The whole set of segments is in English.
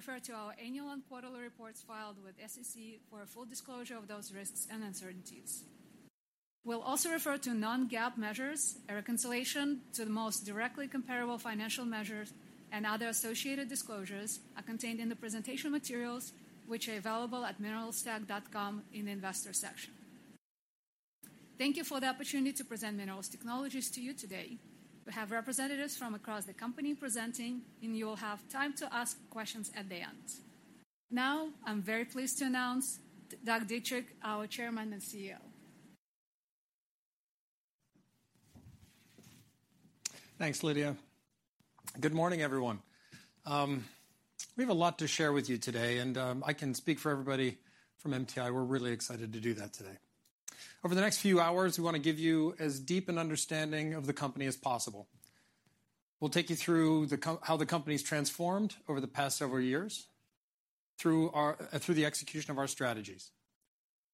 Refer to our annual and quarterly reports filed with SEC for a full disclosure of those risks and uncertainties. We'll also refer to non-GAAP measures. A reconciliation to the most directly comparable financial measures and other associated disclosures are contained in the presentation materials, which are available at mineralstech.com in the investor section. Thank you for the opportunity to present Minerals Technologies to you today. We have representatives from across the company presenting, and you'll have time to ask questions at the end. Now, I'm very pleased to announce Doug Dietrich, our Chairman and CEO. Thanks, Lydia. Good morning, everyone. We have a lot to share with you today. I can speak for everybody from MTI. We're really excited to do that today. Over the next few hours, we wanna give you as deep an understanding of the company as possible. We'll take you through how the company's transformed over the past several years through our through the execution of our strategies.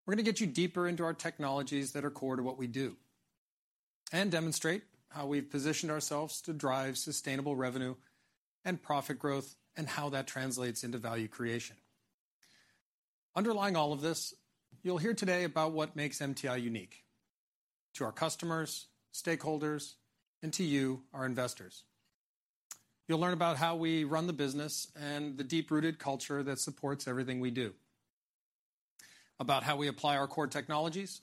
We're gonna get you deeper into our technologies that are core to what we do and demonstrate how we've positioned ourselves to drive sustainable revenue and profit growth and how that translates into value creation. Underlying all of this, you'll hear today about what makes MTI unique to our customers, stakeholders, and to you, our investors. You'll learn about how we run the business and the deep-rooted culture that supports everything we do, about how we apply our core technologies,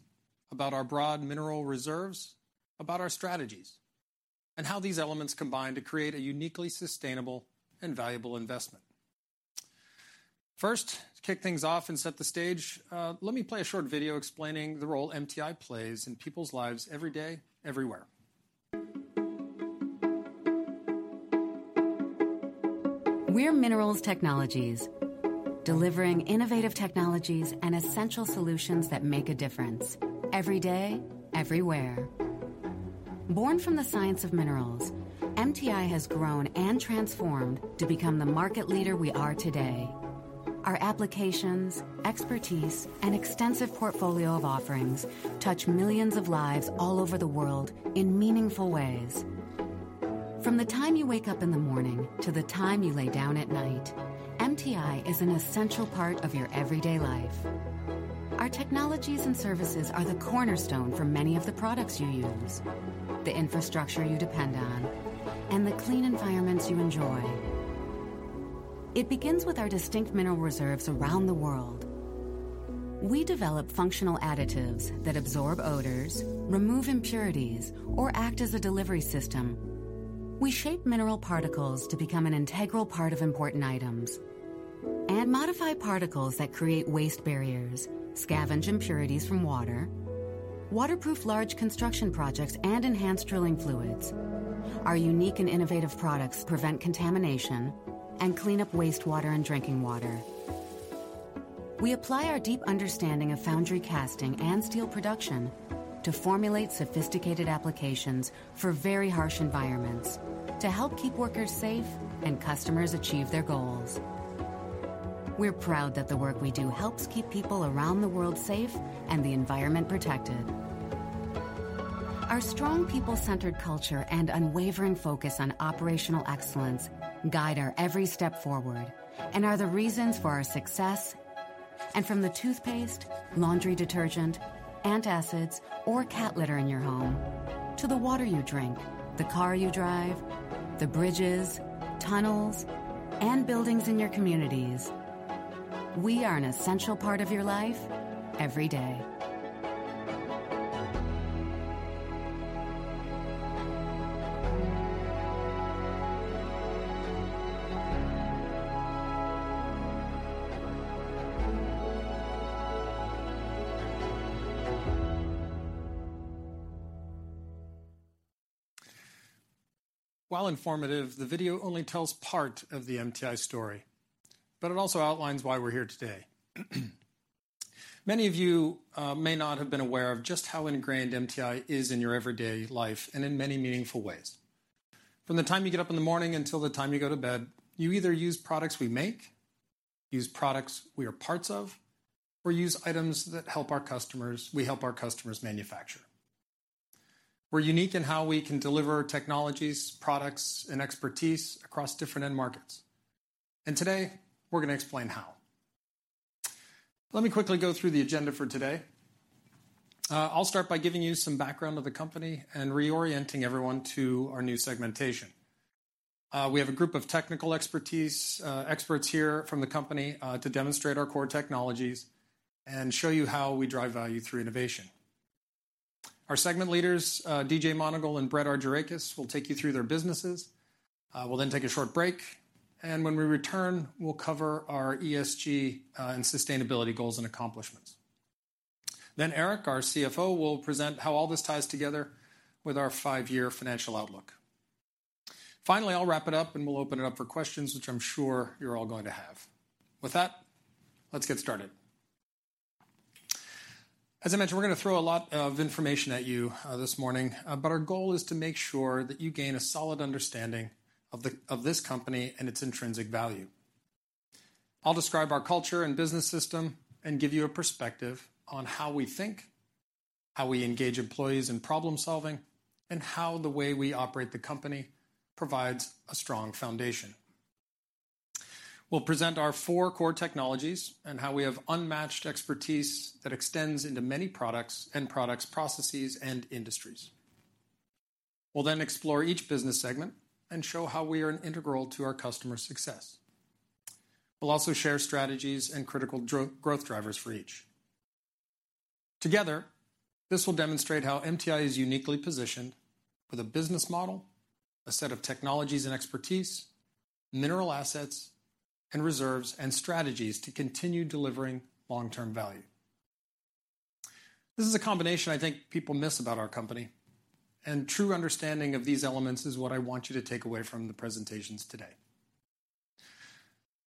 about our broad mineral reserves, about our strategies, and how these elements combine to create a uniquely sustainable and valuable investment. First, to kick things off and set the stage, let me play a short video explaining the role MTI plays in people's lives every day, everywhere. We're Minerals Technologies, delivering innovative technologies and essential solutions that make a difference every day, everywhere. Born from the science of minerals, MTI has grown and transformed to become the market leader we are today. Our applications, expertise, and extensive portfolio of offerings touch millions of lives all over the world in meaningful ways. From the time you wake up in the morning to the time you lay down at night, MTI is an essential part of your everyday life. Our technologies and services are the cornerstone for many of the products you use, the infrastructure you depend on, and the clean environments you enjoy. It begins with our distinct mineral reserves around the world. We develop functional additives that absorb odors, remove impurities, or act as a delivery system. We shape mineral particles to become an integral part of important items and modify particles that create waste barriers, scavenge impurities from water, waterproof large construction projects, and enhance drilling fluids. Our unique and innovative products prevent contamination and clean up wastewater and drinking water. We apply our deep understanding of foundry casting and steel production to formulate sophisticated applications for very harsh environments to help keep workers safe and customers achieve their goals. We're proud that the work we do helps keep people around the world safe and the environment protected. Our strong people-centered culture and unwavering focus on operational excellence guide our every step forward and are the reasons for our success. From the toothpaste, laundry detergent, antacids, or cat litter in your home to the water you drink, the car you drive, the bridges, tunnels, and buildings in your communities, we are an essential part of your life every day. While informative, the video only tells part of the MTI story. It also outlines why we're here today. Many of you may not have been aware of just how ingrained MTI is in your everyday life and in many meaningful ways. From the time you get up in the morning until the time you go to bed, you either use products we make, use products we are parts of, or use items that we help our customers manufacture. We're unique in how we can deliver technologies, products, and expertise across different end markets. Today we're gonna explain how. Let me quickly go through the agenda for today. I'll start by giving you some background of the company and reorienting everyone to our new segmentation. We have a group of technical expertise, experts here from the company, to demonstrate our core technologies and show you how we drive value through innovation. Our segment leaders, D.J. Monagle and Brett Argirakis, will take you through their businesses. We'll then take a short break, and when we return, we'll cover our ESG and sustainability goals and accomplishments. Erik, our CFO, will present how all this ties together with our five-year financial outlook. I'll wrap it up, and we'll open it up for questions, which I'm sure you're all going to have. With that, let's get started. As I mentioned, we're gonna throw a lot of information at you this morning, but our goal is to make sure that you gain a solid understanding of this company and its intrinsic value. I'll describe our culture and business system and give you a perspective on how we think, how we engage employees in problem-solving, and how the way we operate the company provides a strong foundation. We'll present our four core technologies and how we have unmatched expertise that extends into many products, end products, processes, and industries. We'll explore each business segment and show how we are integral to our customers' success. We'll also share strategies and critical growth drivers for each. Together, this will demonstrate how MTI is uniquely positioned with a business model, a set of technologies and expertise, mineral assets, and reserves and strategies to continue delivering long-term value. This is a combination I think people miss about our company, and true understanding of these elements is what I want you to take away from the presentations today.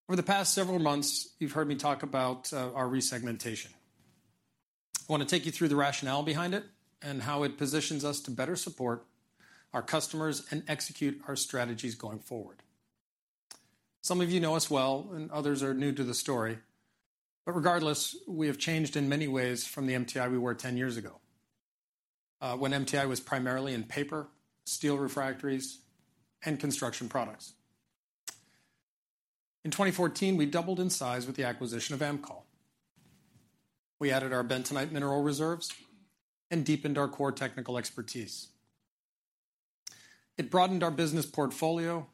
Over the past several months, you've heard me talk about our resegmentation. I wanna take you through the rationale behind it and how it positions us to better support our customers and execute our strategies going forward. Some of you know us well, and others are new to the story, but regardless, we have changed in many ways from the MTI we were 10 years ago, when MTI was primarily in paper, steel refractories, and construction products. In 2014, we doubled in size with the acquisition of AMCOL. We added our bentonite mineral reserves and deepened our core technical expertise. It broadened our business portfolio,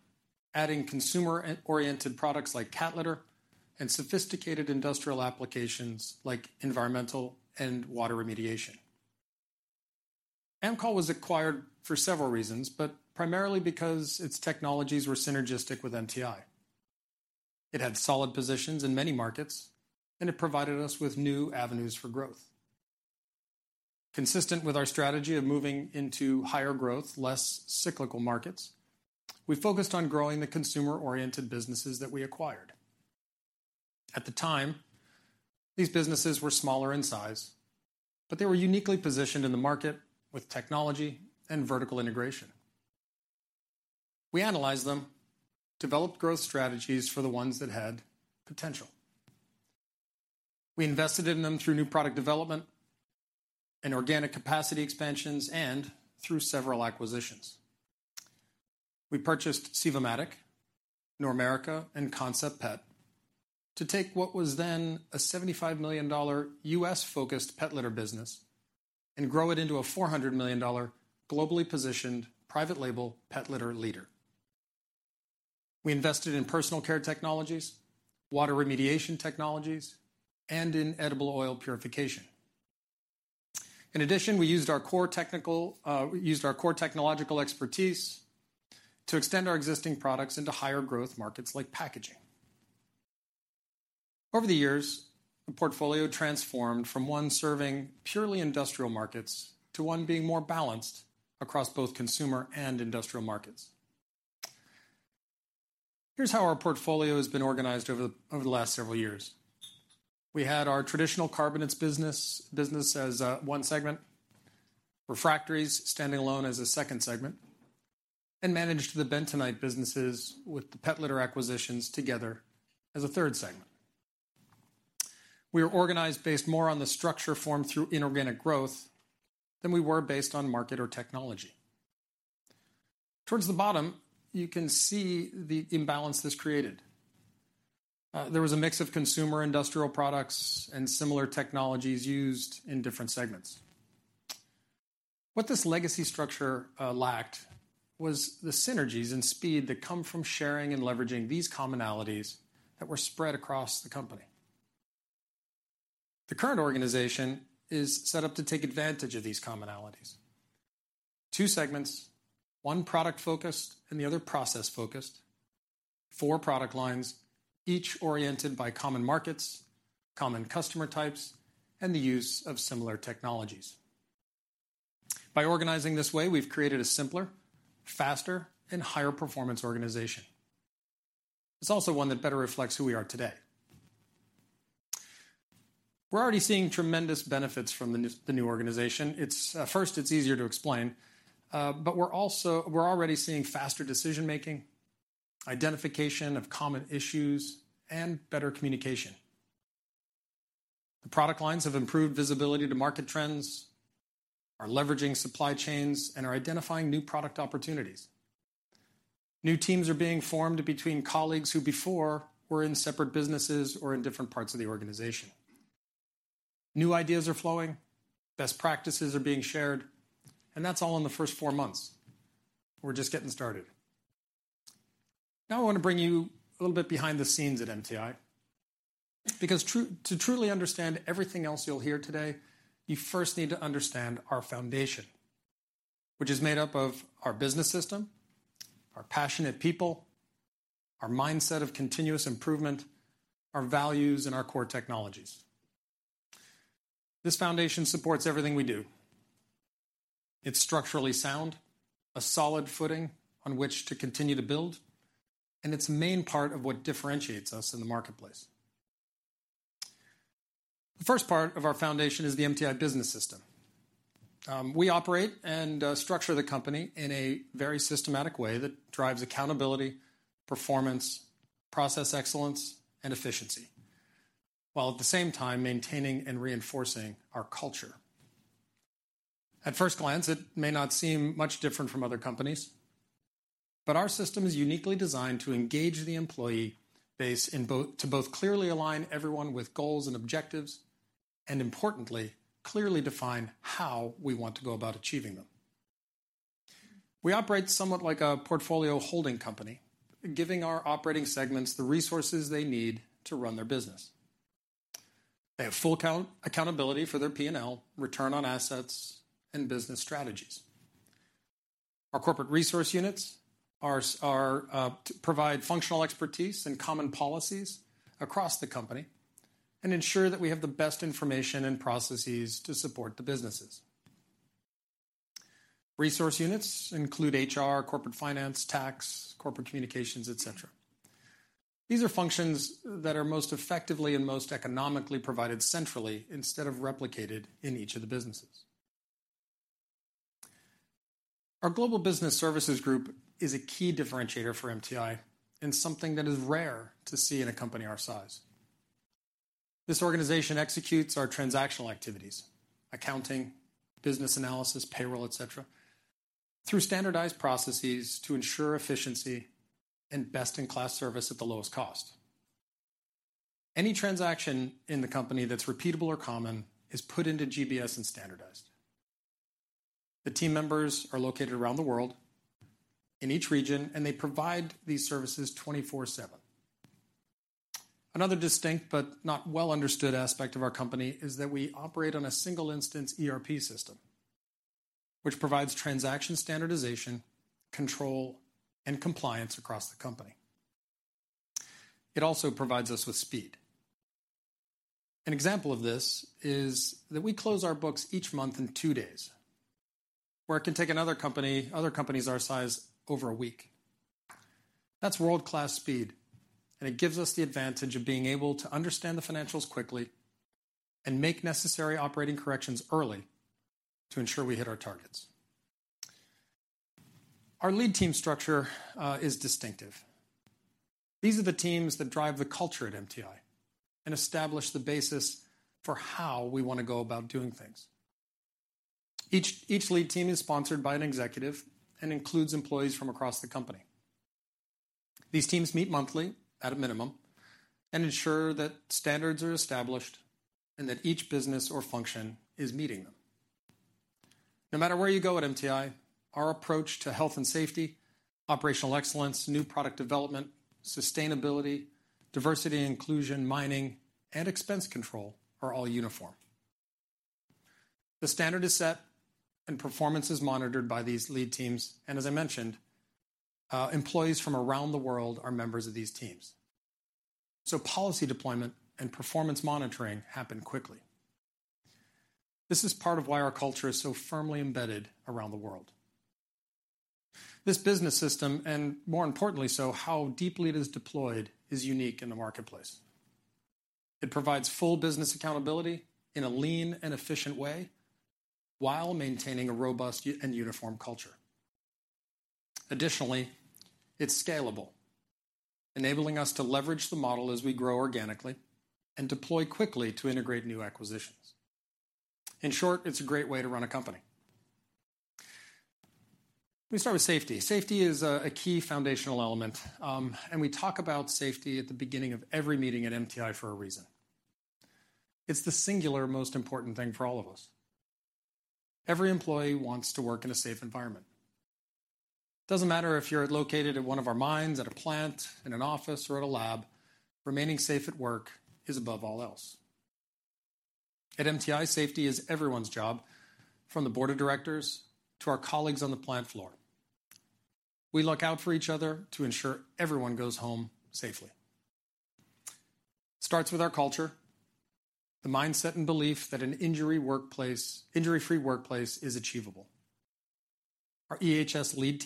adding consumer-oriented products like cat litter and sophisticated industrial applications like environmental and water remediation. AMCOL was acquired for several reasons, but primarily because its technologies were synergistic with MTI. It had solid positions in many markets, and it provided us with new avenues for growth. Consistent with our strategy of moving into higher growth, less cyclical markets, we focused on growing the consumer-oriented businesses that we acquired. At the time, these businesses were smaller in size, but they were uniquely positioned in the market with technology and vertical integration. We analyzed them, developed growth strategies for the ones that had potential. We invested in them through new product development and organic capacity expansions and through several acquisitions. We purchased Sivomatic, Normerica, and Concept Pet to take what was then a $75 million U.S. focused pet litter business and grow it into a $400 million globally positioned private label pet litter leader. We invested in personal care technologies, water remediation technologies, and in edible oil purification. In addition, we used our core technical, we used our core technological expertise to extend our existing products into higher growth markets like packaging. Over the years, the portfolio transformed from one serving purely industrial markets to one being more balanced across both consumer and industrial markets. Here's how our portfolio has been organized over the last several years. We had our traditional carbonates business as one segment, refractories standing alone as a second segment, and managed the Bentonite businesses with the pet litter acquisitions together as a third segment. We are organized based more on the structure formed through inorganic growth than we were based on market or technology. Towards the bottom, you can see the imbalance this created. There was a mix of consumer industrial products and similar technologies used in different segments. What this legacy structure lacked was the synergies and speed that come from sharing and leveraging these commonalities that were spread across the company. The current organization is set up to take advantage of these commonalities. Two segments, one product-focused and the other process-focused. Four product lines, each oriented by common markets, common customer types, and the use of similar technologies. By organizing this way, we've created a simpler, faster, and higher-performance organization. It's also one that better reflects who we are today. We're already seeing tremendous benefits from the new organization. It's first, it's easier to explain, but we're already seeing faster decision-making, identification of common issues, and better communication. The product lines have improved visibility to market trends, are leveraging supply chains, and are identifying new product opportunities. New teams are being formed between colleagues who before were in separate businesses or in different parts of the organization. New ideas are flowing, best practices are being shared, and that's all in the first four months. We're just getting started. Now I wanna bring you a little bit behind the scenes at MTI. Because to truly understand everything else you'll hear today, you first need to understand our foundation, which is made up of our business system, our passionate people, our mindset of continuous improvement, our values, and our core technologies. This foundation supports everything we do. It's structurally sound, a solid footing on which to continue to build, and it's a main part of what differentiates us in the marketplace. The first part of our foundation is the MTI business system. We operate and structure the company in a very systematic way that drives accountability, performance, process excellence, and efficiency. While at the same time maintaining and reinforcing our culture. At first glance, it may not seem much different from other companies, but our system is uniquely designed to engage the employee base to both clearly align everyone with goals and objectives and, importantly, clearly define how we want to go about achieving them. We operate somewhat like a portfolio holding company, giving our operating segments the resources they need to run their business. They have full accountability for their P&L, return on assets, and business strategies. Our corporate resource units provide functional expertise and common policies across the company and ensure that we have the best information and processes to support the businesses. Resource units include HR, corporate finance, tax, corporate communications, et cetera. These are functions that are most effectively and most economically provided centrally instead of replicated in each of the businesses. Our Global Business Services Group is a key differentiator for MTI and something that is rare to see in a company our size. This organization executes our transactional activities, accounting, business analysis, payroll, et cetera, through standardized processes to ensure efficiency and best-in-class service at the lowest cost. Any transaction in the company that's repeatable or common is put into GBS and standardized. The team members are located around the world in each region, and they provide these services 24/7. Another distinct but not well-understood aspect of our company is that we operate on a single instance ERP system, which provides transaction standardization, control, and compliance across the company. It also provides us with speed. An example of this is that we close our books each month in two days, where it can take other companies our size over a week. That's world-class speed, and it gives us the advantage of being able to understand the financials quickly and make necessary operating corrections early to ensure we hit our targets. Our lead team structure is distinctive. These are the teams that drive the culture at MTI and establish the basis for how we wanna go about doing things. Each lead team is sponsored by an executive and includes employees from across the company. These teams meet monthly at a minimum and ensure that standards are established and that each business or function is meeting them. No matter where you go at MTI, our approach to health and safety, operational excellence, new product development, sustainability, diversity and inclusion, mining, and expense control are all uniform. The standard is set and performance is monitored by these lead teams, and as I mentioned, employees from around the world are members of these teams. Policy deployment and performance monitoring happen quickly. This is part of why our culture is so firmly embedded around the world. This business system, and more importantly so, how deeply it is deployed, is unique in the marketplace. It provides full business accountability in a lean and efficient way while maintaining a robust and uniform culture. Additionally, it's scalable, enabling us to leverage the model as we grow organically and deploy quickly to integrate new acquisitions. In short, it's a great way to run a company. Let me start with safety. Safety is a key foundational element. We talk about safety at the beginning of every meeting at MTI for a reason. It's the singular most important thing for all of us. Every employee wants to work in a safe environment. Doesn't matter if you're located at one of our mines, at a plant, in an office, or at a lab, remaining safe at work is above all else. At MTI, safety is everyone's job, from the board of directors to our colleagues on the plant floor. We look out for each other to ensure everyone goes home safely. Starts with our culture, the mindset and belief that an injury-free workplace is achievable. Our EHS lead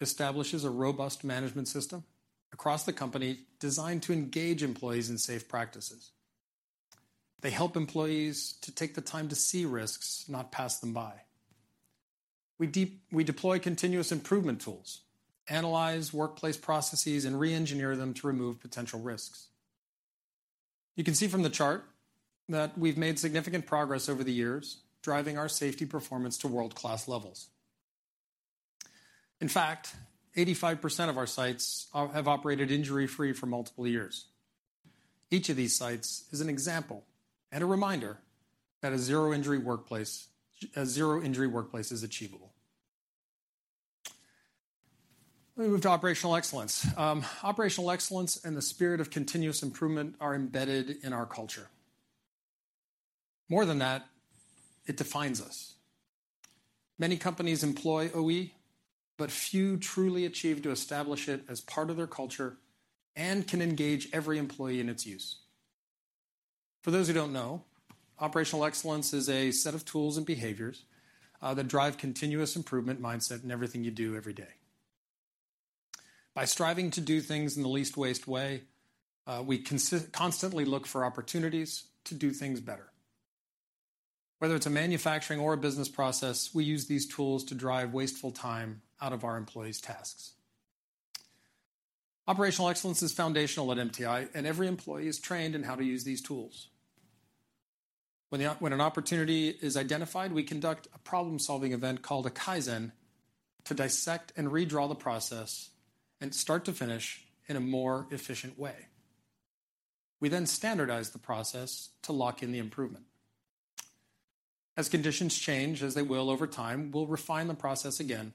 team establishes a robust management system across the company designed to engage employees in safe practices. They help employees to take the time to see risks, not pass them by. We deploy continuous improvement tools, analyze workplace processes, and re-engineer them to remove potential risks. You can see from the chart that we've made significant progress over the years, driving our safety performance to world-class levels. In fact, 85% of our sites have operated injury-free for multiple years. Each of these sites is an example and a reminder that a zero injury workplace is achievable. Let me move to operational excellence. Operational excellence and the spirit of continuous improvement are embedded in our culture. More than that, it defines us. Many companies employ OE, but few truly achieve to establish it as part of their culture and can engage every employee in its use. For those who don't know, operational excellence is a set of tools and behaviors that drive continuous improvement mindset in everything you do every day. By striving to do things in the least waste way, we constantly look for opportunities to do things better. Whether it's a manufacturing or a business process, we use these tools to drive wasteful time out of our employees' tasks. Operational excellence is foundational at MTI, and every employee is trained in how to use these tools. When an opportunity is identified, we conduct a problem-solving event called a Kaizen to dissect and redraw the process and start to finish in a more efficient way. We standardize the process to lock in the improvement. As conditions change, as they will over time, we'll refine the process again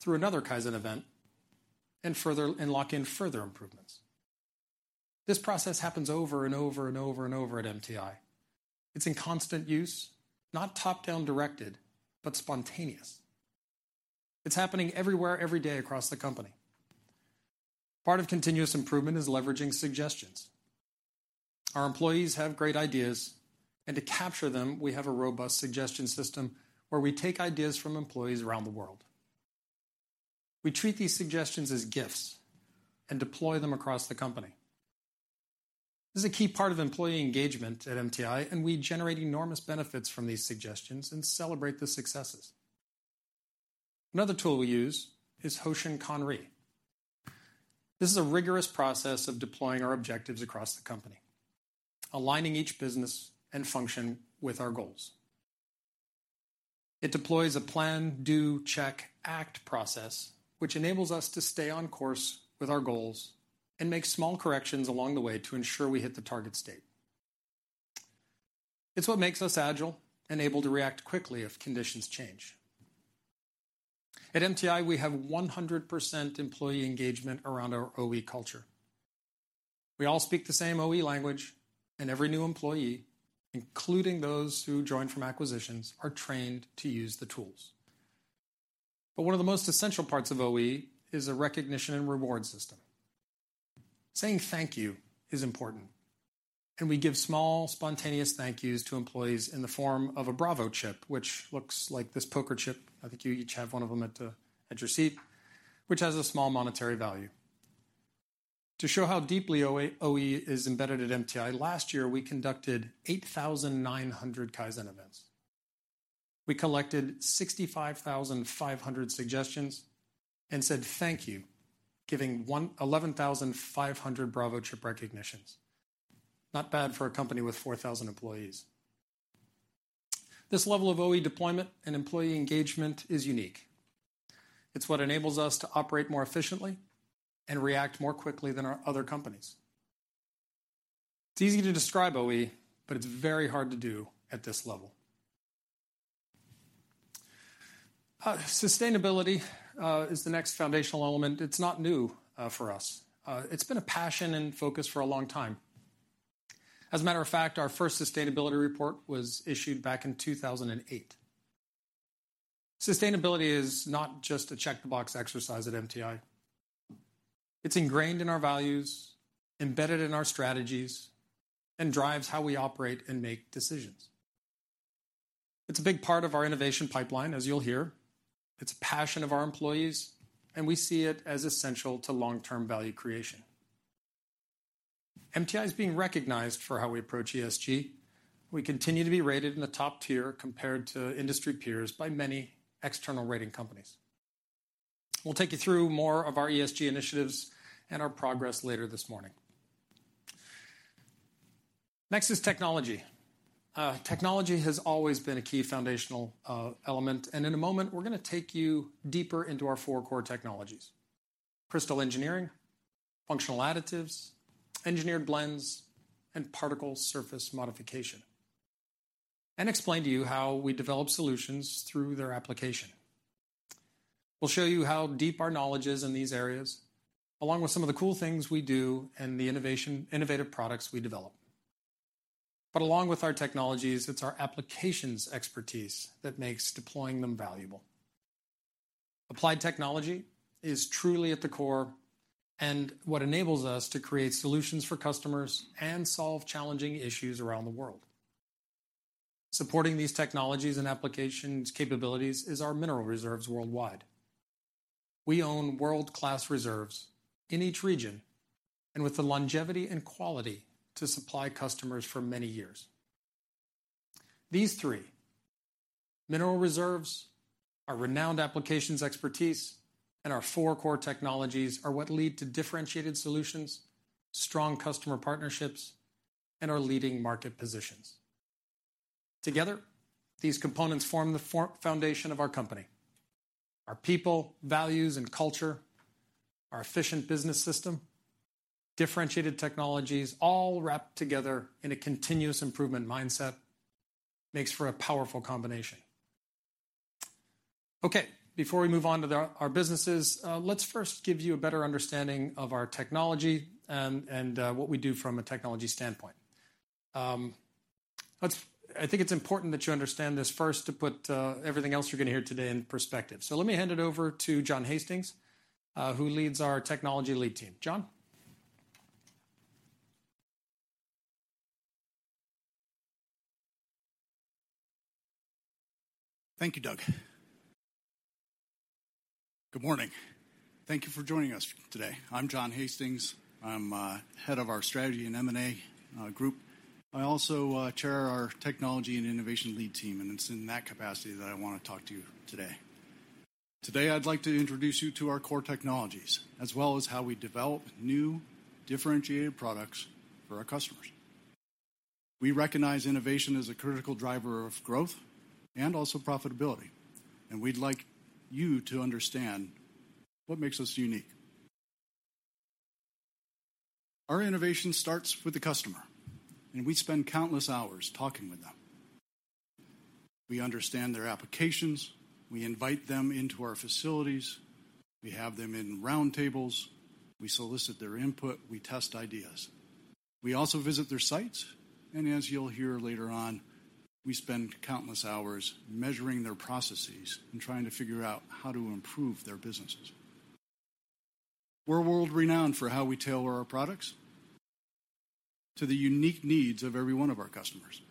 through another Kaizen event and lock in further improvements. This process happens over and over and over and over at MTI. It's in constant use, not top-down directed, but spontaneous. It's happening everywhere, every day across the company. Part of continuous improvement is leveraging suggestions. Our employees have great ideas. To capture them, we have a robust suggestion system where we take ideas from employees around the world. We treat these suggestions as gifts and deploy them across the company. This is a key part of employee engagement at MTI. We generate enormous benefits from these suggestions and celebrate the successes. Another tool we use is Hoshin Kanri. This is a rigorous process of deploying our objectives across the company, aligning each business and function with our goals. It deploys a plan, do, check, act process, which enables us to stay on course with our goals and make small corrections along the way to ensure we hit the target state. It's what makes us agile and able to react quickly if conditions change. At MTI, we have 100% employee engagement around our OE culture. We all speak the same OE language. Every new employee, including those who join from acquisitions, are trained to use the tools. One of the most essential parts of OE is a recognition and reward system. Saying thank you is important, and we give small, spontaneous thank yous to employees in the form of a Bravo chip, which looks like this poker chip, I think you each have one of them at your seat, which has a small monetary value. To show how deeply OE is embedded at MTI, last year, we conducted 8,900 Kaizen events. We collected 65,500 suggestions and said, "Thank you," giving 11,500 Bravo chip recognitions. Not bad for a company with 4,000 employees. This level of OE deployment and employee engagement is unique. It's what enables us to operate more efficiently and react more quickly than our other companies. It's easy to describe OE, but it's very hard to do at this level. Sustainability is the next foundational element. It's not new for us. It's been a passion and focus for a long time. As a matter of fact, our first sustainability report was issued back in 2008. Sustainability is not just a check-the-box exercise at MTI. It's ingrained in our values, embedded in our strategies, and drives how we operate and make decisions. It's a big part of our innovation pipeline, as you'll hear. It's a passion of our employees, and we see it as essential to long-term value creation. MTI is being recognized for how we approach ESG. We continue to be rated in the top tier compared to industry peers by many external rating companies. We'll take you through more of our ESG initiatives and our progress later this morning. Next is technology. Technology has always been a key foundational element, and in a moment, we're gonna take you deeper into our four core technologies: Crystal Engineering, Functional Additives, Engineered Blends, and Particle Surface Modification, and explain to you how we develop solutions through their application. We'll show you how deep our knowledge is in these areas, along with some of the cool things we do and the innovative products we develop. Along with our technologies, it's our applications expertise that makes deploying them valuable. Applied technology is truly at the core and what enables us to create solutions for customers and solve challenging issues around the world. Supporting these technologies and applications capabilities is our mineral reserves worldwide. We own world-class reserves in each region and with the longevity and quality to supply customers for many years. These three, mineral reserves, our renowned applications expertise, and our four core technologies, are what lead to differentiated solutions, strong customer partnerships, and our leading market positions. Together, these components form the foundation of our company. Our people, values, and culture, our efficient business system, differentiated technologies, all wrapped together in a continuous improvement mindset makes for a powerful combination. Before we move on to our businesses, let's first give you a better understanding of our technology and what we do from a technology standpoint. I think it's important that you understand this first to put everything else you're gonna hear today in perspective. Let me hand it over to Jon Hastings, who leads our technology lead team. Jon. Thank you, Doug. Good morning. Thank you for joining us today. I'm Jon Hastings. I'm head of our Strategy and M&A Group. I also chair our Technology and Innovation Lead team, and it's in that capacity that I wanna talk to you today. Today, I'd like to introduce you to our core technologies as well as how we develop new differentiated products for our customers. We recognize innovation as a critical driver of growth and also profitability, and we'd like you to understand what makes us unique. Our innovation starts with the customer, and we spend countless hours talking with them. We understand their applications. We invite them into our facilities. We have them in roundtables. We solicit their input. We test ideas. We also visit their sites, and as you'll hear later on, we spend countless hours measuring their processes and trying to figure out how to improve their businesses. We're world-renowned for how we tailor our products to the unique needs of every one of our customers.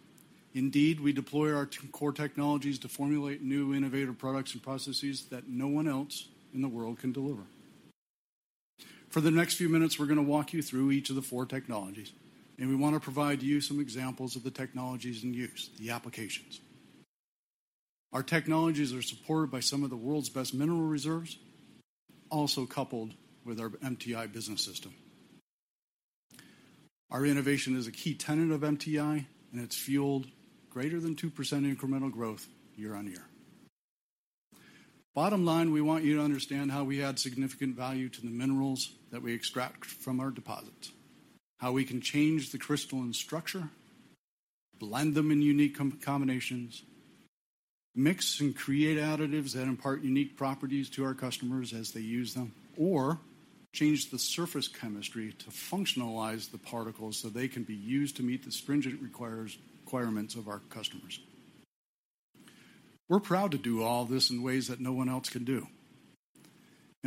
Indeed, we deploy our Core Technologies to formulate new innovative products and processes that no one else in the world can deliver. For the next few minutes, we're going to walk you through each of the four technologies, and we want to provide you some examples of the technologies in use, the applications. Our technologies are supported by some of the world's best mineral reserves, also coupled with our MTI business system. Our innovation is a key tenet of MTI, and it's fueled greater than 2% incremental growth year-on-year. Bottom line, we want you to understand how we add significant value to the minerals that we extract from our deposits, how we can change the crystalline structure, blend them in unique combinations, mix and create additives that impart unique properties to our customers as they use them, or change the surface chemistry to functionalize the particles so they can be used to meet the stringent requirements of our customers. We're proud to do all this in ways that no one else can do.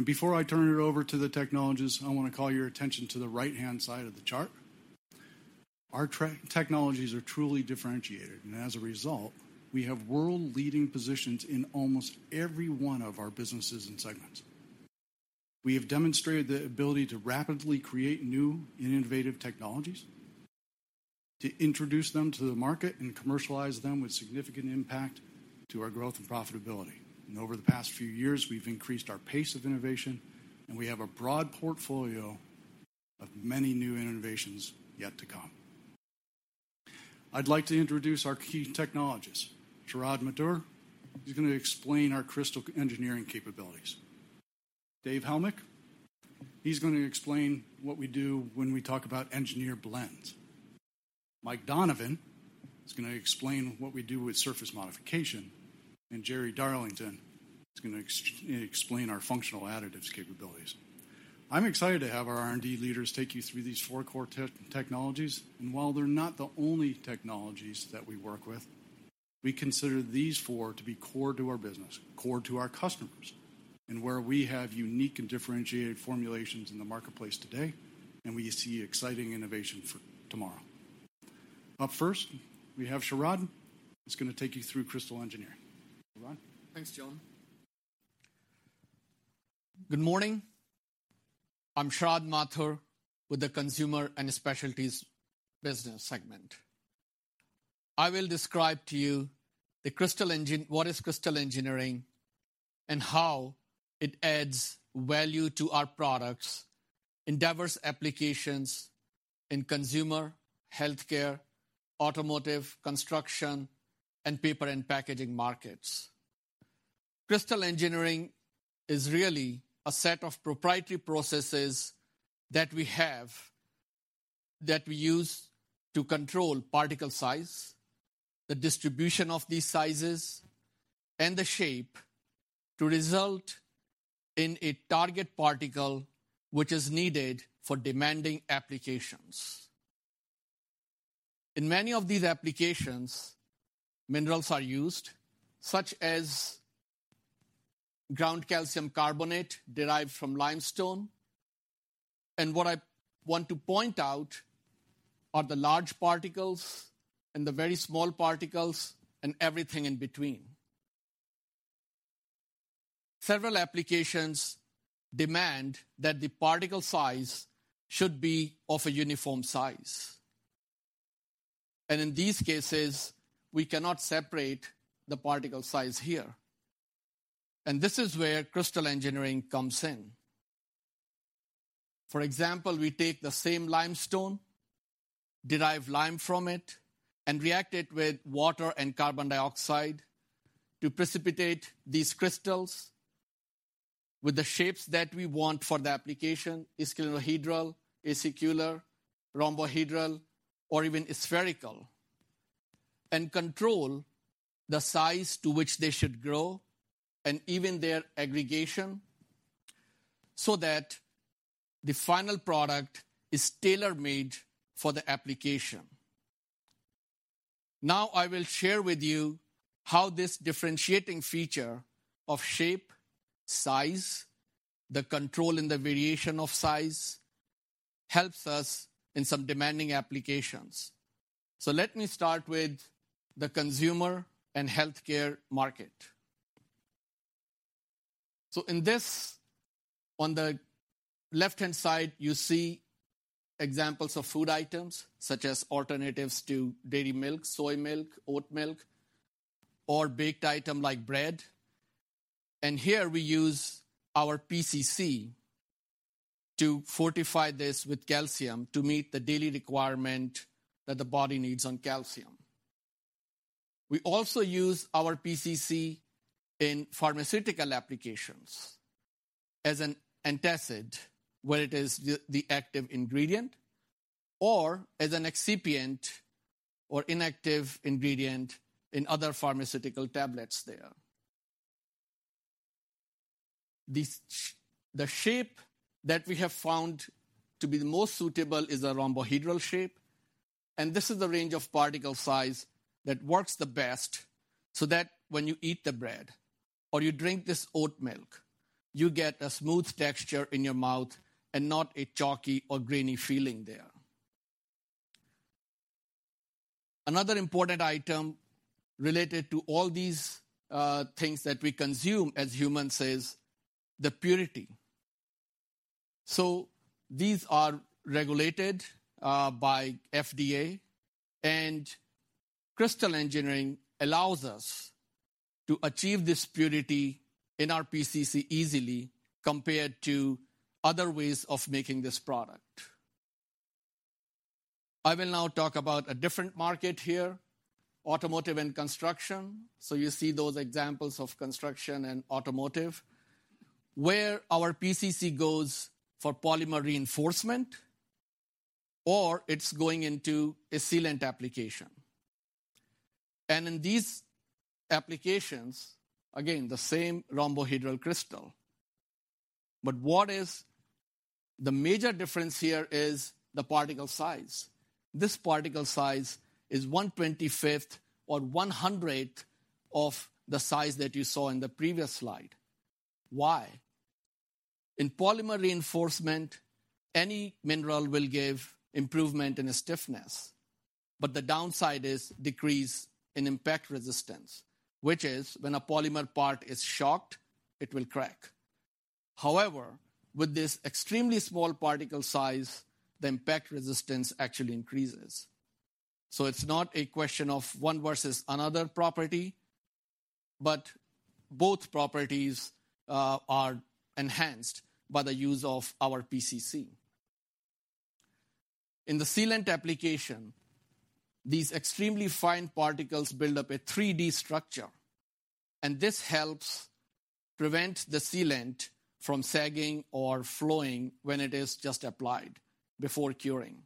Before I turn it over to the technologists, I wanna call your attention to the right-hand side of the chart. Our technologies are truly differentiated, and as a result, we have world-leading positions in almost every one of our businesses and segments. We have demonstrated the ability to rapidly create new and innovative technologies, to introduce them to the market and commercialize them with significant impact to our growth and profitability. Over the past few years, we've increased our pace of innovation. We have a broad portfolio of many new innovations yet to come. I'd like to introduce our key technologists. Sharad Mathur is gonna explain our Crystal Engineering capabilities. Dave Helmick, he's gonna explain what we do when we talk about Engineered Blends. Mike Donovan is gonna explain what we do with Surface Modification. Jerry Darlington is gonna explain our Functional Additives capabilities. I'm excited to have our R&D leaders take you through these four core technologies. While they're not the only technologies that we work with, we consider these four to be core to our business, core to our customers, and where we have unique and differentiated formulations in the marketplace today, and we see exciting innovation for tomorrow. Up first, we have Sharad, who's gonna take you through Crystal Engineering. Sharad. Thanks, Jon. Good morning. I'm Sharad Mathur with the Consumer & Specialties business segment. I will describe to you what is Crystal Engineering and how it adds value to our products in diverse applications in consumer, healthcare, automotive, construction, and paper and packaging markets. Crystal Engineering is really a set of proprietary processes that we have that we use to control particle size, the distribution of these sizes, and the shape to result in a target particle which is needed for demanding applications. In many of these applications, minerals are used, such as ground calcium carbonate derived from limestone. What I want to point out are the large particles and the very small particles and everything in between. Several applications demand that the particle size should be of a uniform size. In these cases, we cannot separate the particle size here. This is where Crystal Engineering comes in. For example, we take the same limestone, derive lime from it, and react it with water and carbon dioxide to precipitate these crystals with the shapes that we want for the application, isoclinohydral, acicular, rhombohedral, or even spherical, and control the size to which they should grow and even their aggregation so that the final product is tailor-made for the application. I will share with you how this differentiating feature of shape, size, the control in the variation of size helps us in some demanding applications. Let me start with the consumer and healthcare market. In this, on the left-hand side, you see examples of food items, such as alternatives to dairy milk, soy milk, oat milk, or baked item like bread. Here we use our PCC to fortify this with calcium to meet the daily requirement that the body needs on calcium. We also use our PCC in pharmaceutical applications as an antacid, where it is the active ingredient, or as an excipient or inactive ingredient in other pharmaceutical tablets there. The shape that we have found to be the most suitable is a rhombohedral shape, and this is the range of particle size that works the best so that when you eat the bread or you drink this oat milk, you get a smooth texture in your mouth and not a chalky or grainy feeling there. Another important item related to all these things that we consume as humans is the purity. These are regulated by FDA, and Crystal Engineering allows us to achieve this purity in our PCC easily compared to other ways of making this product. I will now talk about a different market here, automotive and construction. You see those examples of construction and automotive, where our PCC goes for polymer reinforcement, or it's going into a sealant application. In these applications, again, the same rhombohedral crystal. What is the major difference here is the particle size. This particle size is 1/25 or 1/100 of the size that you saw in the previous slide. Why? In polymer reinforcement, any mineral will give improvement in stiffness, but the downside is decrease in impact resistance, which is when a polymer part is shocked, it will crack. However, with this extremely small particle size, the impact resistance actually increases. It's not a question of one versus another property, but both properties are enhanced by the use of our PCC. In the sealant application, these extremely fine particles build up a 3D structure, and this helps prevent the sealant from sagging or flowing when it is just applied before curing.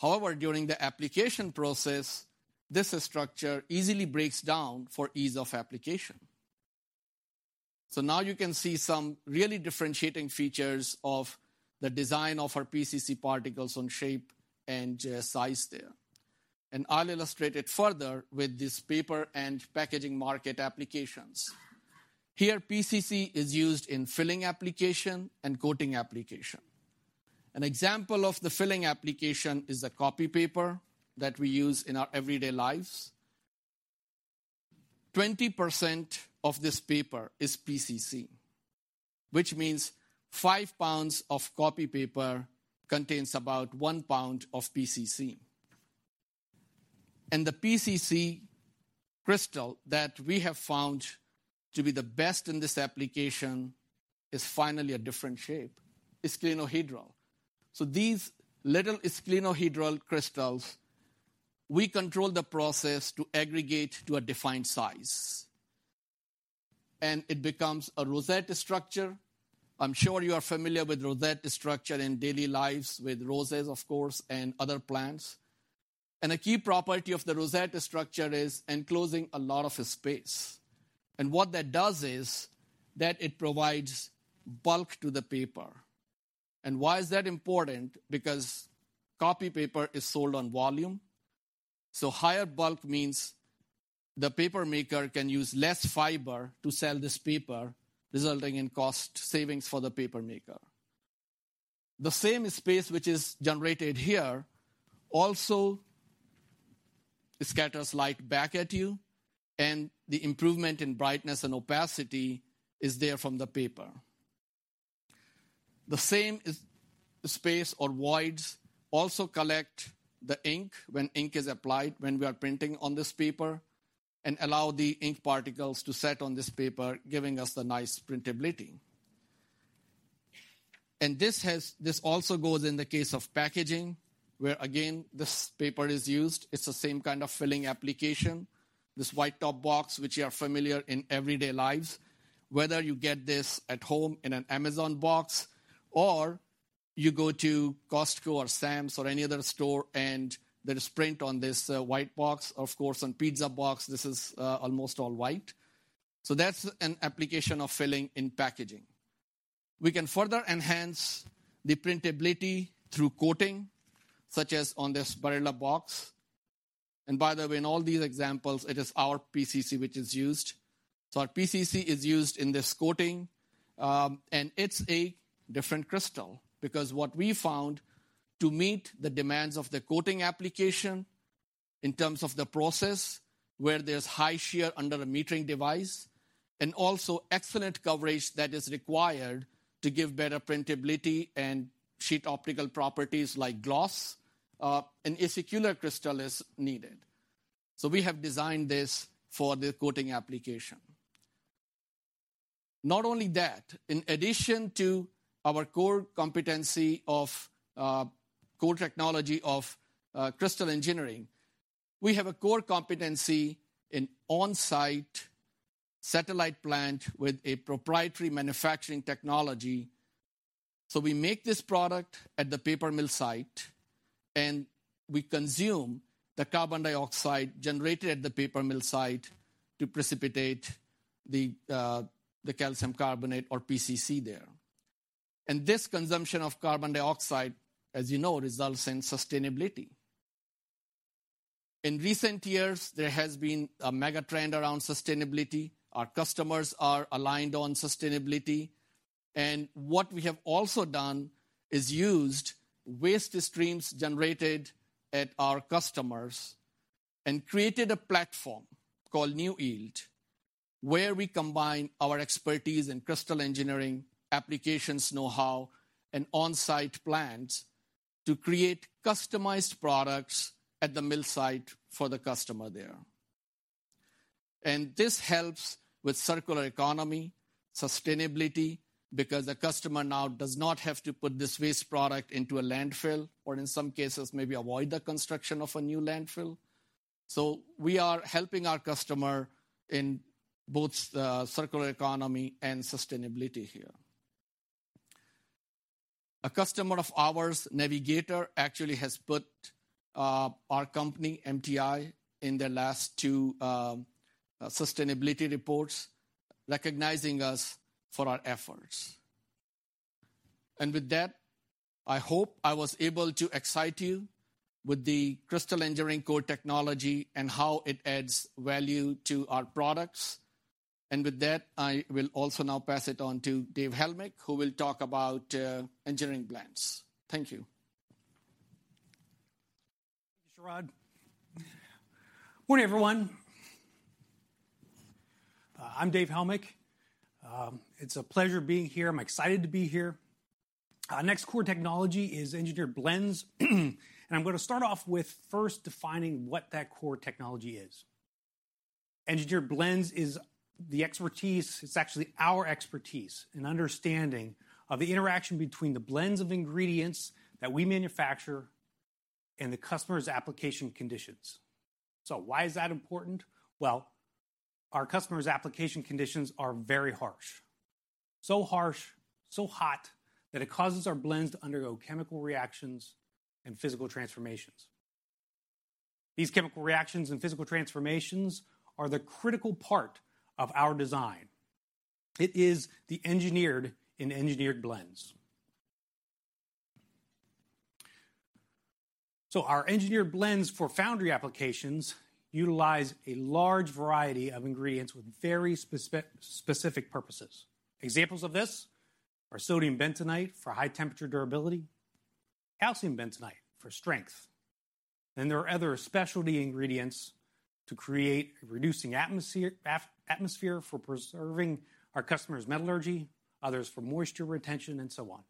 However, during the application process, this structure easily breaks down for ease of application. Now you can see some really differentiating features of the design of our PCC particles on shape and size there. I'll illustrate it further with this paper and packaging market applications. PCC is used in filling application and coating application. An example of the filling application is the copy paper that we use in our everyday lives. 20% of this paper is PCC, which means five pounds of copy paper contains about one pound of PCC. The PCC crystal that we have found to be the best in this application is finally a different shape, is clinohedral. These little clinohedral crystals, we control the process to aggregate to a defined size, and it becomes a rosette structure. I'm sure you are familiar with rosette structure in daily lives with roses, of course, and other plants. A key property of the rosette structure is enclosing a lot of space. What that does is that it provides bulk to the paper. Why is that important? Because copy paper is sold on volume. Higher bulk means the papermaker can use less fiber to sell this paper, resulting in cost savings for the papermaker. The same space which is generated here also scatters light back at you, and the improvement in brightness and opacity is there from the paper. The same space or voids also collect the ink when ink is applied, when we are printing on this paper, and allow the ink particles to set on this paper, giving us the nice printability. This also goes in the case of packaging, where again, this paper is used. It's the same kind of filling application. This white top box, which you are familiar in everyday lives, whether you get this at home in an Amazon box, or you go to Costco or Sam's or any other store, and there is print on this white box. Of course, on pizza box, this is almost all white. That's an application of filling in packaging. We can further enhance the printability through coating, such as on this Barilla box. By the way, in all these examples, it is our PCC which is used. Our PCC is used in this coating, and it's a different crystal because what we found to meet the demands of the coating application in terms of the process where there's high shear under a metering device and also excellent coverage that is required to give better printability and sheet optical properties like gloss, an acicular crystal is needed. We have designed this for the coating application. Not only that, in addition to our core competency of core technology of Crystal Engineering, we have a core competency in on-site satellite plant with a proprietary manufacturing technology. We make this product at the paper mill site, and we consume the carbon dioxide generated at the paper mill site to precipitate the calcium carbonate or PCC there. This consumption of carbon dioxide, as you know, results in sustainability. In recent years, there has been a mega trend around sustainability. Our customers are aligned on sustainability. What we have also done is used waste streams generated at our customers and created a platform called NewYield, where we combine our expertise in Crystal Engineering, applications know-how, and on-site plants to create customized products at the mill site for the customer there. This helps with circular economy, sustainability, because the customer now does not have to put this waste product into a landfill or in some cases maybe avoid the construction of a new landfill. We are helping our customer in both the circular economy and sustainability here. A customer of ours, Navigator, actually has put our company, MTI, in their last two sustainability reports recognizing us for our efforts. With that, I hope I was able to excite you with the Crystal Engineering core technology and how it adds value to our products. With that, I will also now pass it on to Dave Helmick, who will talk about Engineered Blends. Thank you. Morning, everyone. I'm Dave Helmick. It's a pleasure being here. I'm excited to be here. Our next core technology is Engineered Blends. I'm gonna start off with first defining what that core technology is. Engineered Blends is the expertise. It's actually our expertise and understanding of the interaction between the blends of ingredients that we manufacture and the customer's application conditions. Why is that important? Well, our customer's application conditions are very harsh. Harsh, so hot that it causes our blends to undergo chemical reactions and physical transformations. These chemical reactions and physical transformations are the critical part of our design. It is the engineered in Engineered Blends. Our Engineered Blends for foundry applications utilize a large variety of ingredients with very spec-specific purposes. Examples of this are sodium bentonite for high temperature durability, calcium bentonite for strength. There are other specialty ingredients to create a reducing atmosphere for preserving our customer's metallurgy, others for moisture retention, and so on.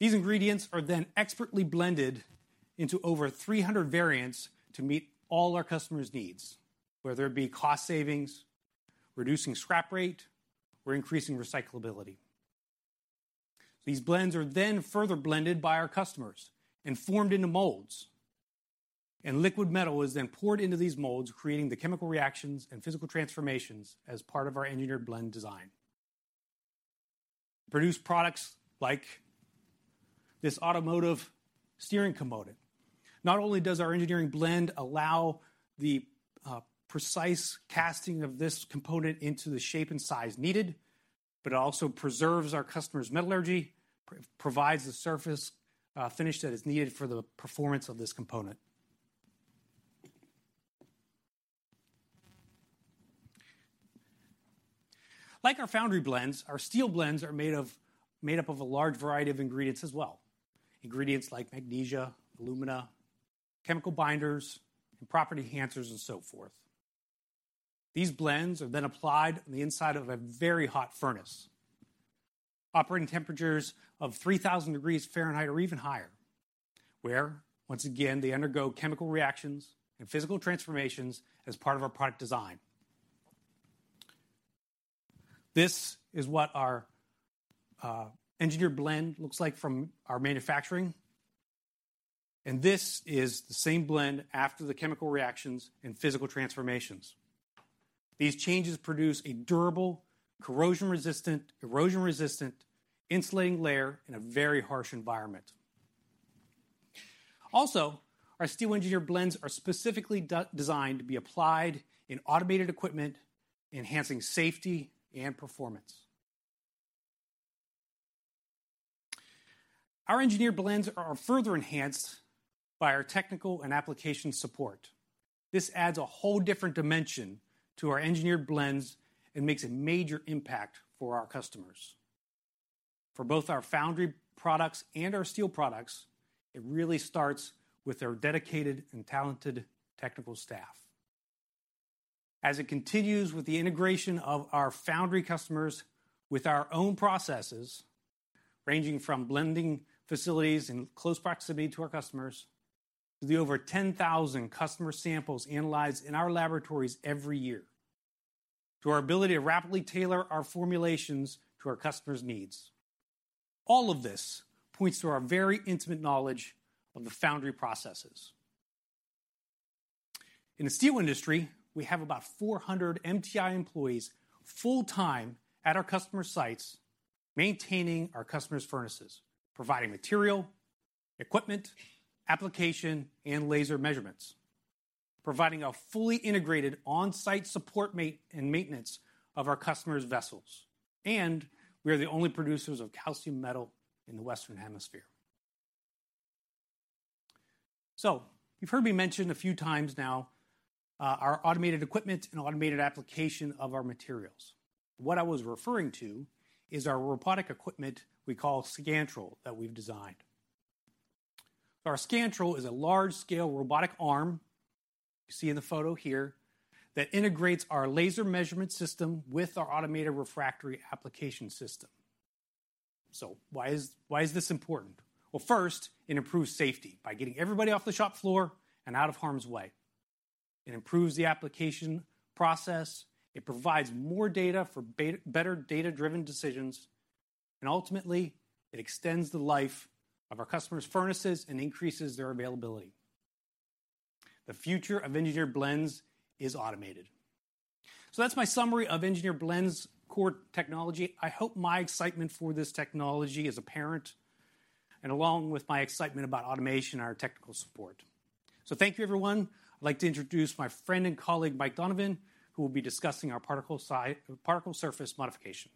These ingredients are then expertly blended into over 300 variants to meet all our customers' needs, whether it be cost savings, reducing scrap rate, or increasing recyclability. These blends are then further blended by our customers and formed into molds, and liquid metal is then poured into these molds, creating the chemical reactions and physical transformations as part of our engineered blend design. Produce products like this automotive steering component. Not only does our engineering blend allow the precise casting of this component into the shape and size needed, but it also preserves our customer's metallurgy, provides the surface finish that is needed for the performance of this component. Like our foundry blends, our steel blends are made up of a large variety of ingredients as well. Ingredients like magnesia, alumina, chemical binders and property enhancers and so forth. These blends are then applied on the inside of a very hot furnace, operating temperatures of 3,000 degrees Fahrenheit or even higher, where once again, they undergo chemical reactions and physical transformations as part of our product design. This is what our engineered blend looks like from our manufacturing, and this is the same blend after the chemical reactions and physical transformations. These changes produce a durable, corrosion resistant, erosion resistant insulating layer in a very harsh environment. Also, our steel engineered blends are specifically designed to be applied in automated equipment, enhancing safety and performance. Our engineered blends are further enhanced by our technical and application support. This adds a whole different dimension to our Engineered Blends and makes a major impact for our customers. For both our foundry products and our steel products, it really starts with our dedicated and talented technical staff. As it continues with the integration of our foundry customers with our own processes, ranging from blending facilities in close proximity to our customers, to the over 10,000 customer samples analyzed in our laboratories every year, to our ability to rapidly tailor our formulations to our customers' needs. All of this points to our very intimate knowledge of the foundry processes. In the steel industry, we have about 400 MTI employees full-time at our customer sites, maintaining our customers' furnaces, providing material, equipment, application, and laser measurements, providing a fully integrated on-site support and maintenance of our customers' vessels. We are the only producers of calcium metal in the Western Hemisphere. You've heard me mention a few times now, our automated equipment and automated application of our materials. What I was referring to is our robotic equipment we call Scantrol that we've designed. Our Scantrol is a large-scale robotic arm, you see in the photo here, that integrates our laser measurement system with our automated refractory application system. Why is this important? Well, first, it improves safety by getting everybody off the shop floor and out of harm's way. It improves the application process, it provides more data for better data-driven decisions, and ultimately, it extends the life of our customers' furnaces and increases their availability. The future of Engineered Blends is automated. That's my summary of Engineered Blends core technology. I hope my excitement for this technology is apparent, and along with my excitement about automation and our technical support. Thank you, everyone. I'd like to introduce my friend and colleague, Mike Donovan, who will be discussing our Particle Surface Modification.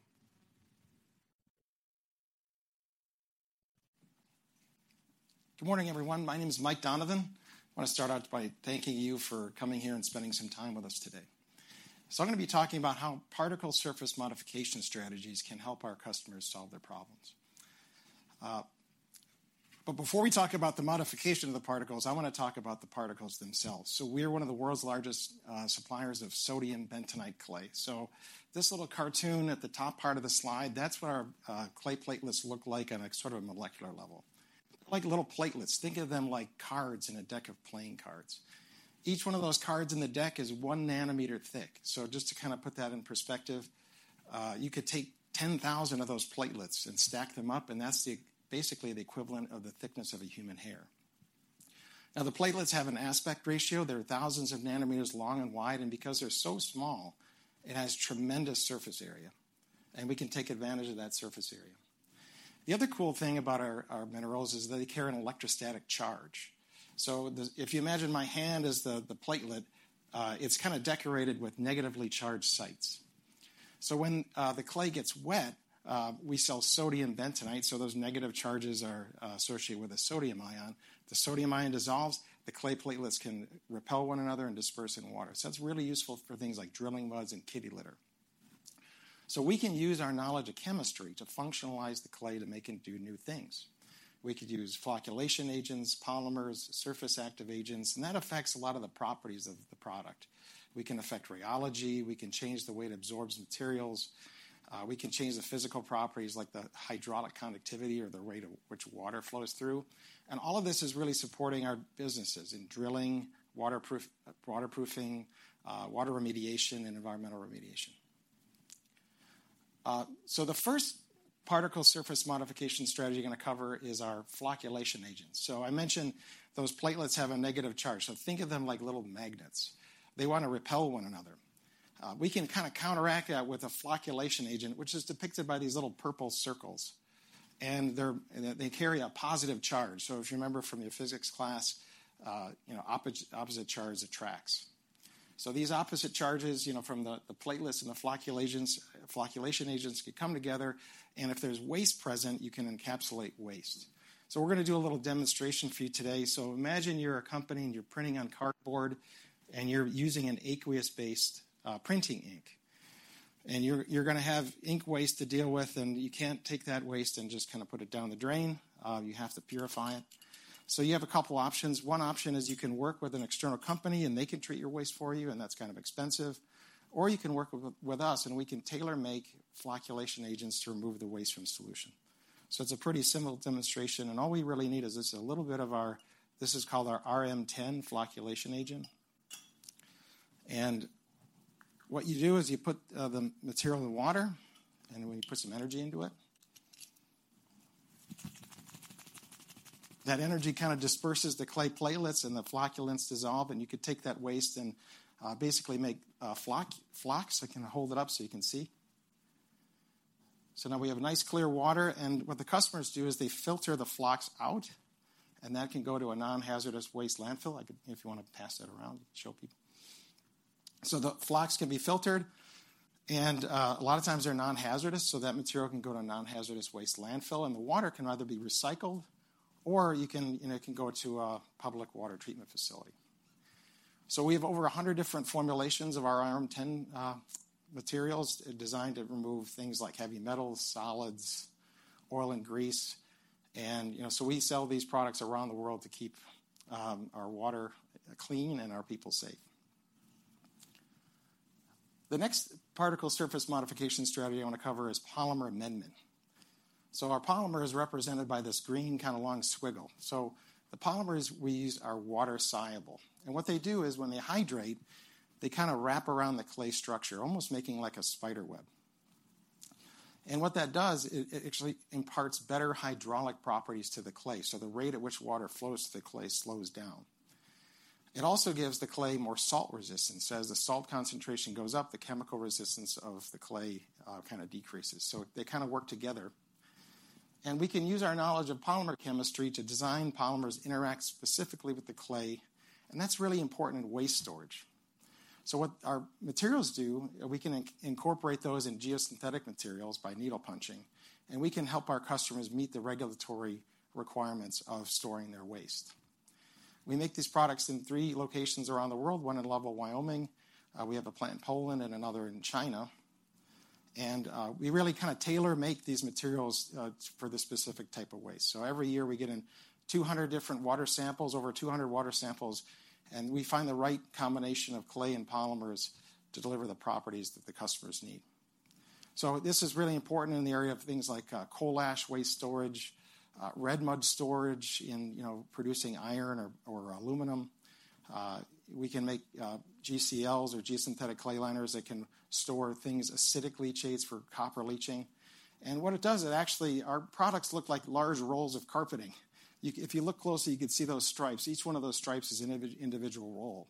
Good morning, everyone. My name is Mike Donovan. I wanna start out by thanking you for coming here and spending some time with us today. I'm gonna be talking about how particle surface modification strategies can help our customers solve their problems. Before we talk about the modification of the particles, I wanna talk about the particles themselves. We are one of the world's largest suppliers of sodium bentonite clay. This little cartoon at the top part of the slide, that's what our clay platelets look like on a sort of molecular level. Like little platelets. Think of them like cards in a deck of playing cards. Each one of those cards in the deck is one nanometer thick. Just to kind of put that in perspective, you could take 10,000 of those platelets and stack them up, and that's basically the equivalent of the thickness of a human hair. The platelets have an aspect ratio. They're thousands of nanometers long and wide, and because they're so small, it has tremendous surface area, and we can take advantage of that surface area. The other cool thing about our minerals is that they carry an electrostatic charge. If you imagine my hand as the platelet, it's kinda decorated with negatively charged sites. When the clay gets wet, we sell sodium bentonite, so those negative charges are associated with a sodium ion. The sodium ion dissolves, the clay platelets can repel one another and disperse in water. That's really useful for things like drilling muds and kitty litter. We can use our knowledge of chemistry to functionalize the clay to make it do new things. We could use flocculation agents, polymers, surface active agents, and that affects a lot of the properties of the product. We can affect rheology, we can change the way it absorbs materials, we can change the physical properties like the hydraulic conductivity or the rate at which water flows through. All of this is really supporting our businesses in drilling, waterproofing, water remediation, and environmental remediation. The first Particle Surface Modification strategy I'm gonna cover is our flocculation agents. I mentioned those platelets have a negative charge. Think of them like little magnets. They wanna repel one another. We can kinda counteract that with a flocculation agent, which is depicted by these little purple circles. They carry a positive charge. If you remember from your physics class, you know, opposite charge attracts. These opposite charges, you know, from the platelets and the flocculation agents could come together, and if there's waste present, you can encapsulate waste. We're gonna do a little demonstration for you today. Imagine you're a company, and you're printing on cardboard, and you're using an aqueous-based, printing ink. You're, you're gonna have ink waste to deal with, and you can't take that waste and just kinda put it down the drain. You have to purify it. You have a couple options. One option is you can work with an external company, and they can treat your waste for you, and that's kind of expensive. You can work with us, and we can tailor-make flocculation agents to remove the waste from solution. It's a pretty simple demonstration, and all we really need is just a little bit of our. This is called our RM-10 flocculation agent. What you do is you put the material in water, then we put some energy into it. That energy kinda disperses the clay platelets, and the flocculants dissolve, and you could take that waste and basically make a floc-floc. I can hold it up so you can see. Now we have nice, clear water, and what the customers do is they filter the flocs out, and that can go to a non-hazardous waste landfill. If you wanna pass that around, show people. The flocks can be filtered and, a lot of times they're non-hazardous, so that material can go to a non-hazardous waste landfill, and the water can either be recycled or it can go to a public water treatment facility. We have over 100 different formulations of our iron-tin materials designed to remove things like heavy metals, solids, oil and grease. You know, we sell these products around the world to keep our water clean and our people safe. The next particle surface modification strategy I wanna cover is polymer amendment. Our polymer is represented by this green kinda long squiggle. The polymers we use are water-soluble, and what they do is when they hydrate, they kinda wrap around the clay structure, almost making like a spider web. What that does, it actually imparts better hydraulic properties to the clay, so the rate at which water flows to the clay slows down. It also gives the clay more salt resistance. As the salt concentration goes up, the chemical resistance of the clay kinda decreases. They kinda work together. We can use our knowledge of polymer chemistry to design polymers, interact specifically with the clay, and that's really important in waste storage. What our materials do, we can incorporate those in geosynthetic materials by needle punching, and we can help our customers meet the regulatory requirements of storing their waste. We make these products in three locations around the world, one in Lovell, Wyoming. We have a plant in Poland and another in China. We really kinda tailor-make these materials for the specific type of waste. Every year we get in 200 different water samples, over 200 water samples, and we find the right combination of clay and polymers to deliver the properties that the customers need. This is really important in the area of things like coal ash waste storage, red mud storage in, you know, producing iron or aluminum. We can make GCLs or geosynthetic clay liners that can store things, acidic leachates for copper leaching. What it does, it actually. Our products look like large rolls of carpeting. If you look closely, you can see those stripes. Each one of those stripes is an individual roll.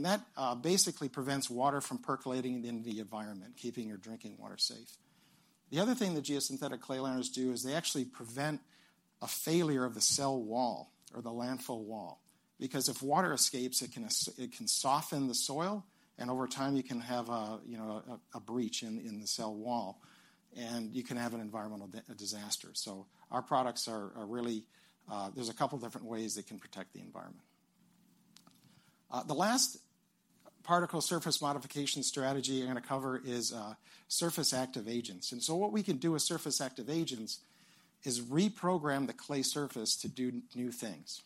That basically prevents water from percolating into the environment, keeping your drinking water safe. The other thing that geosynthetic clay liners do is they actually prevent a failure of the cell wall or the landfill wall. If water escapes, it can soften the soil, and over time you can have a, you know, a breach in the cell wall, and you can have an environmental disaster. Our products are really, there's a couple different ways they can protect the environment. The last Particle Surface Modification strategy I'm gonna cover is surface active agents. What we can do with surface active agents is reprogram the clay surface to do new things.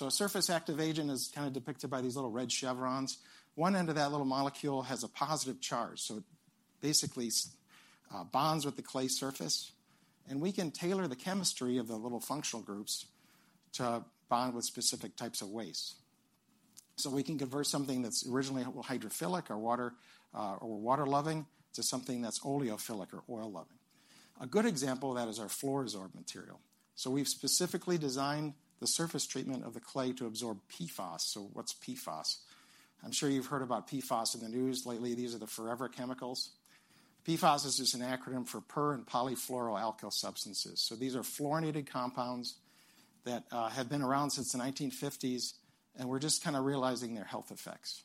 A surface active agent is kinda depicted by these little red chevrons. One end of that little molecule has a positive charge, so it basically bonds with the clay surface, and we can tailor the chemistry of the little functional groups to bond with specific types of waste. We can convert something that's originally hydrophilic or water, or water-loving to something that's oleophilic or oil-loving. A good example of that is our FLUORO-SORB material. We've specifically designed the surface treatment of the clay to absorb. What's PFAS? I'm sure you've heard about PFAS in the news lately. These are the forever chemicals. PFAS is just an acronym for per- and polyfluoroalkyl substances. These are fluorinated compounds that have been around since the 1950s, and we're just kinda realizing their health effects.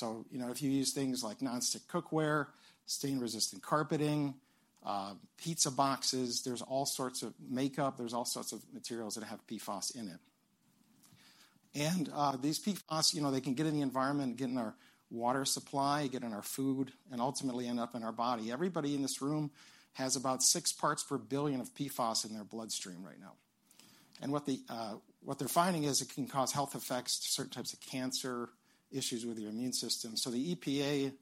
You know, if you use things like non-stick cookware, stain-resistant carpeting, pizza boxes, there's all sorts of makeup, there's all sorts of materials that have PFAS in it. These PFAS, you know, they can get in the environment and get in our water supply, get in our food, and ultimately end up in our body. Everybody in this room has about six parts per billion of PFAS in their bloodstream right now. What they're finding is it can cause health effects to certain types of cancer, issues with your immune system. The EPA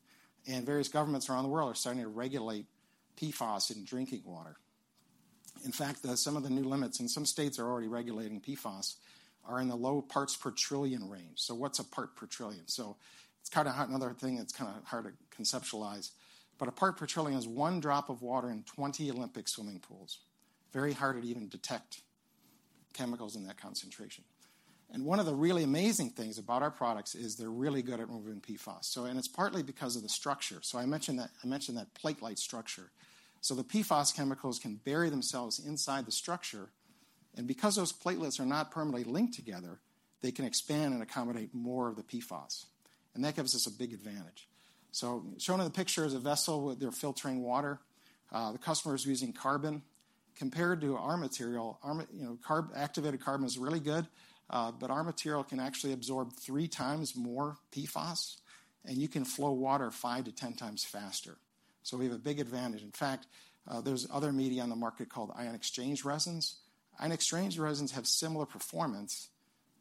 and various governments around the world are starting to regulate PFAS in drinking water. In fact, some of the new limits, and some states are already regulating PFAS, are in the low parts per trillion range. What's a part per trillion? It's kind of another thing that's kind of hard to conceptualize. A part per trillion is one drop of water in 20 Olympic swimming pools. Very hard to even detect chemicals in that concentration. One of the really amazing things about our products is they're really good at removing PFAS. It's partly because of the structure. I mentioned that plate-like structure. The PFAS chemicals can bury themselves inside the structure, and because those platelets are not permanently linked together, they can expand and accommodate more of the PFAS. That gives us a big advantage. Shown in the picture is a vessel where they're filtering water. The customer is using carbon. Compared to our material, You know, activated carbon is really good, but our material can actually absorb three times more PFAS, and you can flow water 5-10x faster. We have a big advantage. In fact, there's other media on the market called ion exchange resins. Ion exchange resins have similar performance,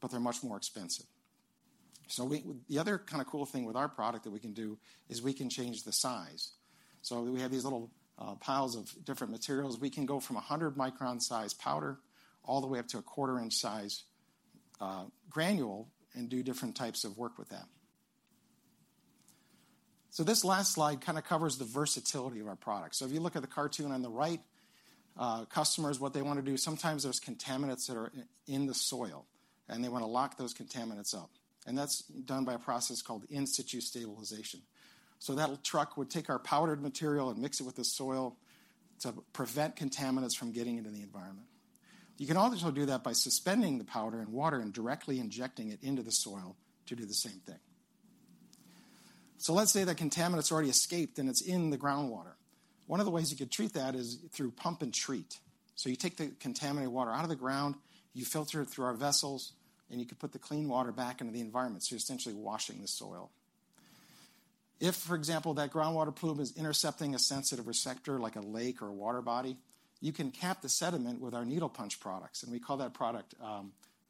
but they're much more expensive. The other kind of cool thing with our product that we can do is we can change the size. We have these little piles of different materials. We can go from 100 micron size powder all the way up to a quarter-inch size granule and do different types of work with that. This last slide kind of covers the versatility of our product. If you look at the cartoon on the right, customers, what they wanna do, sometimes there's contaminants that are in the soil, and they wanna lock those contaminants up. That's done by a process called in-situ stabilization. That truck would take our powdered material and mix it with the soil to prevent contaminants from getting into the environment. You can also do that by suspending the powder in water and directly injecting it into the soil to do the same thing. Let's say the contaminant's already escaped and it's in the groundwater. One of the ways you could treat that is through pump and treat. You take the contaminated water out of the ground, you filter it through our vessels, and you can put the clean water back into the environment. You're essentially washing the soil. If, for example, that groundwater plume is intercepting a sensitive receptor like a lake or a water body, you can cap the sediment with our needle punch products, and we call that product,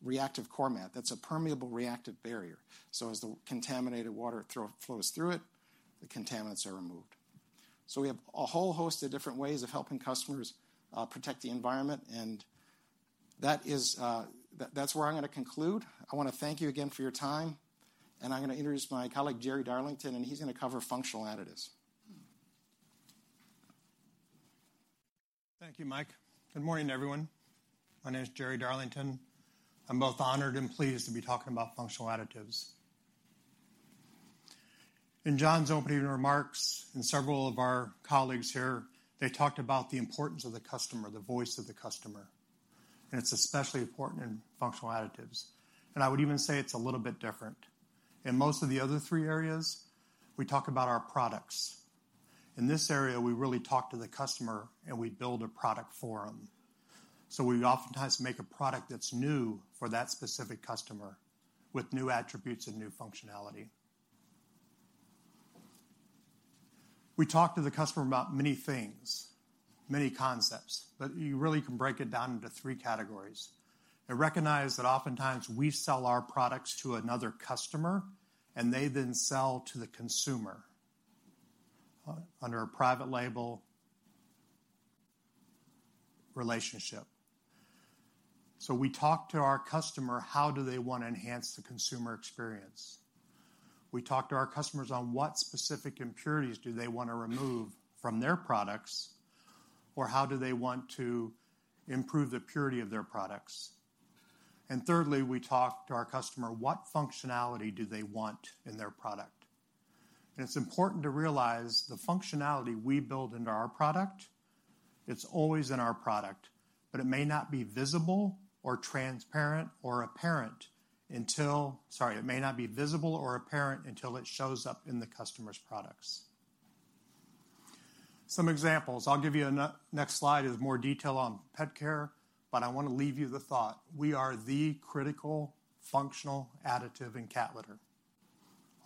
REACTIVE CORE MAT. That's a permeable reactive barrier. As the contaminated water flows through it, the contaminants are removed. We have a whole host of different ways of helping customers protect the environment, and that is that's where I'm gonna conclude. I wanna thank you again for your time, and I'm gonna introduce my colleague, Jerry Darlington, and he's gonna cover Functional Additives. Thank you, Mike. Good morning, everyone. My name is Jerry Darlington. I'm both honored and pleased to be talking about Functional Additives. In Jon's opening remarks and several of our colleagues here, they talked about the importance of the customer, the voice of the customer, and it's especially important in Functional Additives. I would even say it's a little bit different. In most of the other three areas, we talk about our products. In this area, we really talk to the customer, and we build a product for them. We oftentimes make a product that's new for that specific customer with new attributes and new functionality. We talk to the customer about many things, many concepts. You really can break it down into three categories. Recognize that oftentimes we sell our products to another customer, and they then sell to the consumer under a private label relationship. We talk to our customer, how do they want to enhance the consumer experience. We talk to our customers on what specific impurities do they wanna remove from their products, or how do they want to improve the purity of their products. Thirdly, we talk to our customer, what functionality do they want in their product. It's important to realize the functionality we build into our product, it's always in our product, but it may not be visible or transparent or apparent until. Sorry, it may not be visible or apparent until it shows up in the customer's products. Some examples. I'll give you a next slide with more detail on pet care, I wanna leave you the thought. We are the critical functional additive in cat litter.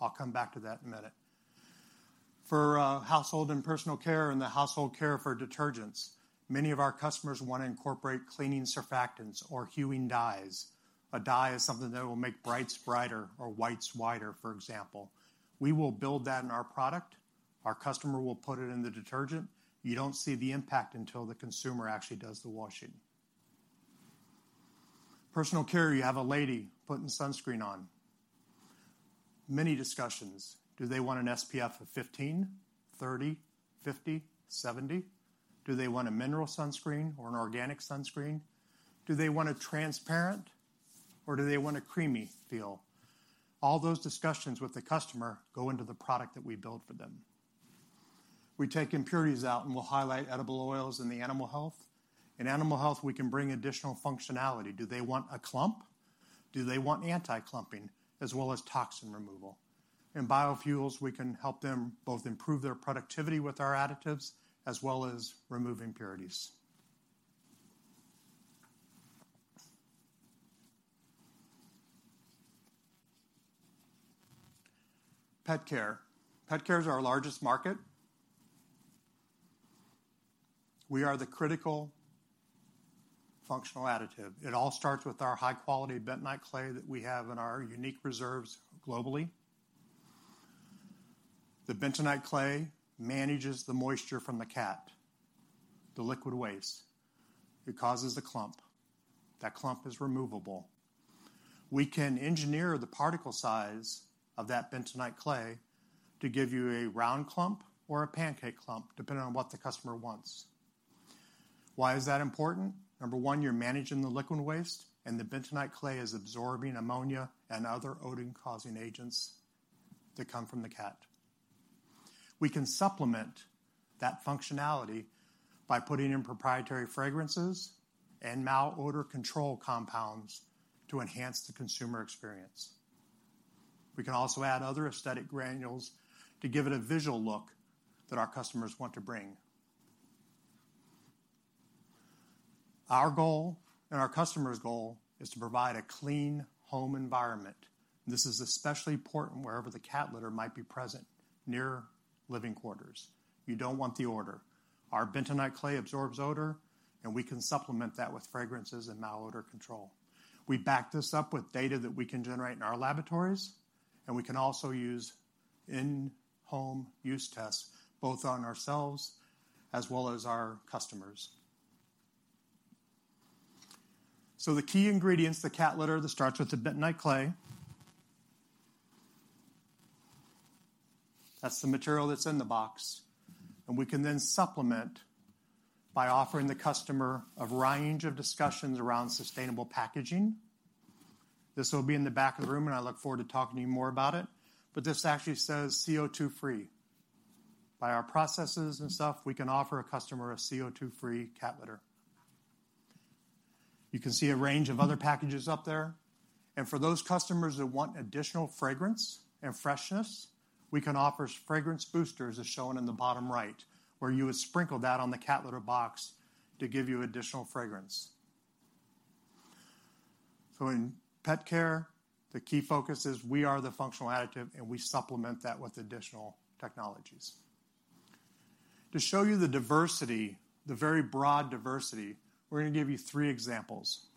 I'll come back to that in a minute. For Household & Personal Care and the household care for detergents, many of our customers wanna incorporate cleaning surfactants or hueing dyes. A dye is something that will make brights brighter or whites whiter, for example. We will build that in our product. Our customer will put it in the detergent. You don't see the impact until the consumer actually does the washing. Personal care, you have a lady putting sunscreen on. Many discussions. Do they want an SPF of 15, 30, 50, 70? Do they want a mineral sunscreen or an organic sunscreen? Do they want a transparent, do they want a creamy feel? All those discussions with the customer go into the product that we build for them. We take impurities out. We'll highlight edible oils in the animal health. In animal health, we can bring additional functionality. Do they want a clump? Do they want anti-clumping as well as toxin removal? In biofuels, we can help them both improve their productivity with our additives as well as remove impurities. Pet care. Pet care is our largest market. We are the critical functional additive. It all starts with our high-quality Bentonite clay that we have in our unique reserves globally. The Bentonite clay manages the moisture from the cat, the liquid waste. It causes the clump. That clump is removable. We can engineer the particle size of that Bentonite clay to give you a round clump or a pancake clump, depending on what the customer wants. Why is that important? Number one, you're managing the liquid waste, the bentonite clay is absorbing ammonia and other odor-causing agents that come from the cat. We can supplement that functionality by putting in proprietary fragrances and malodor control compounds to enhance the consumer experience. We can also add other aesthetic granules to give it a visual look that our customers want to bring. Our goal and our customer's goal is to provide a clean home environment. This is especially important wherever the cat litter might be present near living quarters. You don't want the odor. Our bentonite clay absorbs odor, we can supplement that with fragrances and malodor control. We back this up with data that we can generate in our laboratories, we can also use in-home use tests, both on ourselves as well as our customers. The key ingredients, the cat litter that starts with the bentonite clay. That's the material that's in the box, and we can then supplement by offering the customer a range of discussions around sustainable packaging. This will be in the back of the room, and I look forward to talking to you more about it. This actually says CO₂-free. By our processes and stuff, we can offer a customer a CO₂-free cat litter. You can see a range of other packages up there. For those customers that want additional fragrance and freshness, we can offer fragrance boosters, as shown in the bottom right, where you would sprinkle that on the cat litter box to give you additional fragrance. In pet care, the key focus is we are the functional additive, and we supplement that with additional technologies. To show you the diversity, the very broad diversity, we're gonna give you three examples.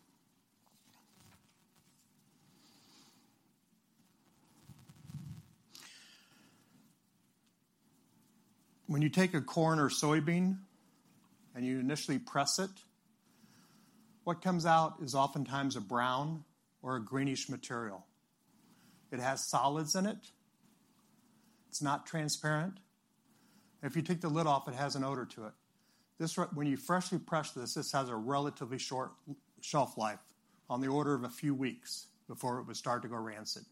When you take a corn or soybean and you initially press it, what comes out is oftentimes a brown or a greenish material. It has solids in it. It's not transparent. If you take the lid off, it has an odor to it. When you freshly press this has a relatively short shelf life on the order of a few weeks before it would start to go rancid.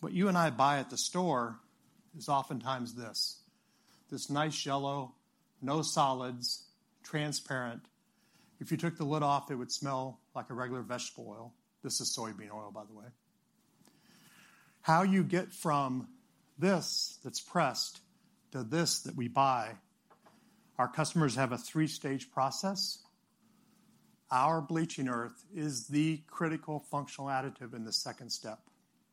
What you and I buy at the store is oftentimes this. This nice yellow, no solids, transparent. If you took the lid off, it would smell like a regular vegetable oil. This is soybean oil, by the way. How you get from this that's pressed to this that we buy, our customers have a three-stage process. Our bleaching earth is the critical functional additive in the second step.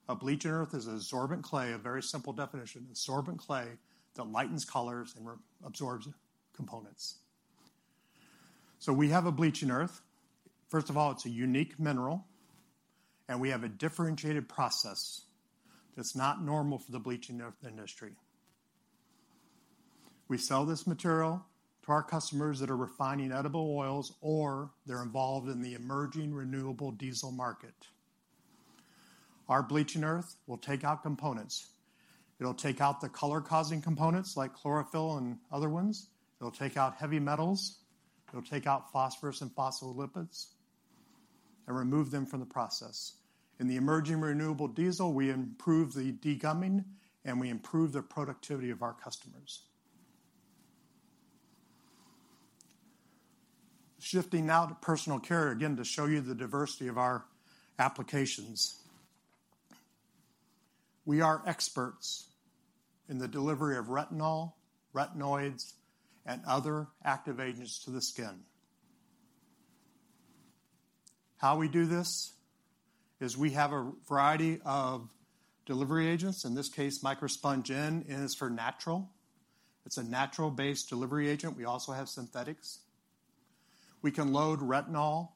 A bleaching earth is a sorbent clay, a very simple definition, a sorbent clay that lightens colors and reabsorbs components. We have a bleaching earth. First of all, it's a unique mineral, and we have a differentiated process that's not normal for the bleaching earth industry. We sell this material to our customers that are refining edible oils, or they're involved in the emerging renewable diesel market. Our bleaching earth will take out components. It'll take out the color-causing components like chlorophyll and other ones. It'll take out heavy metals. It'll take out phosphorus and phospholipids and remove them from the process. In the emerging renewable diesel, we improve the degumming, and we improve the productivity of our customers. Shifting now to personal care, again, to show you the diversity of our applications. We are experts in the delivery of retinol, retinoids, and other active agents to the skin. How we do this is we have a variety of delivery agents, in this case, Microsponge N is for natural. It's a natural-based delivery agent. We also have synthetics. We can load retinol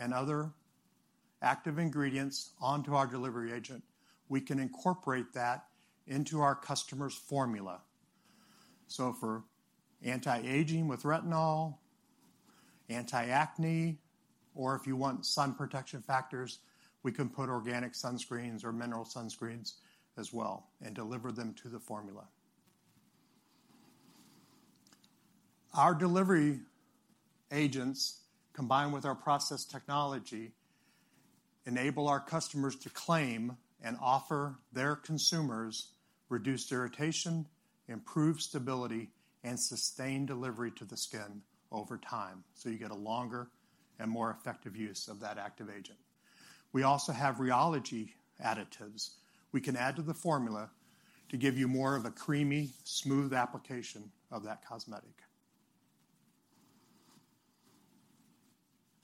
and other active ingredients onto our delivery agent. We can incorporate that into our customer's formula. For anti-aging with retinol, anti-acne, or if you want sun protection factors, we can put organic sunscreens or mineral sunscreens as well and deliver them to the formula. Our delivery agents, combined with our process technology, enable our customers to claim and offer their consumers reduced irritation, improved stability, and sustained delivery to the skin over time, so you get a longer and more effective use of that active agent. We also have rheology additives we can add to the formula to give you more of a creamy, smooth application of that cosmetic.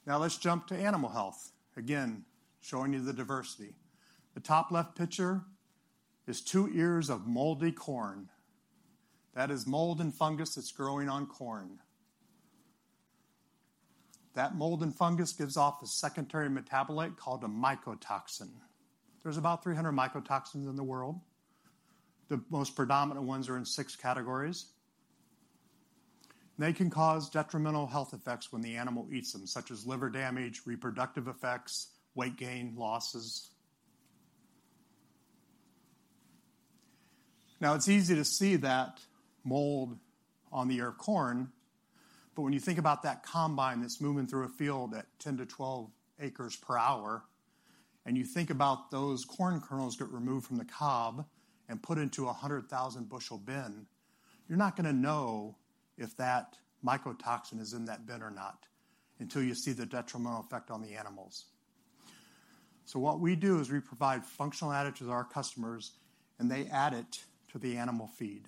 Now let's jump to animal health, again, showing you the diversity. The top left picture is two ears of moldy corn. That is mold and fungus that's growing on corn. That mold and fungus gives off a secondary metabolite called a mycotoxin. There's about 300 mycotoxins in the world. The most predominant ones are in six categories. They can cause detrimental health effects when the animal eats them, such as liver damage, reproductive effects, weight gain, losses. It's easy to see that mold on the ear of corn, when you think about that combine that's moving through a field at 10-12 acres per hour, and you think about those corn kernels get removed from the cob and put into a 100,000 bushel bin, you're not going to know if that mycotoxin is in that bin or not until you see the detrimental effect on the animals. What we do is we provide functional additives to our customers, they add it to the animal feed.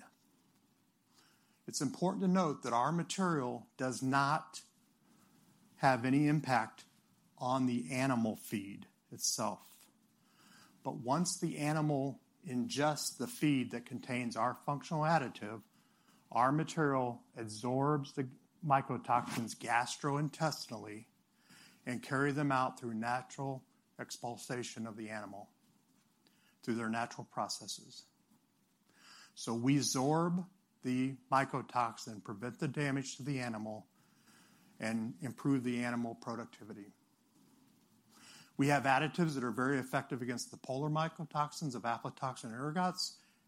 It's important to note that our material does not have any impact on the animal feed itself. Once the animal ingests the feed that contains our functional additive, our material absorbs the mycotoxins gastrointestinally and carry them out through natural expulsation of the animal, through their natural processes. We absorb the mycotoxin, prevent the damage to the animal, and improve the animal productivity. We have additives that are very effective against the polar mycotoxins, aflatoxin, ergot,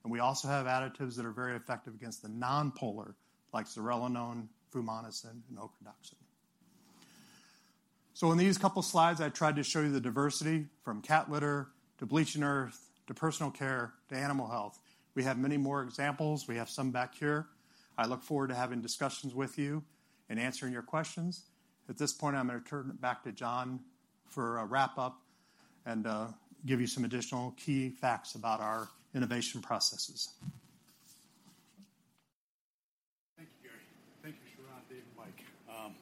and we also have additives that are very effective against the non-polar, like zearalenone, fumonisin, and ochratoxin. In these couple slides, I tried to show you the diversity from cat litter to bleaching earth, to personal care, to animal health. We have many more examples. We have some back here. I look forward to having discussions with you and answering your questions. At this point, I'm gonna turn it back to Jon Hastings for a wrap-up and give you some additional key facts about our innovation processes. Thank you, Jerry. Thank you, Sharad, Dave, and Mike.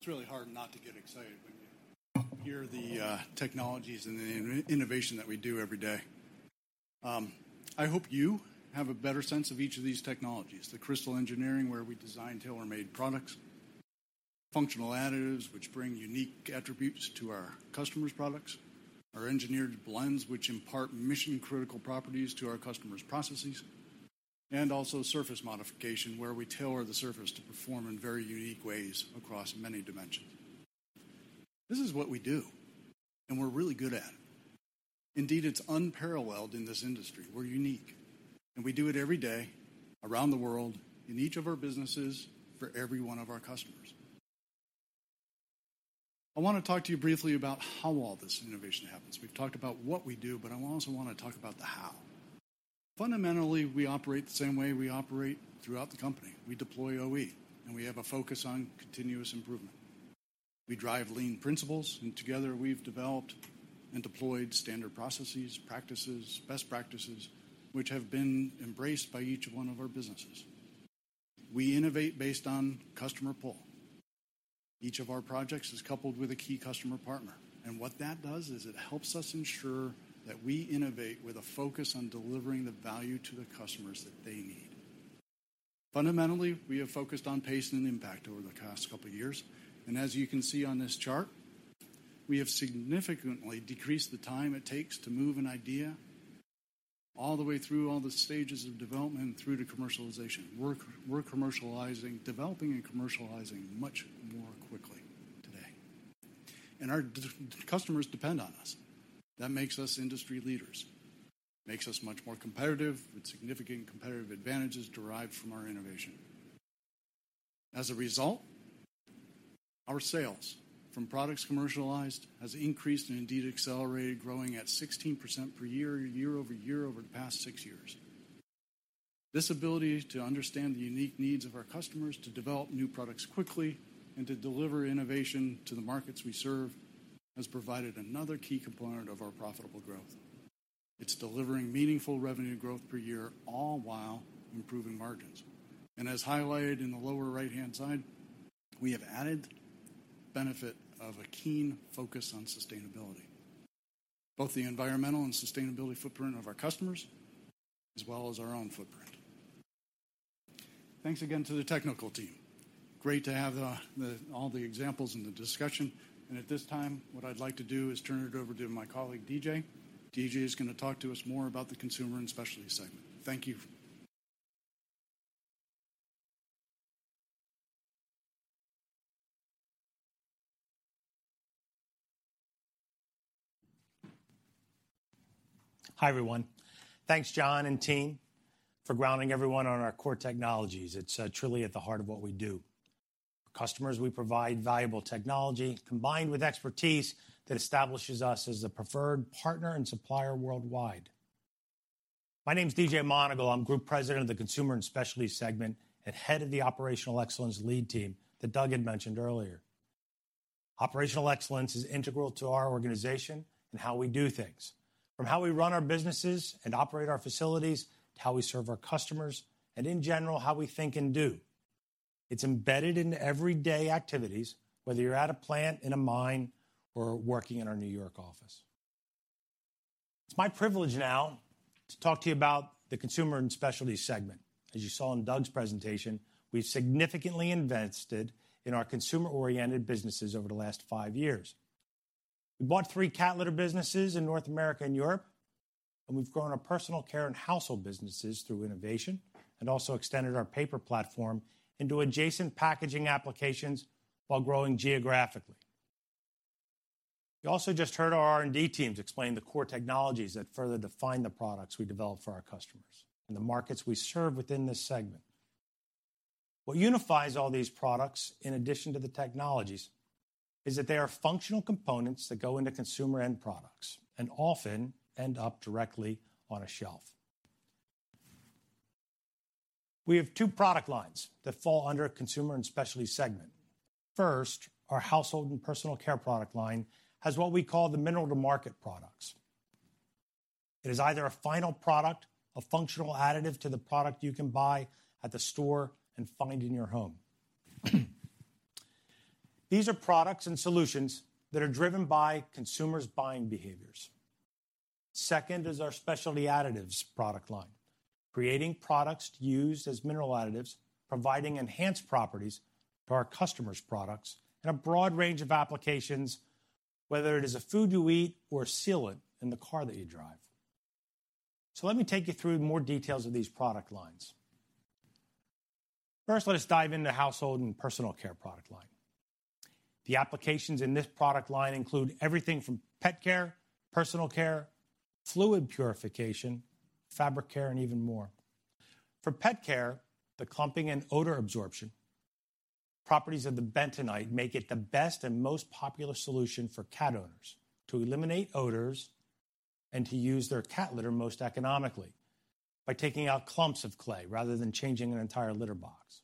It's really hard not to get excited when you hear the technologies and the innovation that we do every day. I hope you have a better sense of each of these technologies, the Crystal Engineering, where we design tailor-made products, Functional Additives, which bring unique attributes to our customers' products, our Engineered Blends, which impart mission-critical properties to our customers' processes, and also Surface Modification, where we tailor the surface to perform in very unique ways across many dimensions. This is what we do, and we're really good at it. Indeed, it's unparalleled in this industry. We're unique, and we do it every day around the world in each of our businesses for every one of our customers. I wanna talk to you briefly about how all this innovation happens. We've talked about what we do. I also want to talk about the how. Fundamentally, we operate the same way we operate throughout the company. We deploy OE, we have a focus on continuous improvement. We drive lean principles, together we've developed and deployed standard processes, practices, best practices, which have been embraced by each one of our businesses. We innovate based on customer pull. Each of our projects is coupled with a key customer partner, what that does is it helps us ensure that we innovate with a focus on delivering the value to the customers that they need. Fundamentally, we have focused on pace and impact over the past couple of years, as you can see on this chart, we have significantly decreased the time it takes to move an idea all the way through all the stages of development through to commercialization. We're commercializing, developing and commercializing much more quickly today. Our customers depend on us. That makes us industry leaders. Makes us much more competitive with significant competitive advantages derived from our innovation. As a result, our sales from products commercialized has increased and indeed accelerated, growing at 16% per year-over-year over the past six years. This ability to understand the unique needs of our customers, to develop new products quickly, and to deliver innovation to the markets we serve has provided another key component of our profitable growth. It's delivering meaningful revenue growth per year, all while improving margins. As highlighted in the lower right-hand side, we have added benefit of a keen focus on sustainability, both the environmental and sustainability footprint of our customers, as well as our own footprint. Thanks again to the technical team. Great to have all the examples and the discussion. At this time, what I'd like to do is turn it over to my colleague, D.J. D.J. is gonna talk to us more about the Consumer & Specialties segment. Thank you. Hi, everyone. Thanks, John and team, for grounding everyone on our core technologies. It's truly at the heart of what we do. For customers, we provide valuable technology combined with expertise that establishes us as the preferred partner and supplier worldwide. My name's D.J. Monagle. I'm Group President of the Consumer and Specialty segment and head of the Operational Excellence Lead team that Doug had mentioned earlier. Operational excellence is integral to our organization and how we do things, from how we run our businesses and operate our facilities to how we serve our customers and in general, how we think and do. It's embedded in everyday activities, whether you're at a plant, in a mine, or working in our New York office. It's my privilege now to talk to you about the Consumer and Specialty segment. As you saw in Doug's presentation, we've significantly invested in our consumer-oriented businesses over the last five years. We bought three cat litter businesses in North America and Europe. We've grown our personal care and household businesses through innovation and also extended our paper platform into adjacent packaging applications while growing geographically. You also just heard our R&D teams explain the core technologies that further define the products we develop for our customers and the markets we serve within this segment. What unifies all these products, in addition to the technologies, is that they are functional components that go into consumer end products and often end up directly on a shelf. We have two product lines that fall under a Consumer & Specialties segment. First, our Household & Personal Care product line has what we call the mineral-to-market products. It is either a final product, a functional additive to the product you can buy at the store and find in your home. These are products and solutions that are driven by consumers' buying behaviors. Second is our Specialty Additives product line, creating products used as mineral additives, providing enhanced properties for our customers' products in a broad range of applications, whether it is a food you eat or sealant in the car that you drive. Let me take you through more details of these product lines. First, let us dive into Household & Personal Care product line. The applications in this product line include everything from pet care, personal care, fluid purification, fabric care, and even more. For pet care, the clumping and odor absorption properties of the bentonite make it the best and most popular solution for cat owners to eliminate odors and to use their cat litter most economically by taking out clumps of clay rather than changing an entire litter box.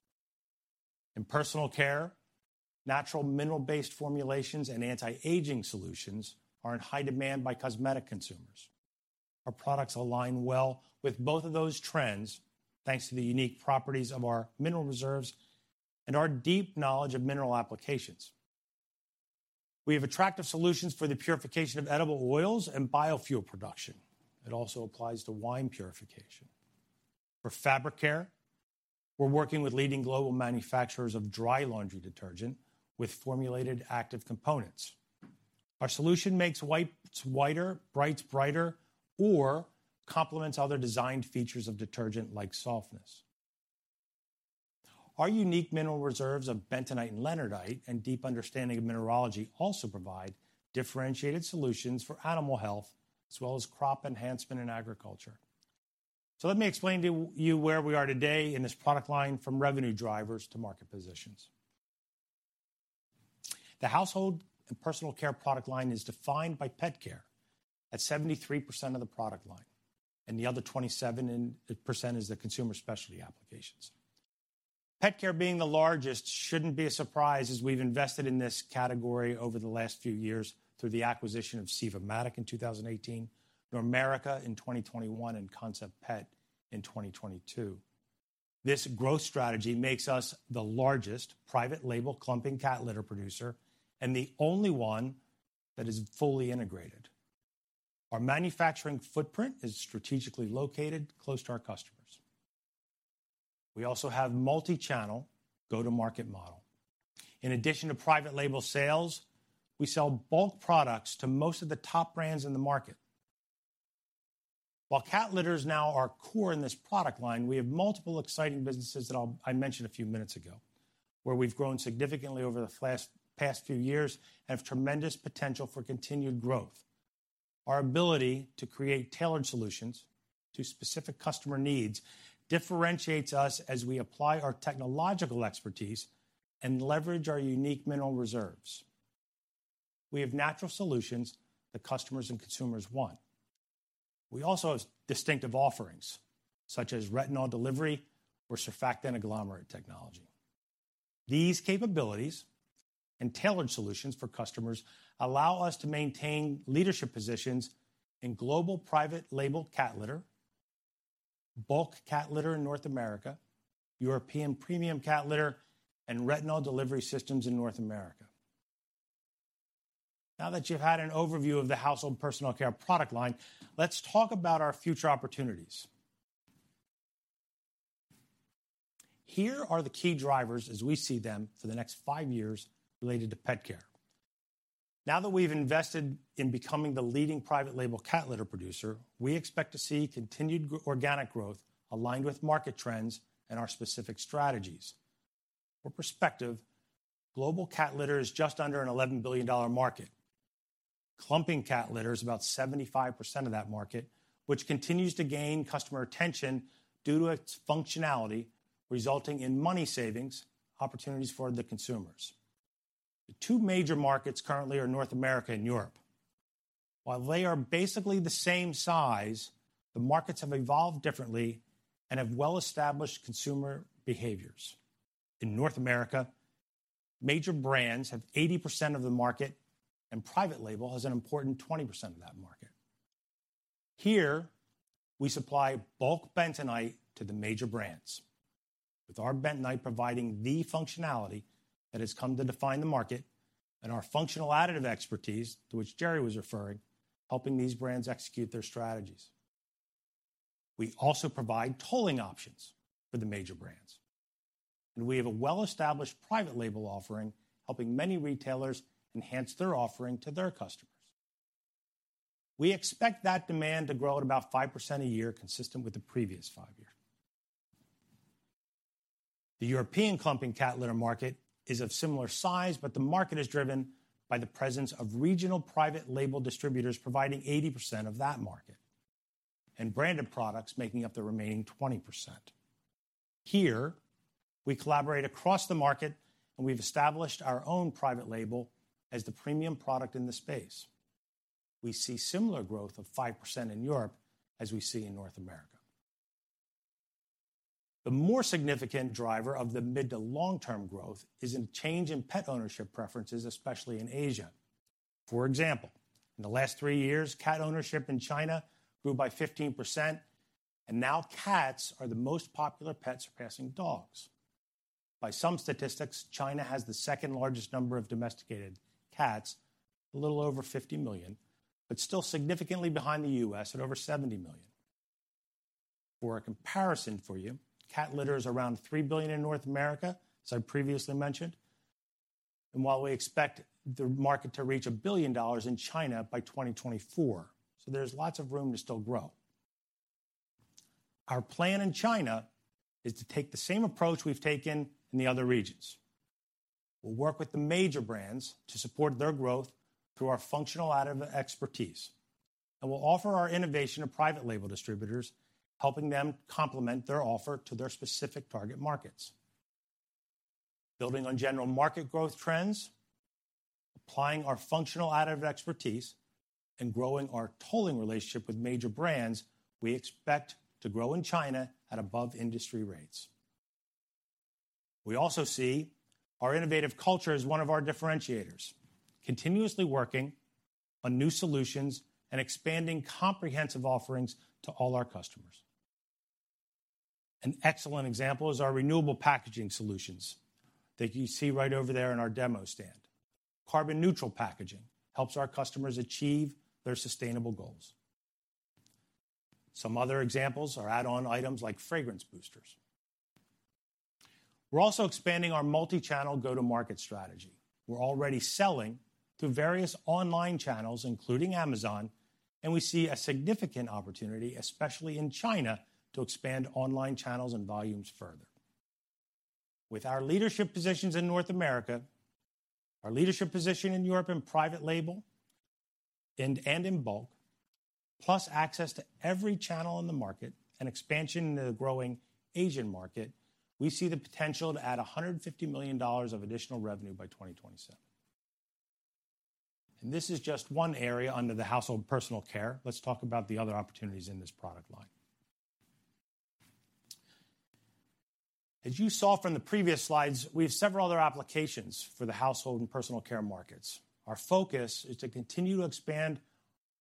In personal care, natural mineral-based formulations and anti-aging solutions are in high demand by cosmetic consumers. Our products align well with both of those trends, thanks to the unique properties of our mineral reserves and our deep knowledge of mineral applications. We have attractive solutions for the purification of edible oils and biofuel production. It also applies to wine purification. For fabric care, we're working with leading global manufacturers of dry laundry detergent with formulated active components. Our solution makes whites whiter, brights brighter, or complements other designed features of detergent like softness. Our unique mineral reserves of bentonite and leonardite and deep understanding of mineralogy also provide differentiated solutions for animal health as well as crop enhancement in agriculture. Let me explain to you where we are today in this product line from revenue drivers to market positions. The Household & Personal Care product line is defined by pet care at 73% of the product line, and the other 27% is the consumer specialty applications. Pet care being the largest shouldn't be a surprise as we've invested in this category over the last few years through the acquisition of Sivomatic in 2018, Normerica in 2021, and Concept Pet in 2022. This growth strategy makes us the largest private label clumping cat litter producer and the only one that is fully integrated. Our manufacturing footprint is strategically located close to our customers. We also have multi-channel go-to-market model. In addition to private label sales, we sell bulk products to most of the top brands in the market. While cat litter is now our core in this product line, we have multiple exciting businesses that I mentioned a few minutes ago, where we've grown significantly over the past few years and have tremendous potential for continued growth. Our ability to create tailored solutions to specific customer needs differentiates us as we apply our technological expertise and leverage our unique mineral reserves. We have natural solutions that customers and consumers want. We also have distinctive offerings such as retinol delivery or surfactant agglomerate technology. These capabilities and tailored solutions for customers allow us to maintain leadership positions in global private labeled cat litter, bulk cat litter in North America, European premium cat litter, and retinol delivery systems in North America. Now that you've had an overview of the household personal care product line, let's talk about our future opportunities. Here are the key drivers as we see them for the next five years related to pet care. Now that we've invested in becoming the leading private label cat litter producer, we expect to see continued organic growth aligned with market trends and our specific strategies. For perspective, global cat litter is just under an $11 billion market. Clumping cat litter is about 75% of that market, which continues to gain customer attention due to its functionality, resulting in money savings opportunities for the consumers. The two major markets currently are North Ameria and Europe. While they are basically the same size, the markets have evolved differently and have well-established consumer behaviors. In North America, major brands have 80% of the market, and private label has an important 20% of that market. Here, we supply bulk bentonite to the major brands. With our bentonite providing the functionality that has come to define the market and our functional additive expertise, to which Jerry was referring, helping these brands execute their strategies. We have a well-established private label offering, helping many retailers enhance their offering to their customers. We expect that demand to grow at about 5% a year, consistent with the previous five years. The European clumping cat litter market is of similar size. The market is driven by the presence of regional private label distributors providing 80% of that market and branded products making up the remaining 20%. Here, we collaborate across the market, and we've established our own private label as the premium product in the space. We see similar growth of 5% in Europe as we see in North America. The more significant driver of the mid to long-term growth is in change in pet ownership preferences, especially in Asia. For example, in the last three years, cat ownership in China grew by 15%, and now cats are the most popular pet surpassing dogs. By some statistics, China has the second-largest number of domesticated cats, a little over 50 million, but still significantly behind the U.S. at over 70 million. For a comparison for you, cat litter is around $3 billion in North America, as I previously mentioned, and while we expect the market to reach $1 billion in China by 2024. There's lots of room to still grow. Our plan in China is to take the same approach we've taken in the other regions. We'll work with the major brands to support their growth through our functional additive expertise, and we'll offer our innovation to private label distributors, helping them complement their offer to their specific target markets. Building on general market growth trends, applying our functional additive expertise, and growing our tolling relationship with major brands, we expect to grow in China at above-industry rates. We also see our innovative culture as one of our differentiators, continuously working on new solutions and expanding comprehensive offerings to all our customers. An excellent example is our renewable packaging solutions that you see right over there in our demo stand. Carbon-neutral packaging helps our customers achieve their sustainable goals. Some other examples are add-on items like fragrance boosters. We're also expanding our multi-channel go-to-market strategy. We're already selling through various online channels, including Amazon, and we see a significant opportunity, especially in China, to expand online channels and volumes further. With our leadership positions in North America, our leadership position in Europe in private label and in bulk, plus access to every channel in the market and expansion into the growing Asian market, we see the potential to add $150 million of additional revenue by 2027. This is just one area under the Household & Personal Care. Let's talk about the other opportunities in this product line. As you saw from the previous slides, we have several other applications for the Household & Personal Care markets. Our focus is to continue to expand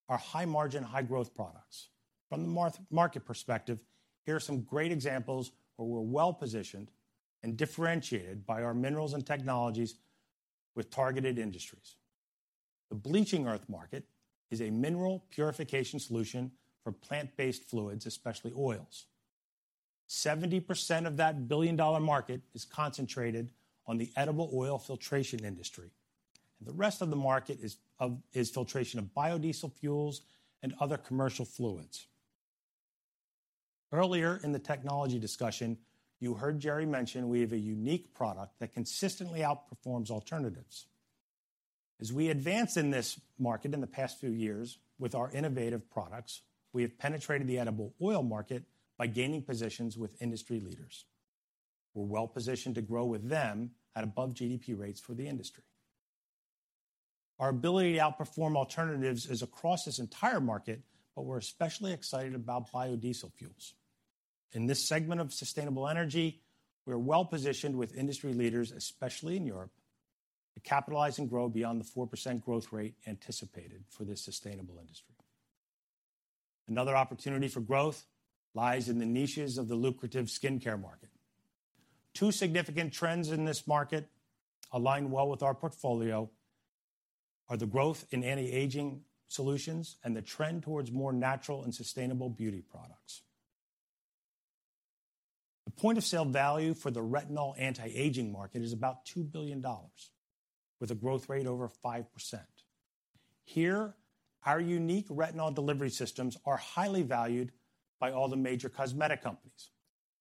our high-margin, high-growth products. From the market perspective, here are some great examples where we're well-positioned and differentiated by our minerals and technologies with targeted industries. The bleaching earth market is a mineral purification solution for plant-based fluids, especially oils. 70% of that billion-dollar market is concentrated on the edible oil filtration industry, and the rest of the market is filtration of biodiesel fuels and other commercial fluids. Earlier in the technology discussion, you heard Jerry mention we have a unique product that consistently outperforms alternatives. As we advance in this market in the past few years with our innovative products, we have penetrated the edible oil market by gaining positions with industry leaders. We're well-positioned to grow with them at above GDP rates for the industry. Our ability to outperform alternatives is across this entire market, but we're especially excited about biodiesel fuels. In this segment of sustainable energy, we are well-positioned with industry leaders, especially in Europe, to capitalize and grow beyond the 4% growth rate anticipated for this sustainable industry. Another opportunity for growth lies in the niches of the lucrative skincare market. Two significant trends in this market align well with our portfolio are the growth in anti-aging solutions and the trend towards more natural and sustainable beauty products. The point-of-sale value for the retinol anti-aging market is about $2 billion, with a growth rate over 5%. Here, our unique retinol delivery systems are highly valued by all the major cosmetic companies.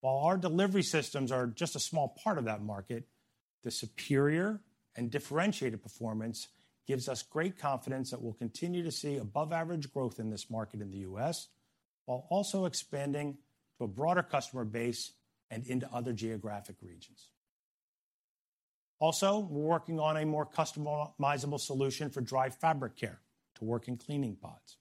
While our delivery systems are just a small part of that market, the superior and differentiated performance gives us great confidence that we'll continue to see above-average growth in this market in the U.S. while also expanding to a broader customer base and into other geographic regions. We're working on a more customizable solution for dry fabric care to work in cleaning pods.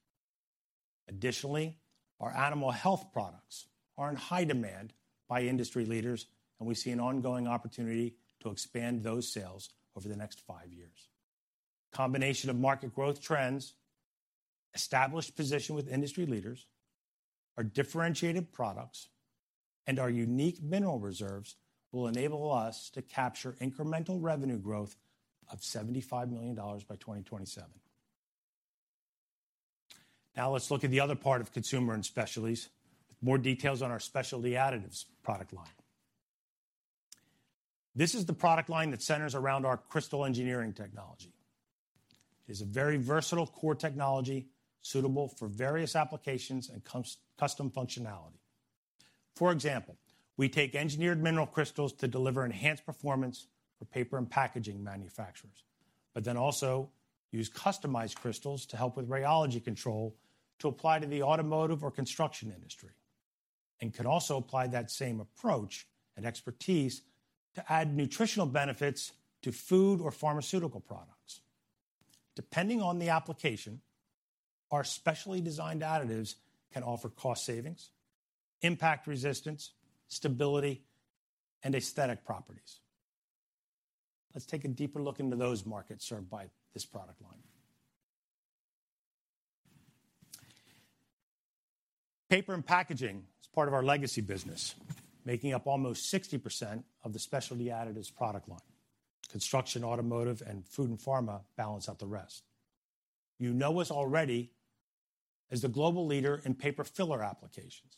Our animal health products are in high demand by industry leaders, and we see an ongoing opportunity to expand those sales over the next five years. Combination of market growth trends, established position with industry leaders, our differentiated products, and our unique mineral reserves will enable us to capture incremental revenue growth of $75 million by 2027. Let's look at the other part of Consumer & Specialties. More details on our Specialty Additives product line. This is the product line that centers around our Crystal Engineering technology. It is a very versatile core technology suitable for various applications and custom functionality. For example, we take engineered mineral crystals to deliver enhanced performance for paper and packaging manufacturers, also use customized crystals to help with rheology control to apply to the automotive or construction industry, could also apply that same approach and expertise to add nutritional benefits to food or pharmaceutical products. Depending on the application, our specially designed additives can offer cost savings, impact resistance, stability, and aesthetic properties. Let's take a deeper look into those markets served by this product line. Paper and packaging is part of our legacy business, making up almost 60% of the Specialty Additives product line. Construction, automotive, and food and pharma balance out the rest. You know us already as the global leader in paper filler applications.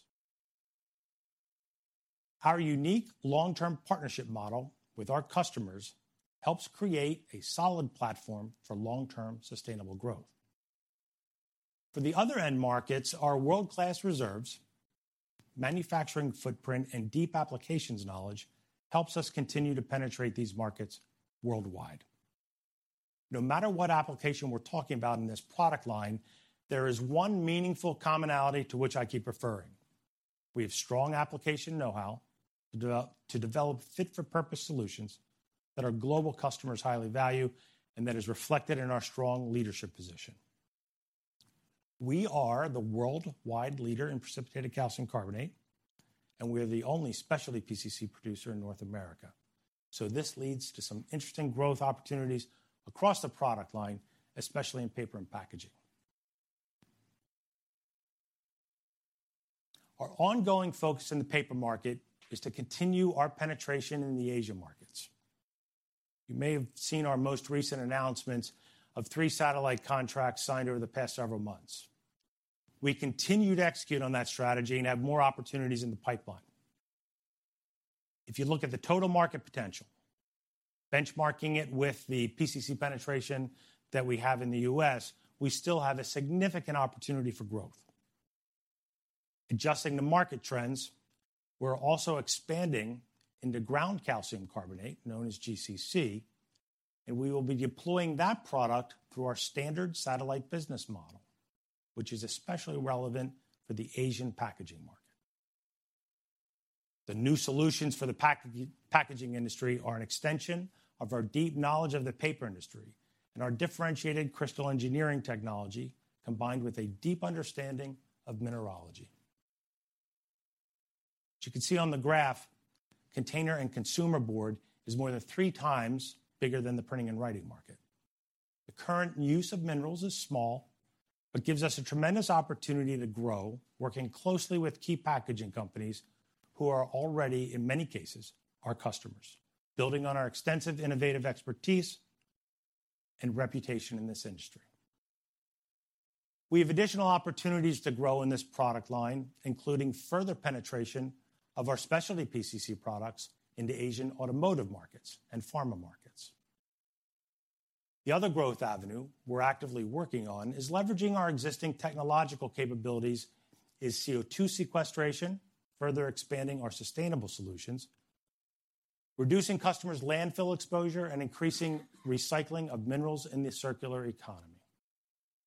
Our unique long-term partnership model with our customers helps create a solid platform for long-term sustainable growth. For the other end markets, our world-class reserves, manufacturing footprint, and deep applications knowledge helps us continue to penetrate these markets worldwide. No matter what application we're talking about in this product line, there is one meaningful commonality to which I keep referring. We have strong application know-how to develop fit-for-purpose solutions that our global customers highly value and that is reflected in our strong leadership position. We are the worldwide leader in precipitated calcium carbonate, and we are the only specialty PCC producer in North America. This leads to some interesting growth opportunities across the product line, especially in paper and packaging. Our ongoing focus in the paper market is to continue our penetration in the Asia markets. You may have seen our most recent announcements of three satellite contracts signed over the past several months. We continue to execute on that strategy and have more opportunities in the pipeline. If you look at the total market potential, benchmarking it with the PCC penetration that we have in the U.S., we still have a significant opportunity for growth. Adjusting to market trends, we're also expanding into ground calcium carbonate, known as GCC, and we will be deploying that product through our standard satellite business model, which is especially relevant for the Asian packaging market. The new solutions for the packaging industry are an extension of our deep knowledge of the paper industry and our differentiated Crystal Engineering technology, combined with a deep understanding of mineralogy. As you can see on the graph, container and consumer board is more than 3x bigger than the printing and writing market. The current use of minerals is small but gives us a tremendous opportunity to grow, working closely with key packaging companies who are already, in many cases, our customers, building on our extensive innovative expertise and reputation in this industry. We have additional opportunities to grow in this product line, including further penetration of our specialty PCC products into Asian automotive markets and pharma markets. The other growth avenue we're actively working on is leveraging our existing technological capabilities is CO2 sequestration, further expanding our sustainable solutions, reducing customers' landfill exposure, and increasing recycling of minerals in the circular economy.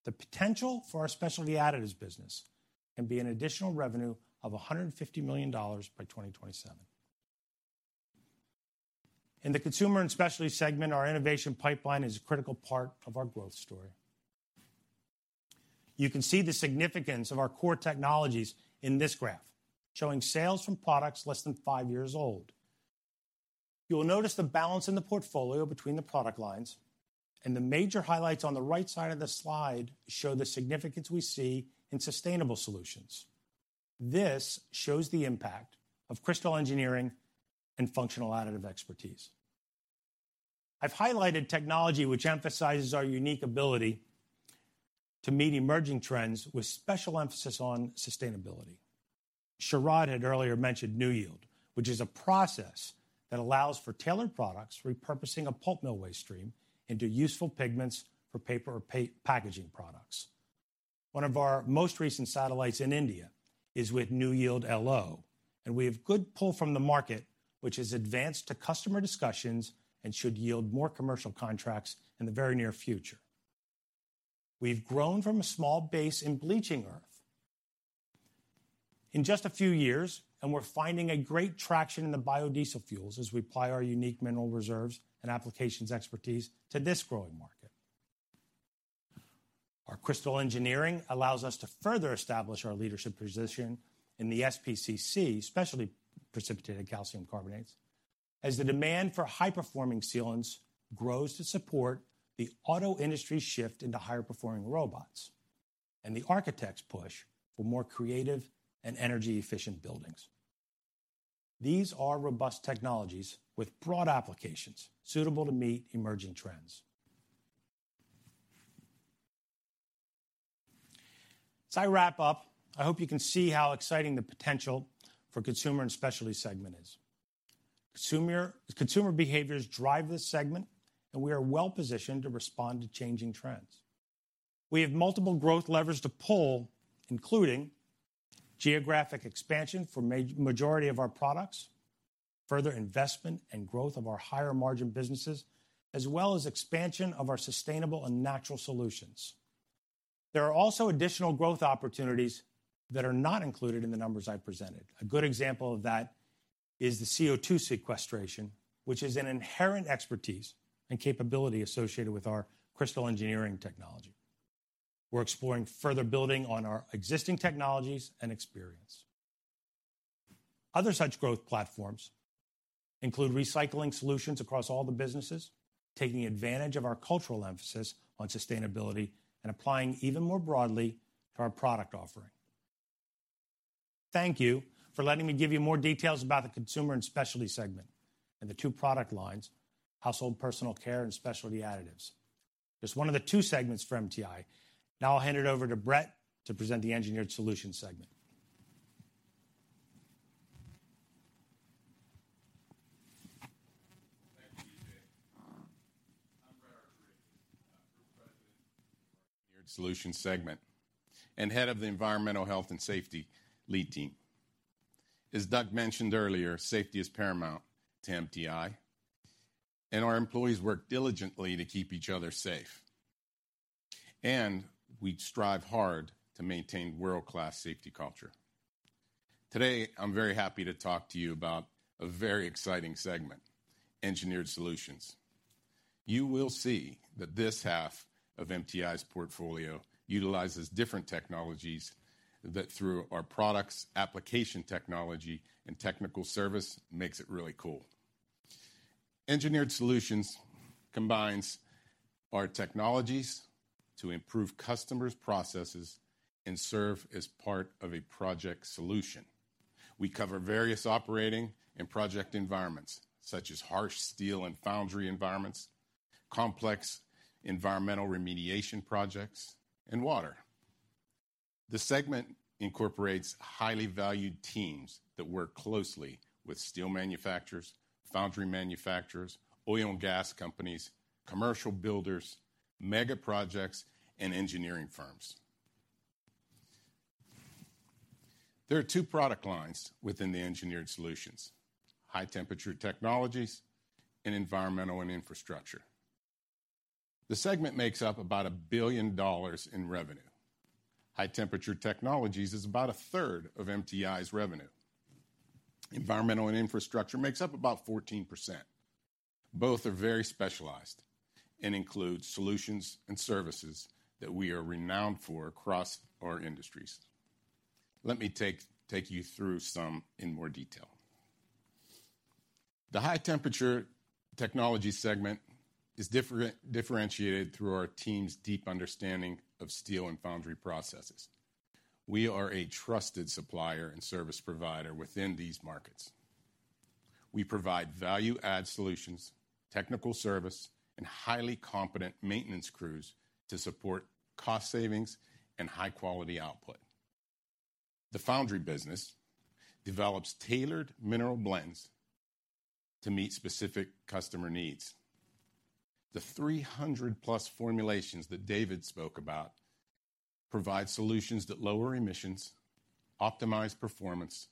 The potential for our Specialty Additives business can be an additional revenue of $150 million by 2027. In the Consumer & Specialties segment, our innovation pipeline is a critical part of our growth story. You can see the significance of our core technologies in this graph, showing sales from products less than five years old. You will notice the balance in the portfolio between the product lines and the major highlights on the right side of the slide show the significance we see in sustainable solutions. This shows the impact of Crystal Engineering and Functional Additives expertise. I've highlighted technology which emphasizes our unique ability to meet emerging trends with special emphasis on sustainability. Sharad had earlier mentioned New Yield, which is a process that allows for tailored products, repurposing a pulp mill waste stream into useful pigments for paper or packaging products. One of our most recent satellites in India is with New Yield LO, and we have good pull from the market, which has advanced to customer discussions and should yield more commercial contracts in the very near future. We've grown from a small base in bleaching earth in just a few years, we're finding a great traction in the biodiesel fuels as we apply our unique mineral reserves and applications expertise to this growing market. Our Crystal Engineering allows us to further establish our leadership position in the SPCC, Specialty Precipitated Calcium Carbonates, as the demand for high-performing sealants grows to support the auto industry's shift into higher performing robots and the architects' push for more creative and energy-efficient buildings. These are robust technologies with broad applications suitable to meet emerging trends. As I wrap up, I hope you can see how exciting the potential for Consumer and Specialty segment is. Consumer behaviors drive this segment, and we are well-positioned to respond to changing trends. We have multiple growth levers to pull, including geographic expansion for majority of our products, further investment and growth of our higher margin businesses, as well as expansion of our sustainable and natural solutions. There are also additional growth opportunities that are not included in the numbers I presented. A good example of that is the CO2 sequestration, which is an inherent expertise and capability associated with our Crystal Engineering technology. We're exploring further building on our existing technologies and experience. Other such growth platforms include recycling solutions across all the businesses, taking advantage of our cultural emphasis on sustainability and applying even more broadly to our product offering. Thank you for letting me give you more details about the Consumer & Specialties segment and the two product lines, Household & Personal Care and Specialty Additives. Just one of the two segments for MTI. Now I'll hand it over to Brett to present the Engineered Solutions segment. Thank you, DJ. I'm Brett Argirakis, Group President for our Engineered Solutions segment and head of the Environmental Health and Safety lead team. As Doug mentioned earlier, safety is paramount to MTI, and our employees work diligently to keep each other safe. We strive hard to maintain world-class safety culture. Today, I'm very happy to talk to you about a very exciting segment, Engineered Solutions. You will see that this half of MTI's portfolio utilizes different technologies that through our products, application technology, and technical service, makes it really cool. Engineered Solutions combines our technologies to improve customers' processes and serve as part of a project solution. We cover various operating and project environments such as harsh steel and foundry environments, complex environmental remediation projects, and water. The segment incorporates highly valued teams that work closely with steel manufacturers, foundry manufacturers, oil and gas companies, commercial builders, mega projects, and engineering firms. There are two product lines within the Engineered Solutions: High-Temperature Technologies and Environmental & Infrastructure. The segment makes up about $1 billion in revenue. High-Temperature Technologies is about a third of MTI's revenue. Environmental & Infrastructure makes up about 14%. Both are very specialized and include solutions and services that we are renowned for across our industries. Let me take you through some in more detail. The High-Temperature Technologies segment is differentiated through our team's deep understanding of steel and foundry processes. We are a trusted supplier and service provider within these markets. We provide value add solutions, technical service, and highly competent maintenance crews to support cost savings and high-quality output. The foundry business develops tailored mineral blends to meet specific customer needs. The 300+ formulations that David spoke about provide solutions that lower emissions, optimize performance,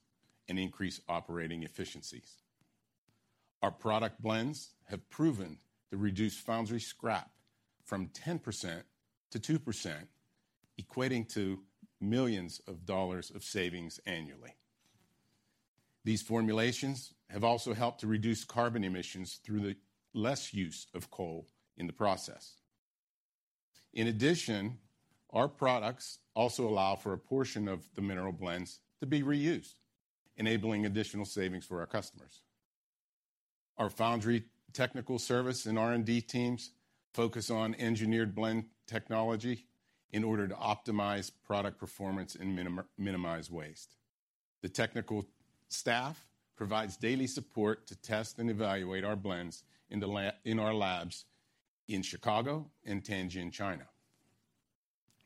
and increase operating efficiencies. Our product blends have proven to reduce foundry scrap from 10% to 2%, equating to millions of dollars of savings annually. These formulations have also helped to reduce carbon emissions through the less use of coal in the process. In addition, our products also allow for a portion of the mineral blends to be reused, enabling additional savings for our customers. Our foundry technical service and R&D teams focus on Engineered Blends technology in order to optimize product performance and minimize waste. The technical staff provides daily support to test and evaluate our blends in our labs in Chicago and Tianjin, China.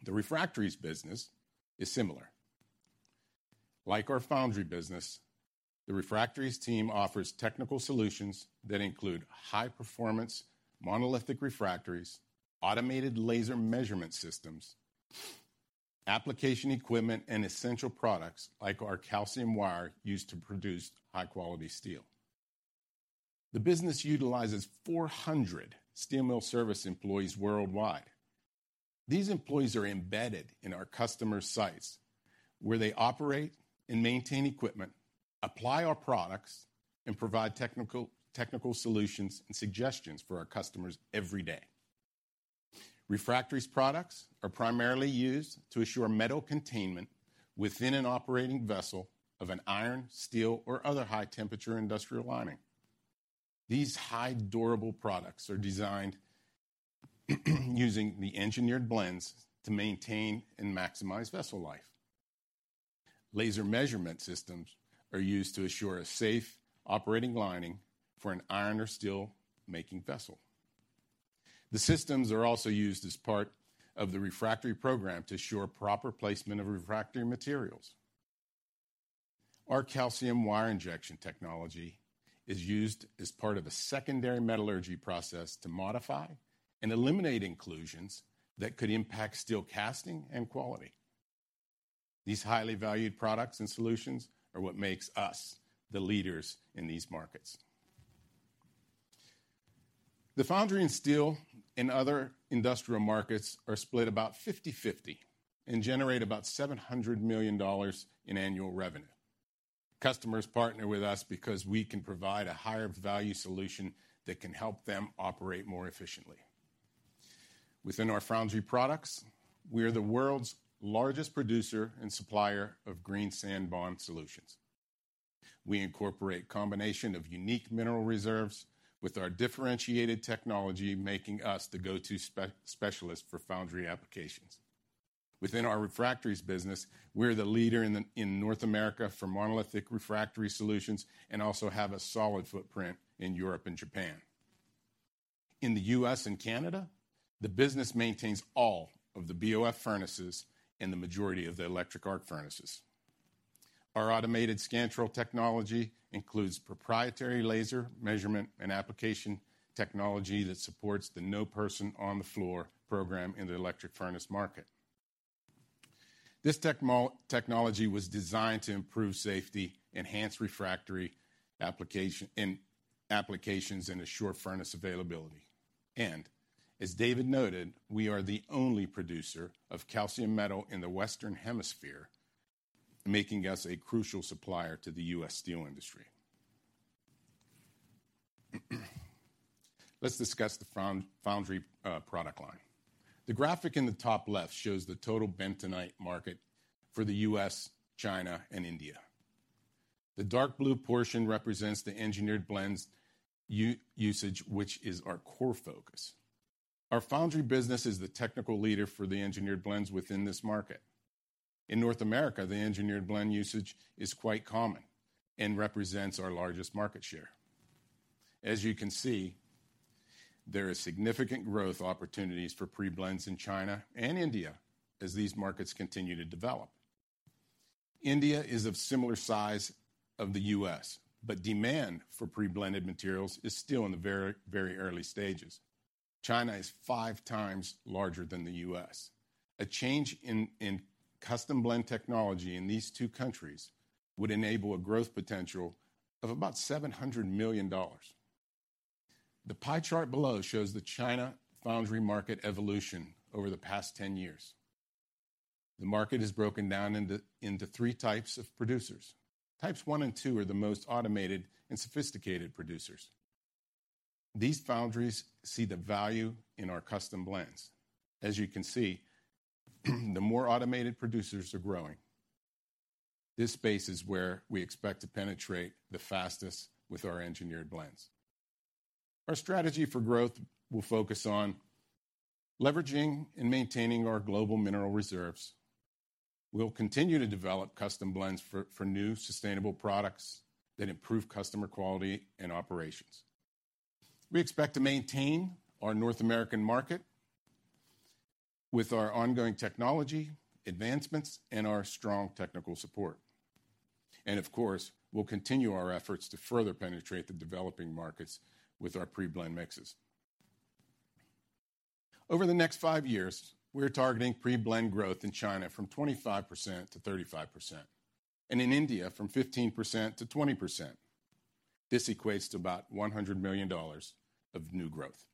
The refractories business is similar. Like our foundry business, the refractories team offers technical solutions that include high-performance monolithic refractories, automated laser measurement systems, application equipment, and essential products like our calcium wire used to produce high-quality steel. The business utilizes 400 steel mill service employees worldwide. These employees are embedded in our customers' sites, where they operate and maintain equipment, apply our products, and provide technical solutions and suggestions for our customers every day. Refractories products are primarily used to assure metal containment within an operating vessel of an iron, steel, or other high-temperature industrial lining. These high durable products are designed using the Engineered Blends to maintain and maximize vessel life. Laser measurement systems are used to assure a safe operating lining for an iron or steel-making vessel. The systems are also used as part of the refractory program to assure proper placement of refractory materials. Our calcium wire injection technology is used as part of a secondary metallurgy process to modify and eliminate inclusions that could impact steel casting and quality. These highly valued products and solutions are what makes us the leaders in these markets. The foundry and steel and other industrial markets are split about 50/50 and generate about $700 million in annual revenue. Customers partner with us because we can provide a higher value solution that can help them operate more efficiently. Within our foundry products, we are the world's largest producer and supplier of green sand bond solutions. We incorporate combination of unique mineral reserves with our differentiated technology, making us the go-to specialist for foundry applications. Within our refractories business, we're the leader in North America for monolithic refractory solutions, and also have a solid footprint in Europe and Japan. In the U.S. and Canada, the business maintains all of the BOF furnaces and the majority of the Electric Arc Furnaces. Our automated Scantrol technology includes proprietary laser measurement and application technology that supports the no person on the floor program in the electric furnace market. This technology was designed to improve safety, enhance refractory applications, and assure furnace availability. As David noted, we are the only producer of calcium metal in the Western Hemisphere, making us a crucial supplier to the U.S. Steel Industry. Let's discuss the foundry product line. The graphic in the top left shows the total Bentonite market for the U.S., China, and India. The dark blue portion represents the Engineered Blends usage, which is our core focus. Our foundry business is the technical leader for the Engineered Blends within this market. In North America, the engineered blend usage is quite common and represents our largest market share. As you can see, there are significant growth opportunities for pre-blends in China and India as these markets continue to develop. India is of similar size of the U.S., but demand for pre-blended materials is still in the very early stages. China is five times larger than the U.S. A change in custom blend technology in these two countries would enable a growth potential of about $700 million. The pie chart below shows the China foundry market evolution over the past 10 years. The market is broken down into three types of producers. Types one and two are the most automated and sophisticated producers. These foundries see the value in our custom blends. As you can see, the more automated producers are growing. This space is where we expect to penetrate the fastest with our Engineered Blends. Our strategy for growth will focus on leveraging and maintaining our global mineral reserves. We'll continue to develop custom blends for new sustainable products that improve customer quality and operations. We expect to maintain our North American market with our ongoing technology advancements and our strong technical support. Of course, we'll continue our efforts to further penetrate the developing markets with our pre-blend mixes. Over the next five years, we're targeting pre-blend growth in China from 25%-35%, and in India from 15%-20%. This equates to about $100 million of new growth.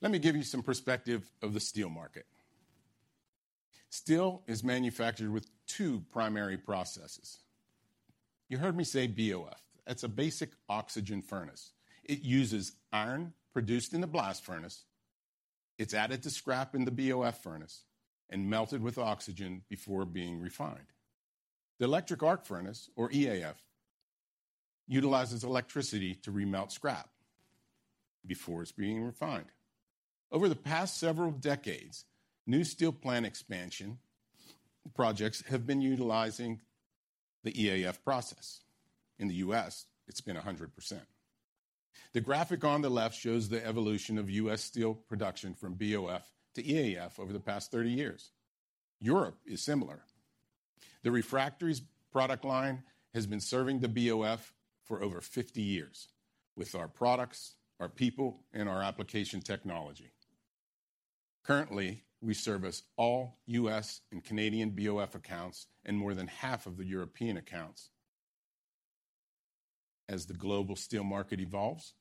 Let me give you some perspective of the steel market. Steel is manufactured with two primary processes. You heard me say BOF. That's a Basic Oxygen Furnace. It uses iron produced in the blast furnace. It's added to scrap in the BOF furnace and melted with oxygen before being refined. The Electric Arc Furnace, or EAF, utilizes electricity to re-melt scrap before it's being refined. Over the past several decades, new steel plant expansion projects have been utilizing the EAF process. In the U.S., it's been 100%. The graphic on the left shows the evolution of U.S. steel production from BOF to EAF over the past 30 years. Europe is similar. The refractories product line has been serving the BOF for over 50 years with our products, our people, and our application technology. Currently, we service all U.S. and Canadian BOF accounts and more than half of the European accounts. As the global steel market evolves,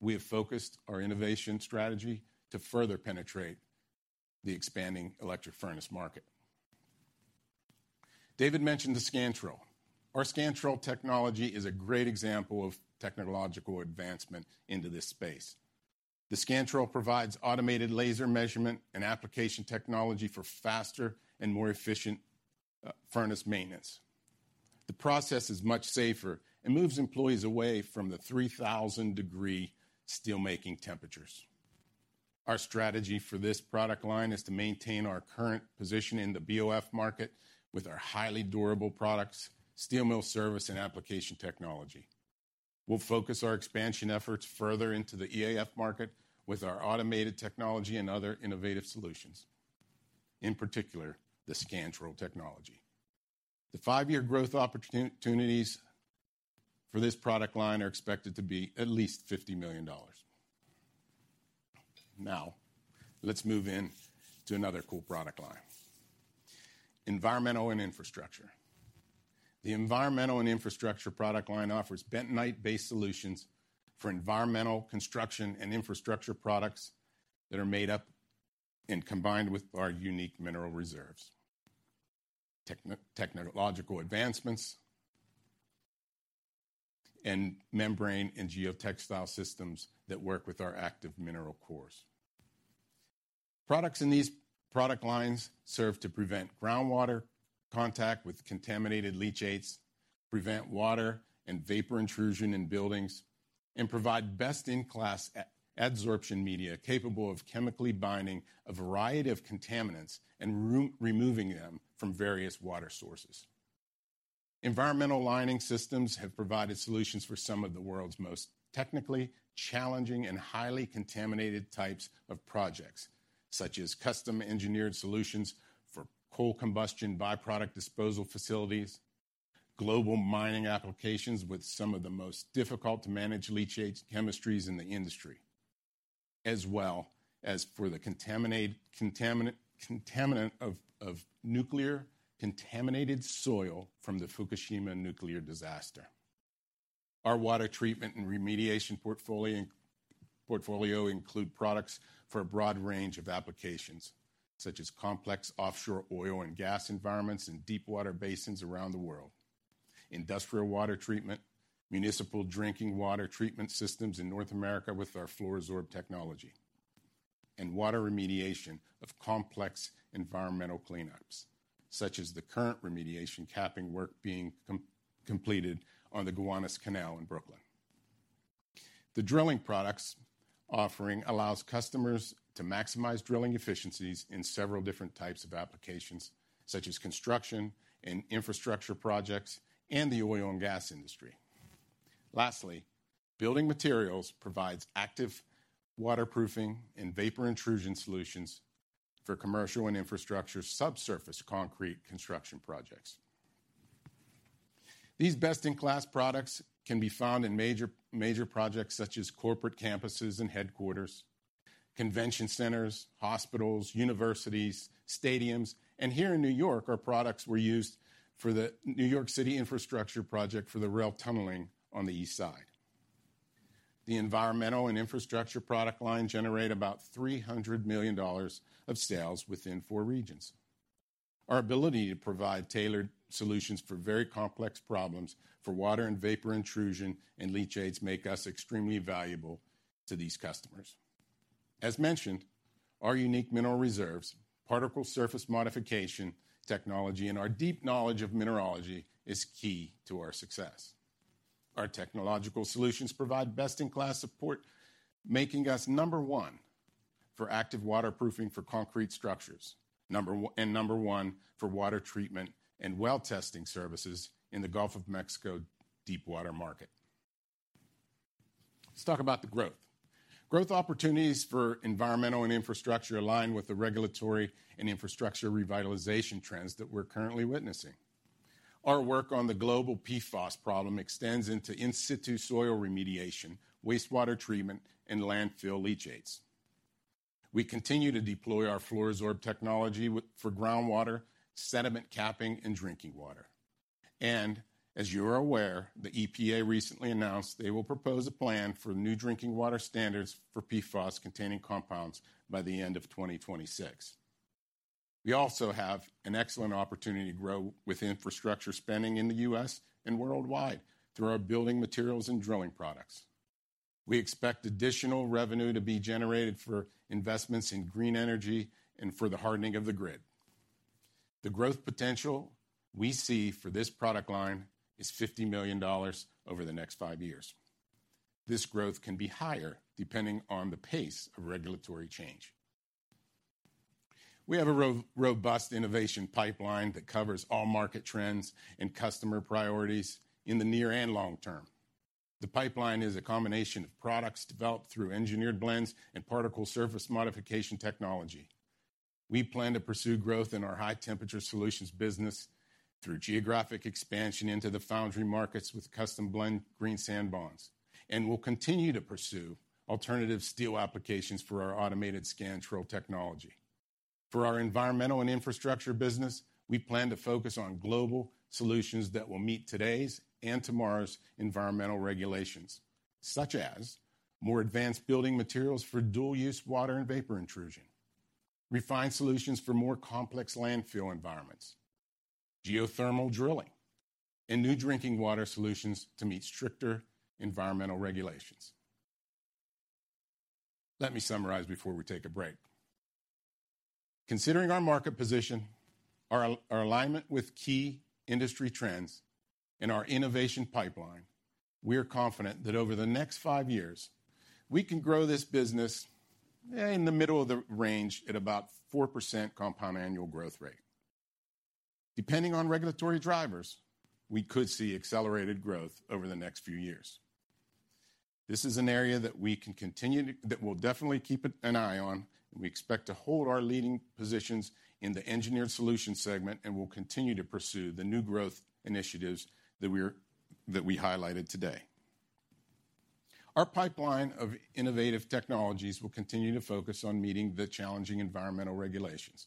we have focused our innovation strategy to further penetrate the expanding electric furnace market. Dave mentioned the Scantrol. Our Scantrol technology is a great example of technological advancement into this space. The Scantrol provides automated laser measurement and application technology for faster and more efficient furnace maintenance. The process is much safer and moves employees away from the 3,000 degree steel-making temperatures. Our strategy for this product line is to maintain our current position in the BOF market with our highly durable products, steel mill service, and application technology. We'll focus our expansion efforts further into the EAF market with our automated technology and other innovative solutions, in particular, the Scantrol technology. The five-year growth opportunities for this product line are expected to be at least $50 million. Let's move in to another cool product line, Environmental & Infrastructure. The Environmental and Infrastructure product line offers Bentonite-based solutions for environmental construction and infrastructure products that are made up and combined with our unique mineral reserves, technological advancements, and membrane and geotextile systems that work with our active mineral cores. Product lines serve to prevent groundwater contact with contaminated leachates, prevent water and vapor intrusion in buildings, and provide best-in-class adsorption media capable of chemically binding a variety of contaminants and re-removing them from various water sources. Environmental lining systems have provided solutions for some of the world's most technically challenging and highly contaminated types of projects, such as custom-engineered solutions for coal combustion byproduct disposal facilities, global mining applications with some of the most difficult to manage leachate chemistries in the industry, as well as for the contaminant of nuclear-contaminated soil from the Fukushima nuclear disaster. Our water treatment and remediation portfolio include products for a broad range of applications, such as complex offshore oil and gas environments in deep water basins around the world, industrial water treatment, municipal drinking water treatment systems in North America with our FLUORO-SORB technology, and water remediation of complex environmental cleanups, such as the current remediation capping work being completed on the Gowanus Canal in Brooklyn. The drilling products offering allows customers to maximize drilling efficiencies in several different types of applications, such as construction and infrastructure projects and the oil and gas industry. Lastly, building materials provides active waterproofing and vapor intrusion solutions for commercial and infrastructure subsurface concrete construction projects. These best-in-class products can be found in major projects such as corporate campuses and headquarters, convention centers, hospitals, universities, stadiums. Here in New York, our products were used for the New York City infrastructure project for the rail tunneling on the East Side. The Environmental & Infrastructure product line generate about $300 million of sales within four regions. Our ability to provide tailored solutions for very complex problems for water and vapor intrusion and leachates make us extremely valuable to these customers. As mentioned, our unique mineral reserves, Particle Surface Modification technology, and our deep knowledge of mineralogy is key to our success. Our technological solutions provide best-in-class support, making us number one for active waterproofing for concrete structures, number one for water treatment and well testing services in the Gulf of Mexico deep water market. Let's talk about the growth. Growth opportunities for Environmental & Infrastructure align with the regulatory and infrastructure revitalization trends that we're currently witnessing. Our work on the global PFAS problem extends into in-situ soil remediation, wastewater treatment, and landfill leachates. We continue to deploy our FLUORO-SORB technology for groundwater, sediment capping, and drinking water. As you are aware, the EPA recently announced they will propose a plan for new drinking water standards for PFAS-containing compounds by the end of 2026. We also have an excellent opportunity to grow with infrastructure spending in the U.S. and worldwide through our building materials and drilling products. We expect additional revenue to be generated for investments in green energy and for the hardening of the grid. The growth potential we see for this product line is $50 million over the next five years. This growth can be higher depending on the pace of regulatory change. We have a robust innovation pipeline that covers all market trends and customer priorities in the near and long term. The pipeline is a combination of products developed through Engineered Blends and Particle Surface Modification technology. We plan to pursue growth in our high-temperature solutions business through geographic expansion into the foundry markets with custom blend green sand bonds, and we'll continue to pursue alternative steel applications for our automated Scantrol technology. For our Environmental & Infrastructure business, we plan to focus on global solutions that will meet today's and tomorrow's environmental regulations, such as more advanced building materials for dual-use water and vapor intrusion, refined solutions for more complex landfill environments, geothermal drilling, and new drinking water solutions to meet stricter environmental regulations. Let me summarize before we take a break. Considering our market position, our alignment with key industry trends, and our innovation pipeline, we are confident that over the next five years, we can grow this business in the middle of the range at about 4% CAGR. Depending on regulatory drivers, we could see accelerated growth over the next few years. This is an area that we'll definitely keep an eye on. We expect to hold our leading positions in the Engineered Solutions segment. We'll continue to pursue the new growth initiatives that we highlighted today. Our pipeline of innovative technologies will continue to focus on meeting the challenging environmental regulations.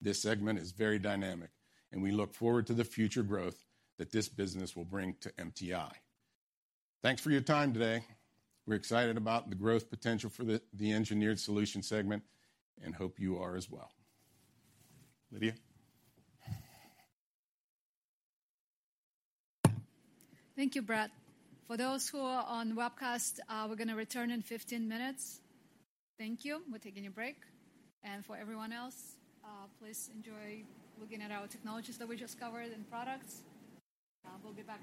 This segment is very dynamic. We look forward to the future growth that this business will bring to MTI. Thanks for your time today. We're excited about the growth potential for the Engineered Solutions segment and hope you are as well. Lydia? Thank you, Brett. For those who are on webcast, we're gonna return in 15 minutes. Thank you. We're taking a break. For everyone else, please enjoy looking at our technologies that we just covered and products. We'll be back.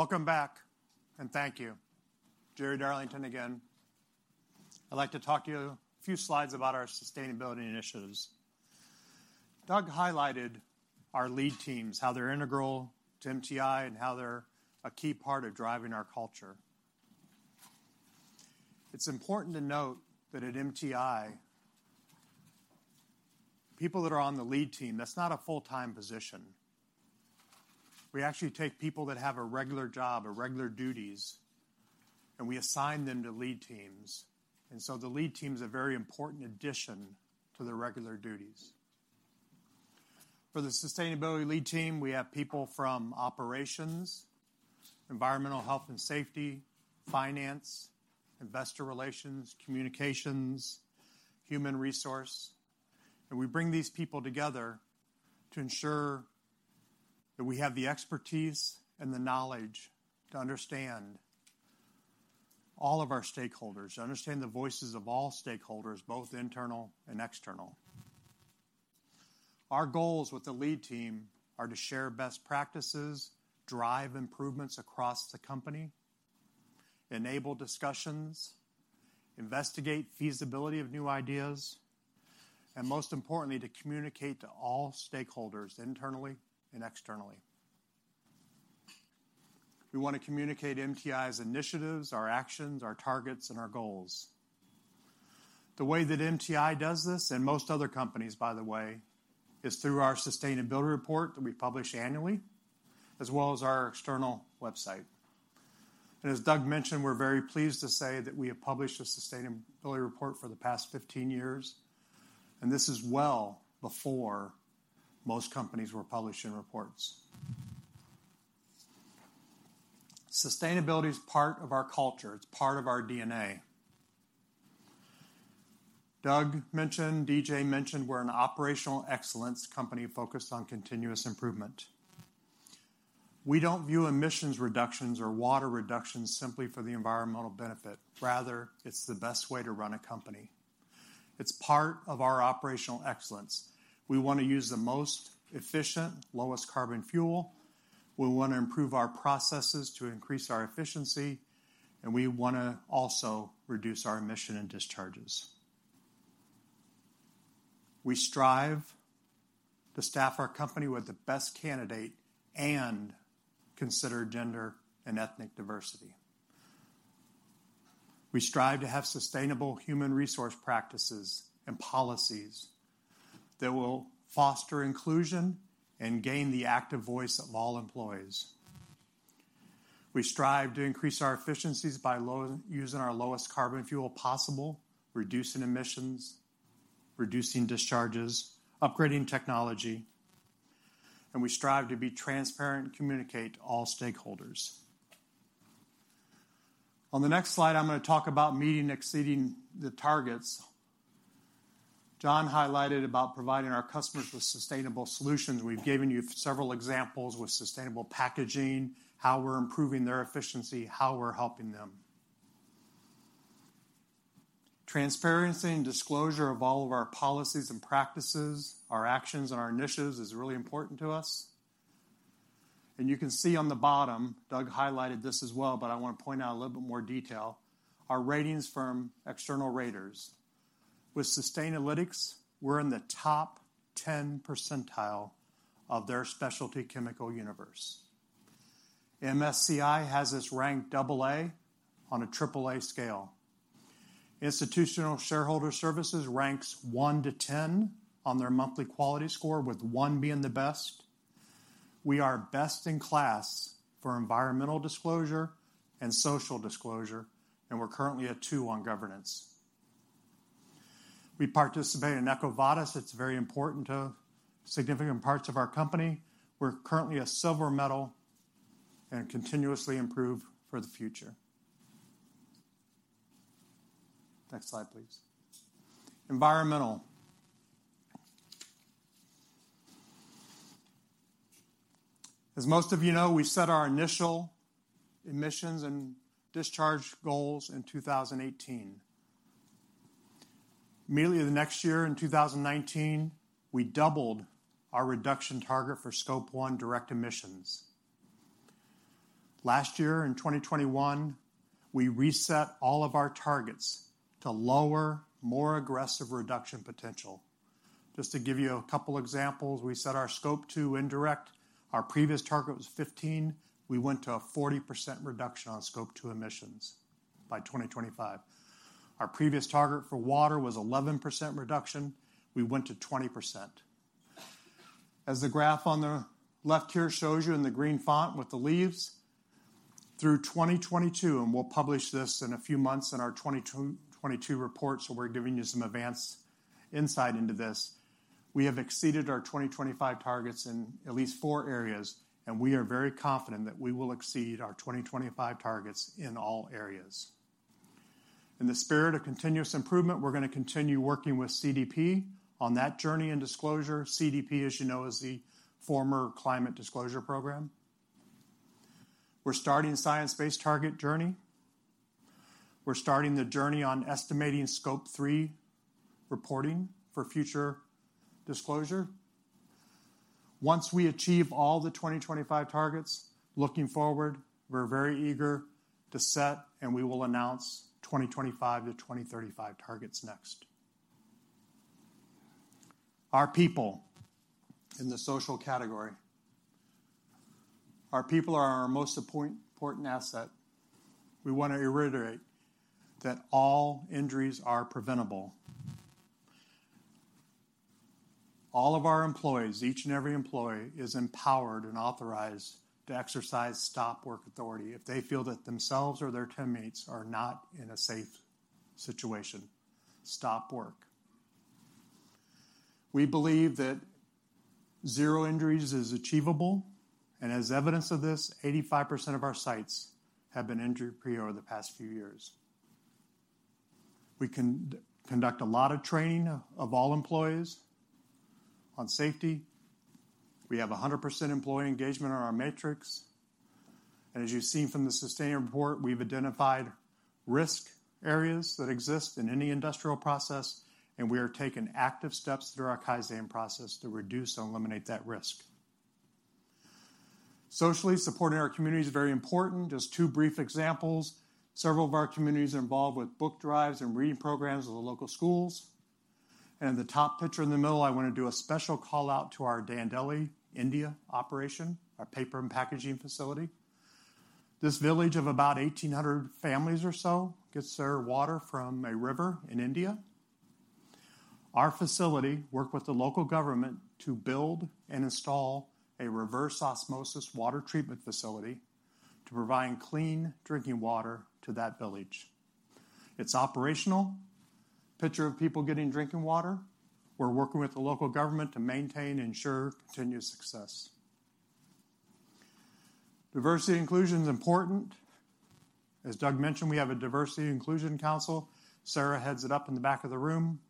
Welcome back, and thank you. Jerry Darlington again. I'd like to talk to you a few slides about our sustainability initiatives. Doug highlighted our lead teams, how they're integral to MTI, and how they're a key part of driving our culture. It's important to note that at MTI, people that are on the lead team, that's not a full-time position. We actually take people that have a regular job or regular duties, and we assign them to lead teams. The lead team is a very important addition to their regular duties. For the sustainability lead team, we have people from operations, environmental health and safety, finance, investor relations, communications, human resources, and we bring these people together to ensure that we have the expertise and the knowledge to understand all of our stakeholders, to understand the voices of all stakeholders, both internal and external. Our goals with the lead team are to share best practices, drive improvements across the company, enable discussions, investigate feasibility of new ideas, and most importantly, to communicate to all stakeholders internally and externally. We want to communicate MTI's initiatives, our actions, our targets, and our goals. The way that MTI does this, and most other companies, by the way, is through our sustainability report that we publish annually, as well as our external website. As Doug mentioned, we're very pleased to say that we have published a sustainability report for the past 15 years, and this is well before most companies were publishing reports. Sustainability is part of our culture. It's part of our DNA. Doug mentioned, D.J. mentioned we're an operational excellence company focused on continuous improvement. We don't view emissions reductions or water reductions simply for the environmental benefit. Rather, it's the best way to run a company. It's part of our operational excellence. We want to use the most efficient, lowest carbon fuel, we want to improve our processes to increase our efficiency, and we want to also reduce our emission and discharges. We strive to staff our company with the best candidate and consider gender and ethnic diversity. We strive to have sustainable human resource practices and policies that will foster inclusion and gain the active voice of all employees. We strive to increase our efficiencies by using our lowest carbon fuel possible, reducing emissions, reducing discharges, upgrading technology, and we strive to be transparent and communicate to all stakeholders. On the next slide, I'm going to talk about meeting and exceeding the targets. Jon Hastings highlighted about providing our customers with sustainable solutions. We've given you several examples with sustainable packaging, how we're improving their efficiency, how we're helping them. Transparency and disclosure of all of our policies and practices, our actions, and our initiatives is really important to us. You can see on the bottom, Doug highlighted this as well, but I wanna point out a little bit more detail, our ratings from external raters. With Sustainalytics, we're in the top 10 percentile of their specialty chemical universe. MSCI has us ranked double A on a triple A scale. Institutional Shareholder Services ranks 1-10 on their monthly quality score, with one being the best. We are best in class for environmental disclosure and social disclosure, and we're currently at two on governance. We participate in EcoVadis. It's very important to significant parts of our company. We're currently a silver medal and continuously improve for the future. Next slide, please. Environmental. As most of you know, we set our initial emissions and discharge goals in 2018. Immediately the next year in 2019, we doubled our reduction target for Scope 1 direct emissions. Last year in 2021, we reset all of our targets to lower, more aggressive reduction potential. Just to give you a couple examples, we set our Scope 2 indirect. Our previous target was 15. We went to a 40% reduction on Scope 2 emissions by 2025. Our previous target for water was 11% reduction. We went to 20%. The graph on the left here shows you in the green font with the leaves, through 2022. We'll publish this in a few months in our 2022 report. We're giving you some advanced insight into this. We have exceeded our 2025 targets in at least four areas, and we are very confident that we will exceed our 2025 targets in all areas. In the spirit of continuous improvement, we're going to continue working with CDP on that journey and disclosure. CDP, as you know, is the former Carbon Disclosure Project. We're starting science-based target journey. We're starting the journey on estimating Scope 3 reporting for future disclosure. Once we achieve all the 2025 targets, looking forward, we're very eager to set. We will announce 2025-2035 targets next. Our people in the social category. Our people are our most important asset. We wanna reiterate that all injuries are preventable. All of our employees, each and every employee, is empowered and authorized to exercise stop-work authority if they feel that themselves or their teammates are not in a safe situation. Stop work. We believe that zero injuries is achievable, and as evidence of this, 85% of our sites have been injury-free over the past few years. We conduct a lot of training of all employees on safety. We have 100% employee engagement on our metrics. As you've seen from the sustainability report, we've identified risk areas that exist in any industrial process, and we are taking active steps through our Kaizen process to reduce and eliminate that risk. Socially, supporting our community is very important. Just two brief examples. Several of our communities are involved with book drives and reading programs with the local schools. The top picture in the middle, I wanna do a special call-out to our Dandeli India operation, our paper and packaging facility. This village of about 1,800 families or so gets their water from a river in India. Our facility worked with the local government to build and install a reverse osmosis water treatment facility to provide clean drinking water to that village. It's operational. Picture of people getting drinking water. We're working with the local government to maintain and ensure continued success. Diversity and inclusion is important. As Doug mentioned, we have a diversity and inclusion council. Sarah heads it up in the back of the room.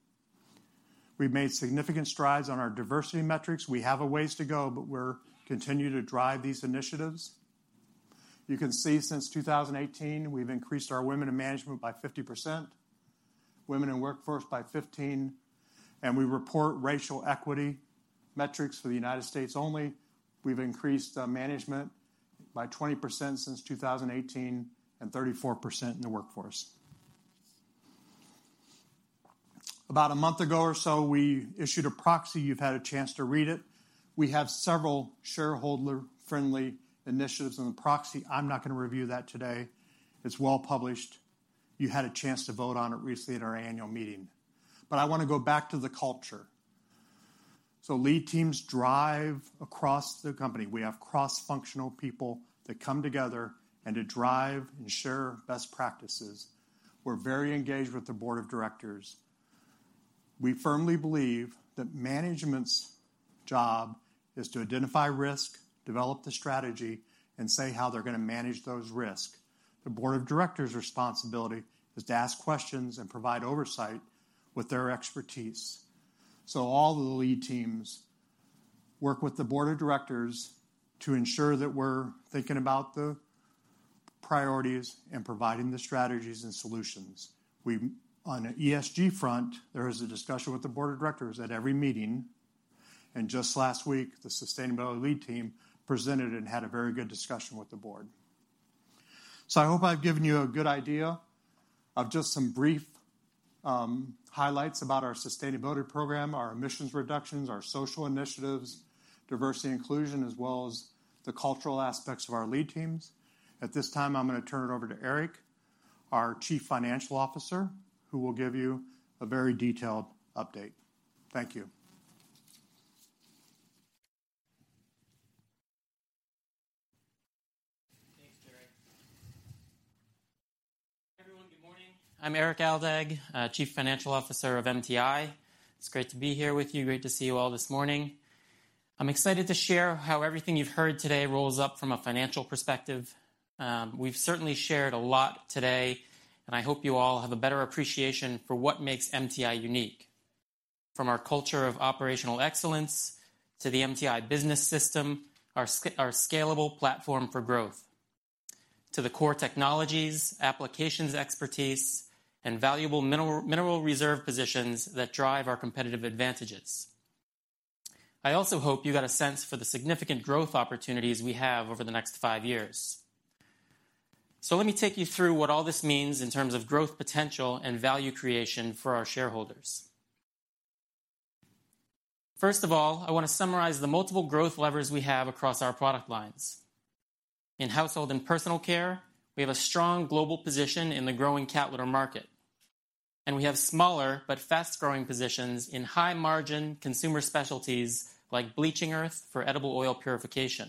We've made significant strides on our diversity metrics. We have a ways to go, we're continuing to drive these initiatives. You can see since 2018, we've increased our women in management by 50%, women in workforce by 15%, we report racial equity metrics for the U.S. only. We've increased management by 20% since 2018 and 34% in the workforce. About a month ago or so, we issued a proxy. You've had a chance to read it. We have several shareholder-friendly initiatives in the proxy. I'm not gonna review that today. It's well-published. You had a chance to vote on it recently at our annual meeting. I wanna go back to the culture. Lead teams drive across the company. We have cross-functional people that come together and to drive and share best practices. We're very engaged with the board of directors. We firmly believe that management's job is to identify risk, develop the strategy, and say how they're gonna manage those risks. The board of directors' responsibility is to ask questions and provide oversight with their expertise. All the lead teams work with the board of directors to ensure that we're thinking about the priorities and providing the strategies and solutions. On the ESG front, there is a discussion with the board of directors at every meeting, and just last week, the sustainability lead team presented and had a very good discussion with the board. I hope I've given you a good idea of just some brief highlights about our sustainability program, our emissions reductions, our social initiatives, diversity and inclusion, as well as the cultural aspects of our lead teams. At this time, I'm gonna turn it over to Erik, our chief financial officer, who will give you a very detailed update. Thank you. Thanks, Gary. Everyone, good morning. I'm Erik Aldag, chief financial officer of MTI. It's great to be here with you. Great to see you all this morning. I'm excited to share how everything you've heard today rolls up from a financial perspective. We've certainly shared a lot today, I hope you all have a better appreciation for what makes MTI unique. From our culture of operational excellence to the MTI business system, our scalable platform for growth to the core technologies, applications expertise, and valuable mineral reserve positions that drive our competitive advantages. I also hope you got a sense for the significant growth opportunities we have over the next five years. Let me take you through what all this means in terms of growth potential and value creation for our shareholders. First of all, I want to summarize the multiple growth levers we have across our product lines. In Household and Personal Care, we have a strong global position in the growing cat litter market, and we have smaller but fast-growing positions in high-margin consumer specialties like bleaching earth for edible oil purification.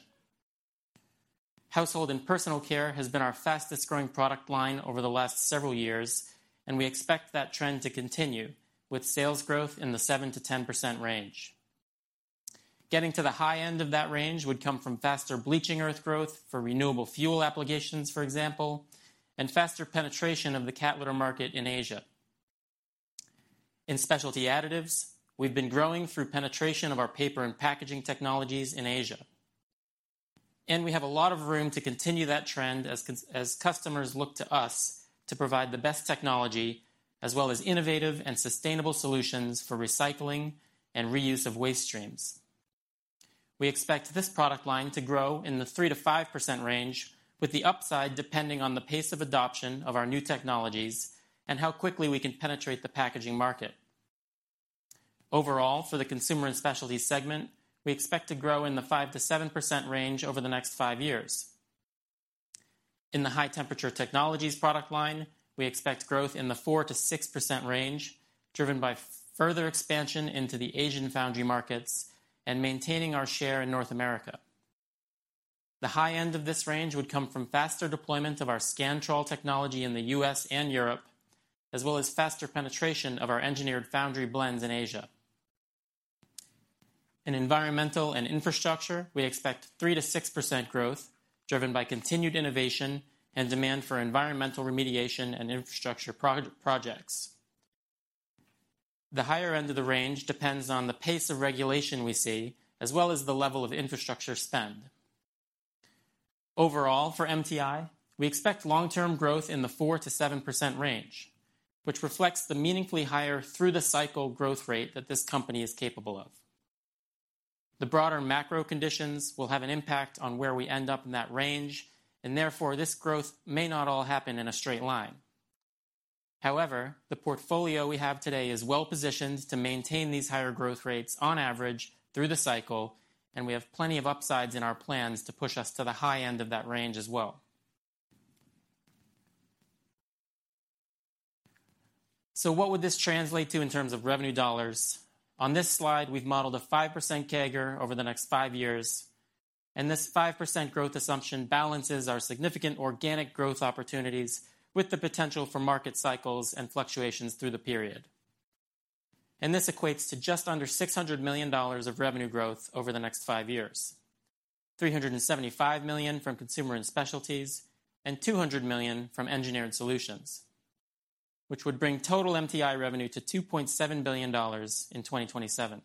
Household and Personal Care has been our fastest growing product line over the last several years, and we expect that trend to continue with sales growth in the 7%-10% range. Getting to the high end of that range would come from faster bleaching earth growth for renewable fuel applications, for example, and faster penetration of the cat litter market in Asia. In Specialty Additives, we've been growing through penetration of our paper and packaging technologies in Asia. We have a lot of room to continue that trend as customers look to us to provide the best technology as well as innovative and sustainable solutions for recycling and reuse of waste streams. We expect this product line to grow in the 3%-5% range, with the upside depending on the pace of adoption of our new technologies and how quickly we can penetrate the packaging market. Overall, for the Consumer & Specialties segment, we expect to grow in the 5%-7% range over the next five years. In the High-Temperature Technologies product line, we expect growth in the 4%-6% range, driven by further expansion into the Asian foundry markets and maintaining our share in North America. The high end of this range would come from faster deployment of our Scantrol technology in the U.S. and Europe, as well as faster penetration of our engineered foundry blends in Asia. In Environmental & Infrastructure, we expect 3%-6% growth driven by continued innovation and demand for environmental remediation and infrastructure projects. The higher end of the range depends on the pace of regulation we see, as well as the level of infrastructure spend. Overall, for MTI, we expect long-term growth in the 4%-7% range, which reflects the meaningfully higher through-the-cycle growth rate that this company is capable of. The broader macro conditions will have an impact on where we end up in that range, and therefore this growth may not all happen in a straight line. However, the portfolio we have today is well-positioned to maintain these higher growth rates on average through the cycle, and we have plenty of upsides in our plans to push us to the high end of that range as well. What would this translate to in terms of revenue dollars? On this slide, we've modeled a 5% CAGR over the next five years, and this 5% growth assumption balances our significant organic growth opportunities with the potential for market cycles and fluctuations through the period. This equates to just under $600 million of revenue growth over the next five years, $375 million from Consumer & Specialties, and $200 million from Engineered Solutions, which would bring total MTI revenue to $2.7 billion in 2027.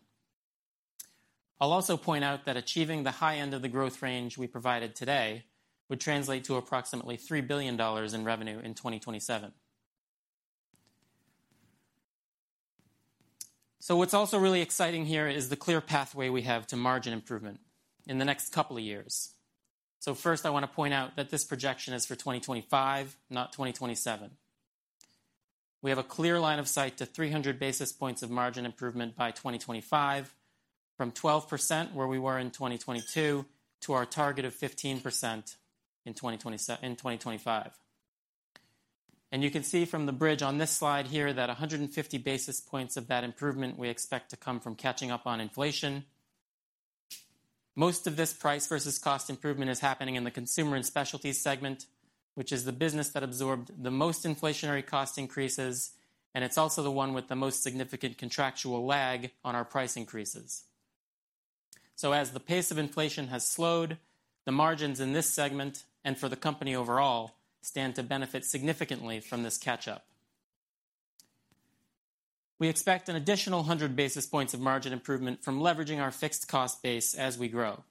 I'll also point out that achieving the high end of the growth range we provided today would translate to approximately $3 billion in revenue in 2027. What's also really exciting here is the clear pathway we have to margin improvement in the next couple of years. First, I wanna point out that this projection is for 2025, not 2027. We have a clear line of sight to 300 basis points of margin improvement by 2025 from 12% where we were in 2022 to our target of 15% in 2025. You can see from the bridge on this slide here that 150 basis points of that improvement we expect to come from catching up on inflation. Most of this price versus cost improvement is happening in the Consumer & Specialties segment, which is the business that absorbed the most inflationary cost increases, and it's also the one with the most significant contractual lag on our price increases. As the pace of inflation has slowed, the margins in this segment, and for the company overall, stand to benefit significantly from this catch-up. We expect an additional 100 basis points of margin improvement from leveraging our fixed cost base as we grow.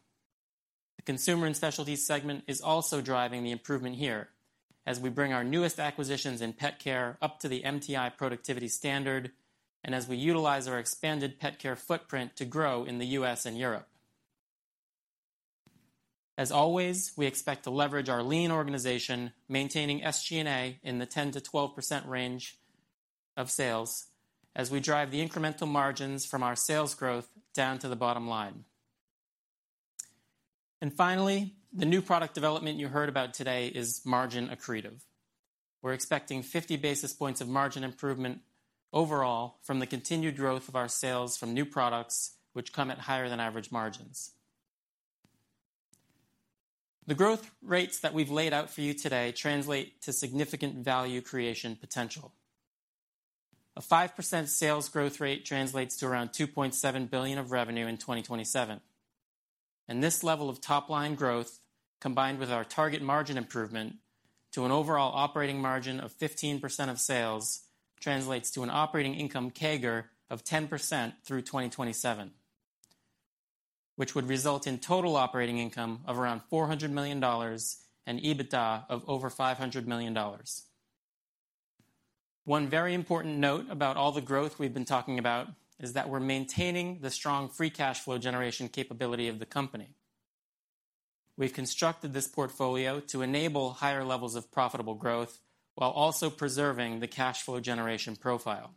The Consumer & Specialties segment is also driving the improvement here as we bring our newest acquisitions in pet care up to the MTI productivity standard and as we utilize our expanded pet care footprint to grow in the U.S. and Europe. As always, we expect to leverage our lean organization, maintaining SG&A in the 10%-12% range of sales as we drive the incremental margins from our sales growth down to the bottom line. Finally, the new product development you heard about today is margin accretive. We're expecting 50 basis points of margin improvement overall from the continued growth of our sales from new products, which come at higher than average margins. The growth rates that we've laid out for you today translate to significant value creation potential. A 5% sales growth rate translates to around $2.7 billion of revenue in 2027. This level of top-line growth, combined with our target margin improvement to an overall operating margin of 15% of sales, translates to an operating income CAGR of 10% through 2027, which would result in total operating income of around $400 million and EBITDA of over $500 million. One very important note about all the growth we've been talking about is that we're maintaining the strong Free Cash Flow generation capability of the company. We've constructed this portfolio to enable higher levels of profitable growth while also preserving the cash flow generation profile.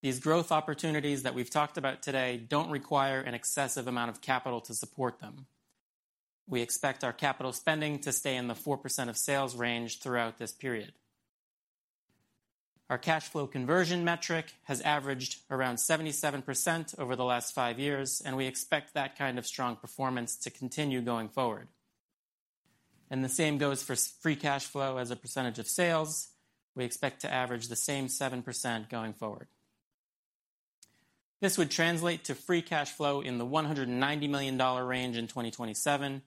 These growth opportunities that we've talked about today don't require an excessive amount of capital to support them. We expect our capital spending to stay in the 4% of sales range throughout this period. Our cash flow conversion metric has averaged around 77% over the last five years, and we expect that kind of strong performance to continue going forward. The same goes for Free Cash Flow as a percentage of sales. We expect to average the same 7% going forward. This would translate to Free Cash Flow in the $190 million range in 2027,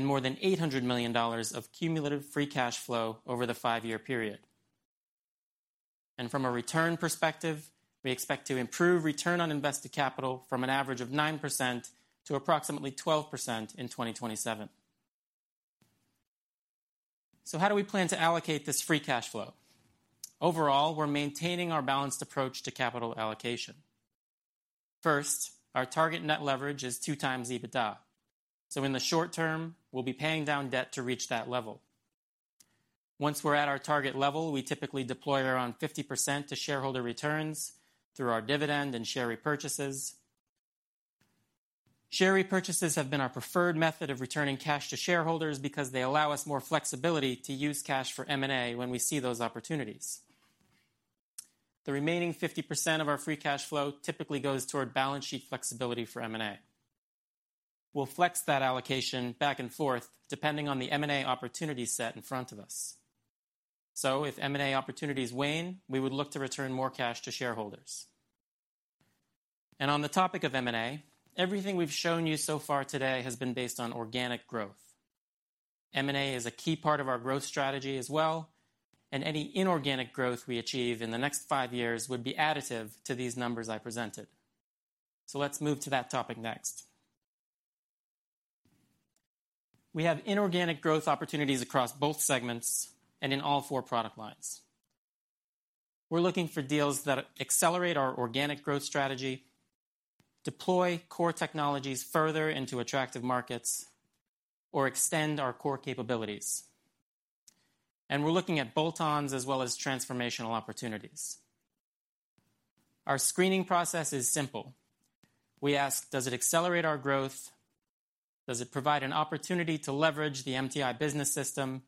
more than $800 million of cumulative Free Cash Flow over the five-year period. From a return perspective, we expect to improve return on invested capital from an average of 9% to approximately 12% in 2027. How do we plan to allocate this Free Cash Flow? Overall, we're maintaining our balanced approach to capital allocation. First, our target Net Leverage is 2x EBITDA. In the short term, we'll be paying down debt to reach that level. Once we're at our target level, we typically deploy around 50% to shareholder returns through our dividend and share repurchases. Share repurchases have been our preferred method of returning cash to shareholders because they allow us more flexibility to use cash for M&A when we see those opportunities. The remaining 50% of our Free Cash Flow typically goes toward balance sheet flexibility for M&A. We'll flex that allocation back and forth depending on the M&A opportunity set in front of us. If M&A opportunities wane, we would look to return more cash to shareholders. On the topic of M&A, everything we've shown you so far today has been based on organic growth. M&A is a key part of our growth strategy as well, and any inorganic growth we achieve in the next five years would be additive to these numbers I presented. Let's move to that topic next. We have inorganic growth opportunities across both segments and in all four product lines. We're looking for deals that accelerate our organic growth strategy, deploy core technologies further into attractive markets, or extend our core capabilities. We're looking at bolt-ons as well as transformational opportunities. Our screening process is simple. We ask, does it accelerate our growth? Does it provide an opportunity to leverage the MTI business system?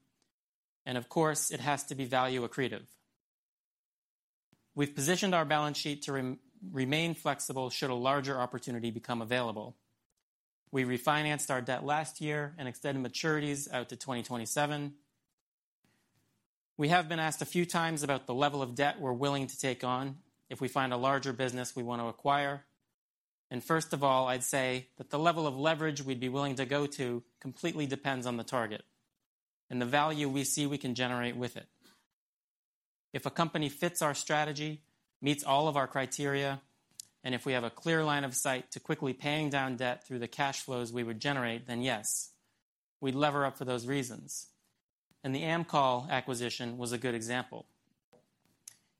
Of course, it has to be value accretive. We've positioned our balance sheet to remain flexible should a larger opportunity become available. We refinanced our debt last year and extended maturities out to 2027. We have been asked a few times about the level of debt we're willing to take on if we find a larger business we want to acquire. First of all, I'd say that the level of leverage we'd be willing to go to completely depends on the target and the value we see we can generate with it. If a company fits our strategy, meets all of our criteria, and if we have a clear line of sight to quickly paying down debt through the cash flows we would generate, then yes, we'd lever up for those reasons. The Amcol acquisition was a good example.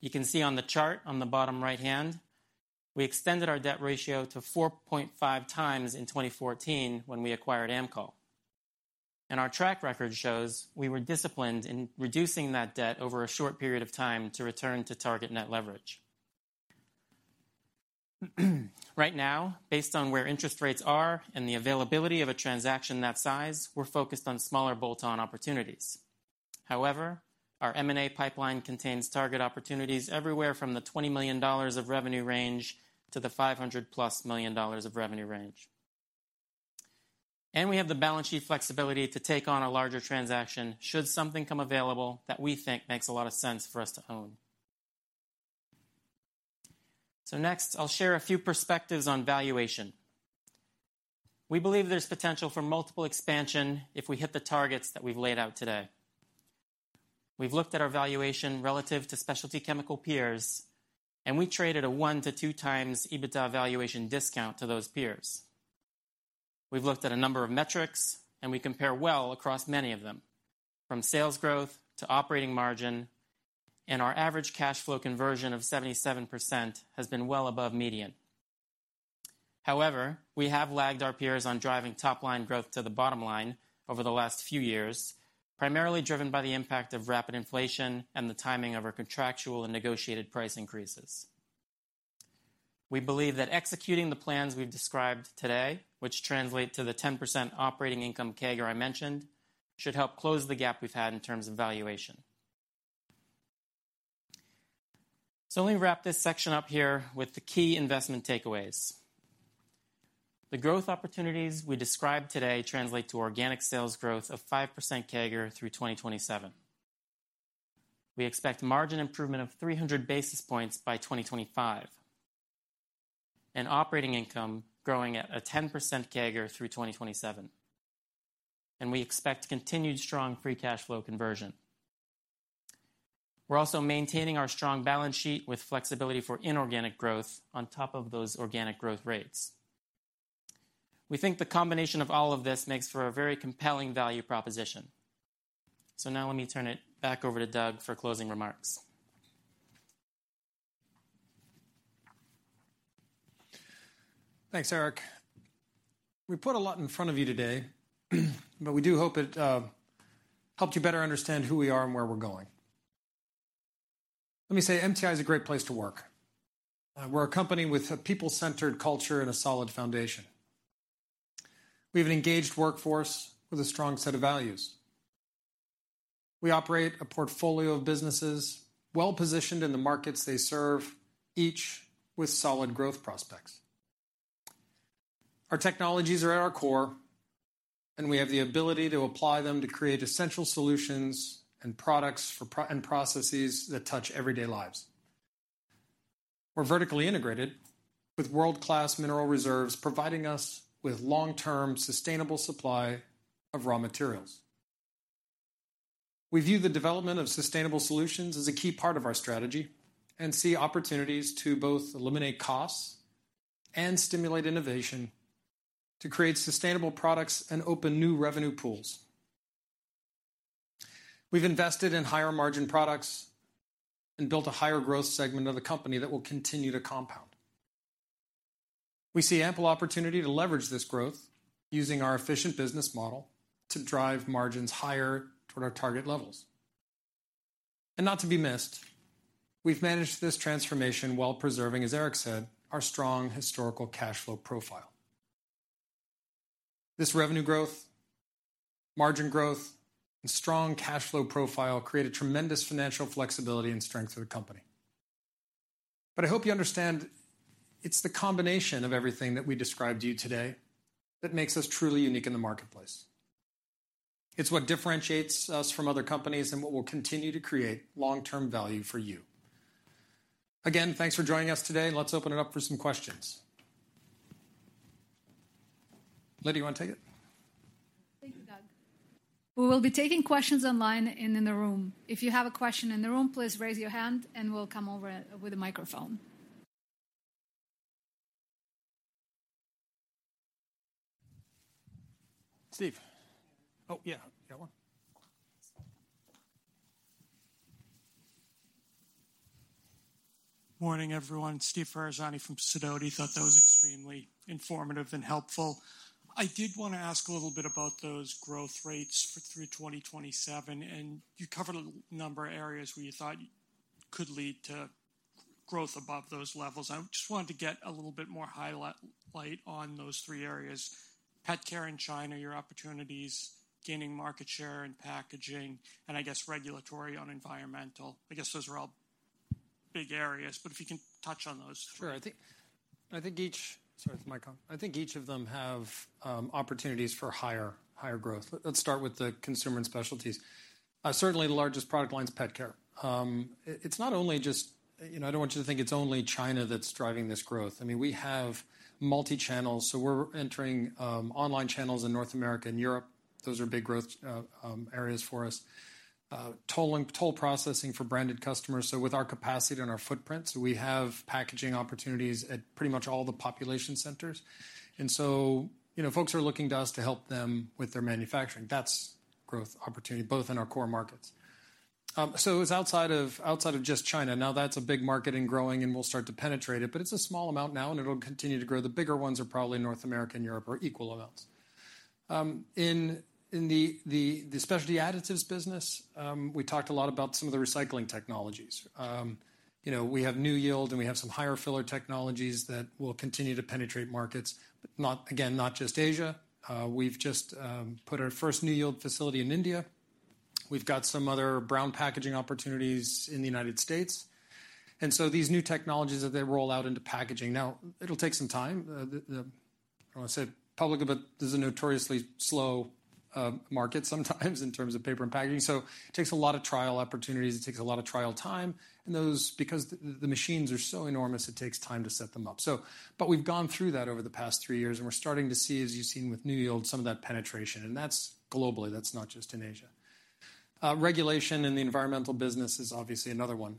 You can see on the chart on the bottom right hand, we extended our debt ratio to 4.5x in 2014 when we acquired Amcol. Our track record shows we were disciplined in reducing that debt over a short period of time to return to target Net Leverage. Right now, based on where interest rates are and the availability of a transaction that size, we're focused on smaller bolt-on opportunities. However, our M&A pipeline contains target opportunities everywhere from the $20 million of revenue range to the $500+ million of revenue range. We have the balance sheet flexibility to take on a larger transaction should something come available that we think makes a lot of sense for us to own. Next, I'll share a few perspectives on valuation. We believe there's potential for multiple expansion if we hit the targets that we've laid out today. We've looked at our valuation relative to specialty chemical peers, we trade at a 1x-2x EBITDA valuation discount to those peers. We've looked at a number of metrics, we compare well across many of them, from sales growth to operating margin, and our average cash flow conversion of 77% has been well above median. However, we have lagged our peers on driving top line growth to the bottom line over the last few years, primarily driven by the impact of rapid inflation and the timing of our contractual and negotiated price increases. We believe that executing the plans we've described today, which translate to the 10% operating income CAGR I mentioned, should help close the gap we've had in terms of valuation. Let me wrap this section up here with the key investment takeaways. The growth opportunities we described today translate to organic sales growth of 5% CAGR through 2027. We expect margin improvement of 300 basis points by 2025 and operating income growing at a 10% CAGR through 2027. We expect continued strong Free Cash Flow conversion. We're also maintaining our strong balance sheet with flexibility for inorganic growth on top of those organic growth rates. We think the combination of all of this makes for a very compelling value proposition. Now let me turn it back over to Doug for closing remarks. Thanks, Erik. We put a lot in front of you today. We do hope it helped you better understand who we are and where we're going. Let me say MTI is a great place to work. We're a company with a people-centered culture and a solid foundation. We have an engaged workforce with a strong set of values. We operate a portfolio of businesses well-positioned in the markets they serve, each with solid growth prospects. Our technologies are at our core. We have the ability to apply them to create essential solutions and products for processes that touch everyday lives. We're vertically integrated with world-class mineral reserves, providing us with long-term sustainable supply of raw materials. We view the development of sustainable solutions as a key part of our strategy and see opportunities to both eliminate costs and stimulate innovation to create sustainable products and open new revenue pools. We've invested in higher margin products and built a higher growth segment of the company that will continue to compound. We see ample opportunity to leverage this growth using our efficient business model to drive margins higher toward our target levels. Not to be missed, we've managed this transformation while preserving, as Erik said, our strong historical cash flow profile. This revenue growth, margin growth, and strong cash flow profile create a tremendous financial flexibility and strength to the company. I hope you understand it's the combination of everything that we described to you today that makes us truly unique in the marketplace. It's what differentiates us from other companies and what will continue to create long-term value for you. Thanks for joining us today. Let's open it up for some questions. Lydia, you wanna take it? Thank you, Doug. We will be taking questions online and in the room. If you have a question in the room, please raise your hand, and we'll come over with a microphone. Steve. Oh, yeah. You got one? Morning, everyone. Steve Ferazani from Sidoti. Thought that was extremely informative and helpful. I did wanna ask a little bit about those growth rates for through 2027. You covered a number of areas where you thought could lead to growth above those levels. I just wanted to get a little bit more highlight on those three areas. Pet care in China, your opportunities, gaining market share and packaging, and I guess regulatory on environmental. I guess those are all big areas, but if you can touch on those. Sure. Sorry for the mic. I think each of them have opportunities for higher growth. Let's start with the Consumer & Specialties. Certainly the largest product line is pet care. It's not only just, you know, I don't want you to think it's only China that's driving this growth. I mean, we have multi-channels, so we're entering online channels in North America and Europe. Those are big growth areas for us. Toll processing for branded customers. So with our capacity and our footprint, so we have packaging opportunities at pretty much all the population centers. You know, folks are looking to us to help them with their manufacturing. That's growth opportunity, both in our core markets. So it's outside of, outside of just China. Now that's a big market and growing, and we'll start to penetrate it, but it's a small amount now, and it'll continue to grow. The bigger ones are probably North America and Europe are equal amounts. In the Specialty Additives business, we talked a lot about some of the recycling technologies. You know, we have NewYield, and we have some higher filler technologies that will continue to penetrate markets, but not, again, not just Asia. We've just put our first NewYield facility in India. We've got some other brown packaging opportunities in the United States. These new technologies as they roll out into packaging. Now, it'll take some time. The, I don't wanna say public, but this is a notoriously slow market sometimes in terms of paper and packaging. It takes a lot of trial opportunities. It takes a lot of trial time. Those, because the machines are so enormous, it takes time to set them up. We've gone through that over the past three years, and we're starting to see, as you've seen with New Yield, some of that penetration, and that's globally. That's not just in Asia. Regulation in the environmental business is obviously another one.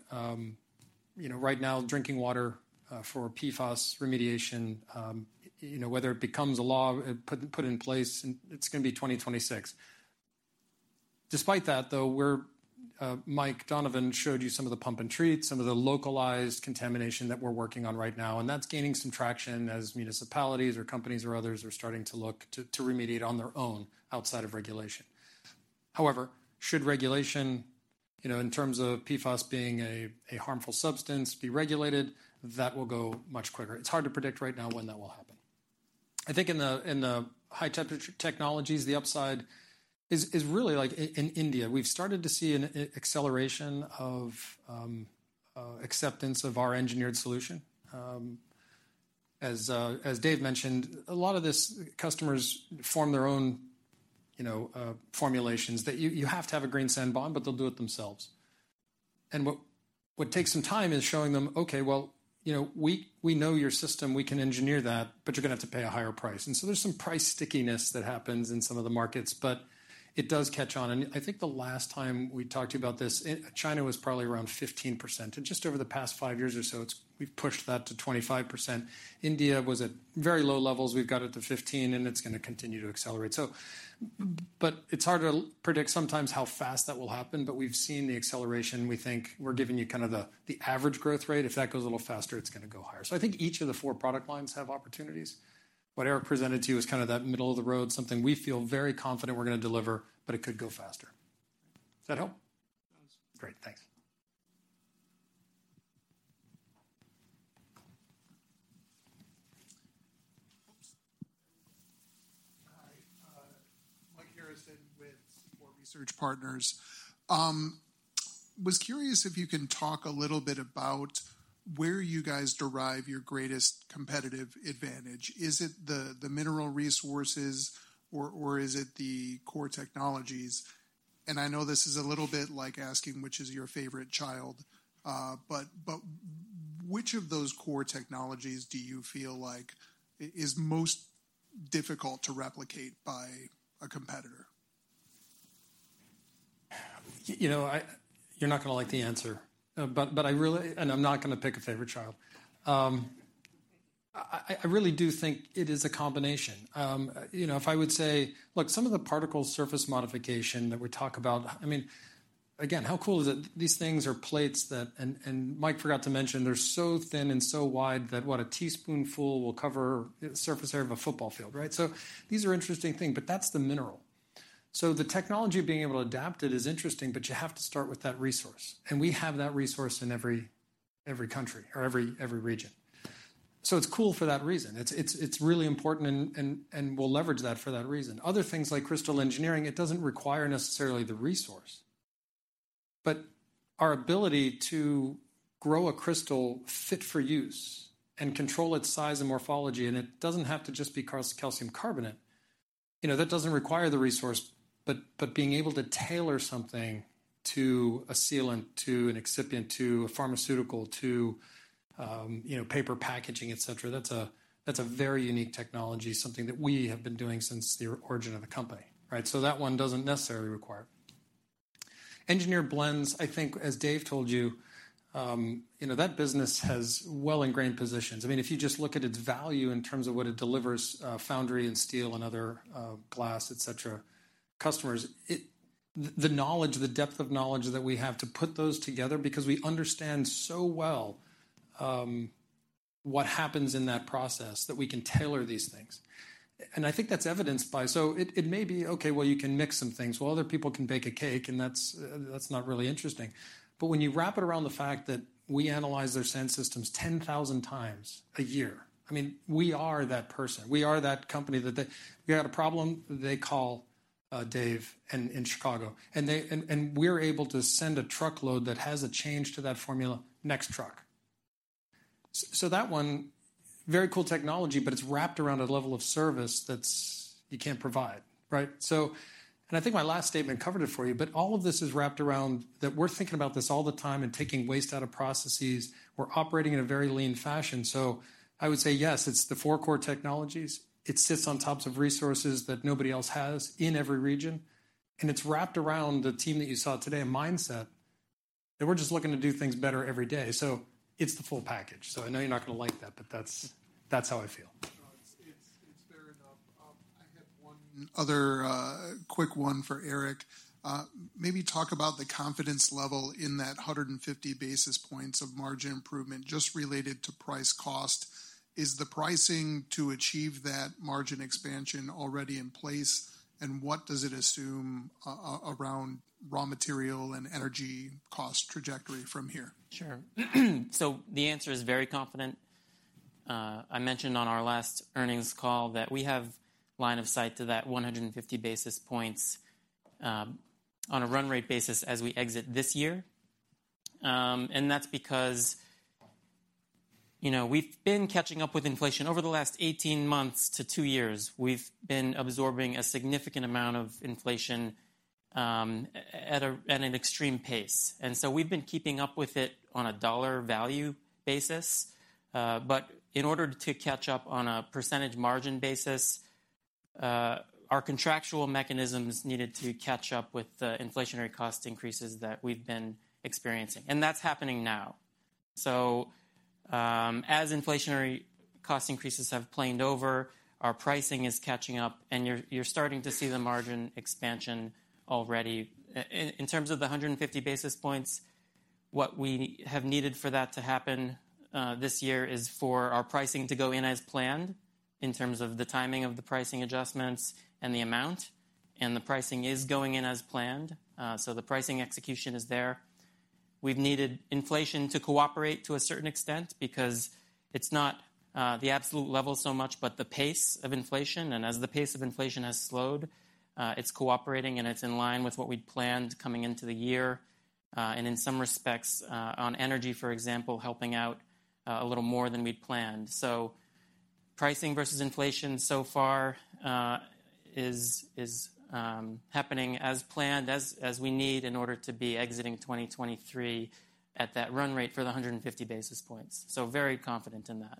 You know, right now, drinking water, for PFAS remediation, you know, whether it becomes a law put in place, it's gonna be 2026. Despite that, though, we're Mike Donovan showed you some of the pump and treat, some of the localized contamination that we're working on right now, and that's gaining some traction as municipalities or companies or others are starting to look to remediate on their own outside of regulation. However, should regulation, you know, in terms of PFAS being a harmful substance, be regulated, that will go much quicker. It's hard to predict right now when that will happen. I think in the, in the High-Temperature Technologies, the upside is really like in India. We've started to see an acceleration of acceptance of our engineered solution. As Dave mentioned, a lot of this customers form their own, you know, formulations that you have to have a green sand bond, but they'll do it themselves. What takes some time is showing them, "Okay, well, you know, we know your system. We can engineer that, but you're gonna have to pay a higher price." There's some price stickiness that happens in some of the markets, but it does catch on. I think the last time we talked to you about this, in China was probably around 15%. Just over the past five years or so, we've pushed that to 25%. India was at very low levels. We've got it to 15, and it's gonna continue to accelerate. But it's hard to predict sometimes how fast that will happen, but we've seen the acceleration. We think we're giving you kind of the average growth rate. If that goes a little faster, it's gonna go higher. I think each of the four product lines have opportunities. What Erik presented to you is kind of that middle of the road, something we feel very confident we're gonna deliver, but it could go faster. Does that help? It does. Great. Thanks. Hi, Michael Harrison with Seaport Research Partners. Was curious if you can talk a little bit about where you guys derive your greatest competitive advantage. Is it the mineral resources or is it the core technologies? I know this is a little bit like asking which is your favorite child, but which of those core technologies do you feel like is most difficult to replicate by a competitor? You know, you're not gonna like the answer. I really... I'm not gonna pick a favorite child. I really do think it is a combination. You know, if I would say, look, some of the Particle Surface Modification that we talk about, I mean, again, how cool is it? These things are plates that... Mike forgot to mention they're so thin and so wide that what a teaspoon full will cover surface area of a football field, right. These are interesting thing, but that's the mineral. The technology of being able to adapt it is interesting, but you have to start with that resource. We have that resource in every country or every region. It's cool for that reason. It's really important and we'll leverage that for that reason. Other things like Crystal Engineering, it doesn't require necessarily the resource. Our ability to grow a crystal fit for use and control its size and morphology, and it doesn't have to just be calcium carbonate, you know, that doesn't require the resource, but being able to tailor something to a sealant, to an excipient, to a pharmaceutical, to, you know, paper packaging, et cetera, that's a, that's a very unique technology, something that we have been doing since the origin of the company, right? That one doesn't necessarily require it. Engineered Blends, I think, as Dave told you know, that business has well-ingrained positions. I mean, if you just look at its value in terms of what it delivers, foundry and steel and other, glass, et cetera, customers, the knowledge, the depth of knowledge that we have to put those together because we understand so well, what happens in that process that we can tailor these things. I think that's evidenced by... It may be, okay, well, you can mix some things. Well, other people can bake a cake, and that's not really interesting. When you wrap it around the fact that we analyze their sand systems 10,000x a year, I mean, we are that person. We are that company that they... You got a problem, they call Dave in Chicago. we're able to send a truckload that has a change to that formula next truck. That one, very cool technology, but it's wrapped around a level of service that's you can't provide, right? And I think my last statement covered it for you, but all of this is wrapped around that we're thinking about this all the time and taking waste out of processes. We're operating in a very lean fashion. I would say yes, it's the four core technologies. It sits on tops of resources that nobody else has in every region, and it's wrapped around the team that you saw today, a mindset that we're just looking to do things better every day. It's the full package. I know you're not gonna like that, but that's how I feel. No, it's fair enough. I had one other quick one for Erik. Maybe talk about the confidence level in that 150 basis points of margin improvement just related to price cost. Is the pricing to achieve that margin expansion already in place? What does it assume around raw material and energy cost trajectory from here? Sure. The answer is very confident. I mentioned on our last earnings call that we have line of sight to that 150 basis points on a run rate basis as we exit this year. That's because, you know, we've been catching up with inflation over the last 18 months to two years. We've been absorbing a significant amount of inflation at an extreme pace. We've been keeping up with it on a dollar value basis, but in order to catch up on a percentage margin basis, our contractual mechanisms needed to catch up with the inflationary cost increases that we've been experiencing. That's happening now. As inflationary cost increases have planed over, our pricing is catching up and you're starting to see the margin expansion already. In terms of the 150 basis points, what we have needed for that to happen this year is for our pricing to go in as planned in terms of the timing of the pricing adjustments and the amount, and the pricing is going in as planned. The pricing execution is there. We've needed inflation to cooperate to a certain extent because it's not the absolute level so much, but the pace of inflation. As the pace of inflation has slowed, it's cooperating and it's in line with what we'd planned coming into the year. In some respects, on energy, for example, helping out a little more than we'd planned. Pricing versus inflation so far, is happening as planned as we need in order to be exiting 2023 at that run rate for the 150 basis points. Very confident in that.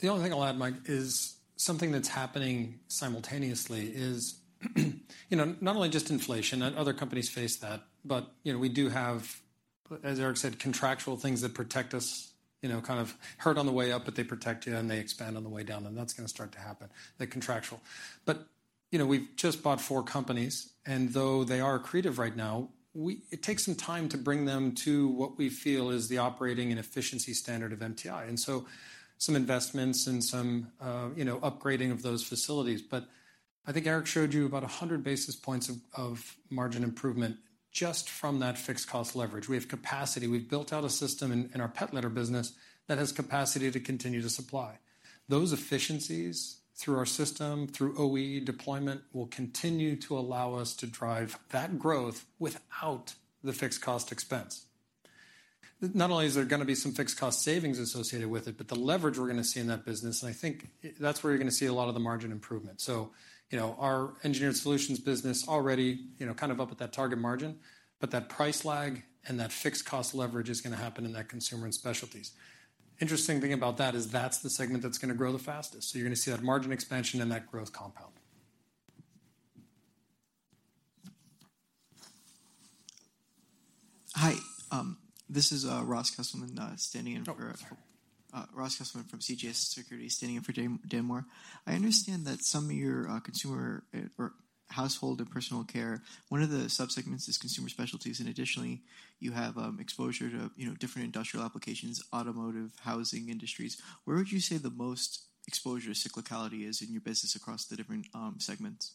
The only thing I'll add, Mike, is something that's happening simultaneously is, you know, not only just inflation, other companies face that, but, you know, we do have, as Erik said, contractual things that protect us, you know, kind of hurt on the way up, but they protect you and they expand on the way down, and that's gonna start to happen, the contractual. You know, we've just bought four companies, and though they are accretive right now, it takes some time to bring them to what we feel is the operating and efficiency standard of MTI. Some investments and some, you know, upgrading of those facilities. I think Erik showed you about 100 basis points of margin improvement just from that fixed cost leverage. We have capacity. We've built out a system in our pet litter business that has capacity to continue to supply. Those efficiencies through our system, through OE deployment, will continue to allow us to drive that growth without the fixed cost expense. Not only is there gonna be some fixed cost savings associated with it, but the leverage we're gonna see in that business, and I think that's where you're gonna see a lot of the margin improvement. You know, our Engineered Solutions business already, you know, kind of up at that target margin, but that price lag and that fixed cost leverage is gonna happen in that Consumer & Specialties. Interesting thing about that is that's the segment that's gonna grow the fastest. You're gonna see that margin expansion and that growth compound. Hi, this is Ross Kesselman, standing in for. Oh, sorry. Ross Kesselman from CJS Securities, standing in for Dan Moore. I understand that some of your consumer or Household & Personal Care, one of the sub-segments is Consumer & Specialties, additionally, you have, exposure to, you know, different industrial applications, automotive, housing industries. Where would you say the most exposure to cyclicality is in your business across the different segments?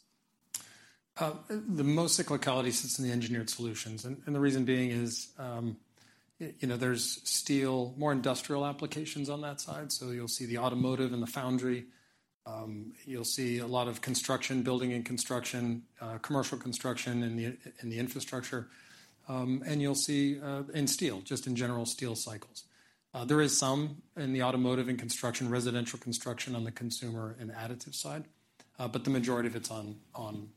The most cyclicality sits in the Engineered Solutions. The reason being is, you know, there's steel, more industrial applications on that side, so you'll see the automotive and the foundry. You'll see a lot of construction, building and construction, commercial construction in the infrastructure. You'll see, in steel, just in general steel cycles. There is some in the automotive and construction, residential construction on the consumer and additive side, but the majority of it's on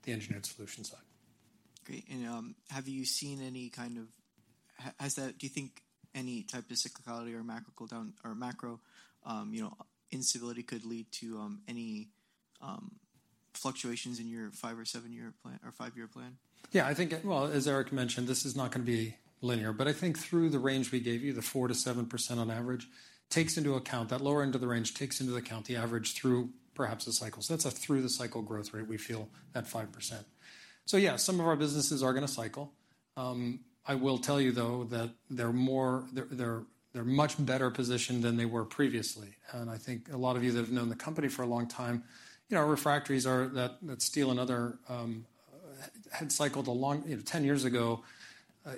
the Engineered Solutions side. Great. Do you think any type of cyclicality or macro cool down or macro, you know, instability could lead to any fluctuations in your five or seven-year plan or five-year plan? Yeah, I think, well, as Erik mentioned, this is not gonna be linear. I think through the range we gave you, the 4%-7% on average, takes into account that lower end of the range takes into account the average through perhaps the cycle. That's a through the cycle growth rate, we feel, at 5%. Yeah, some of our businesses are gonna cycle. I will tell you, though, that they're much better positioned than they were previously. I think a lot of you that have known the company for a long time, you know, refractories are that steel and other had cycled along, you know, 10 years ago,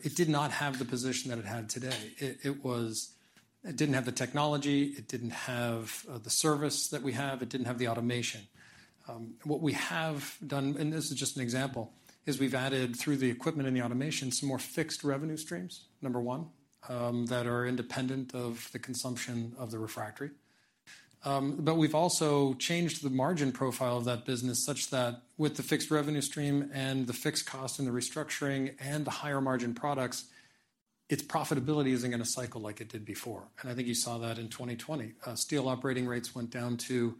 it did not have the position that it had today. It was... It didn't have the technology, it didn't have, the service that we have, it didn't have the automation. What we have done, and this is just an example, is we've added, through the equipment and the automation, some more fixed revenue streams, number one, that are independent of the consumption of the refractory. We've also changed the margin profile of that business such that with the fixed revenue stream and the fixed cost and the restructuring and the higher margin products, its profitability isn't gonna cycle like it did before. I think you saw that in 2020. Steel operating rates went down to,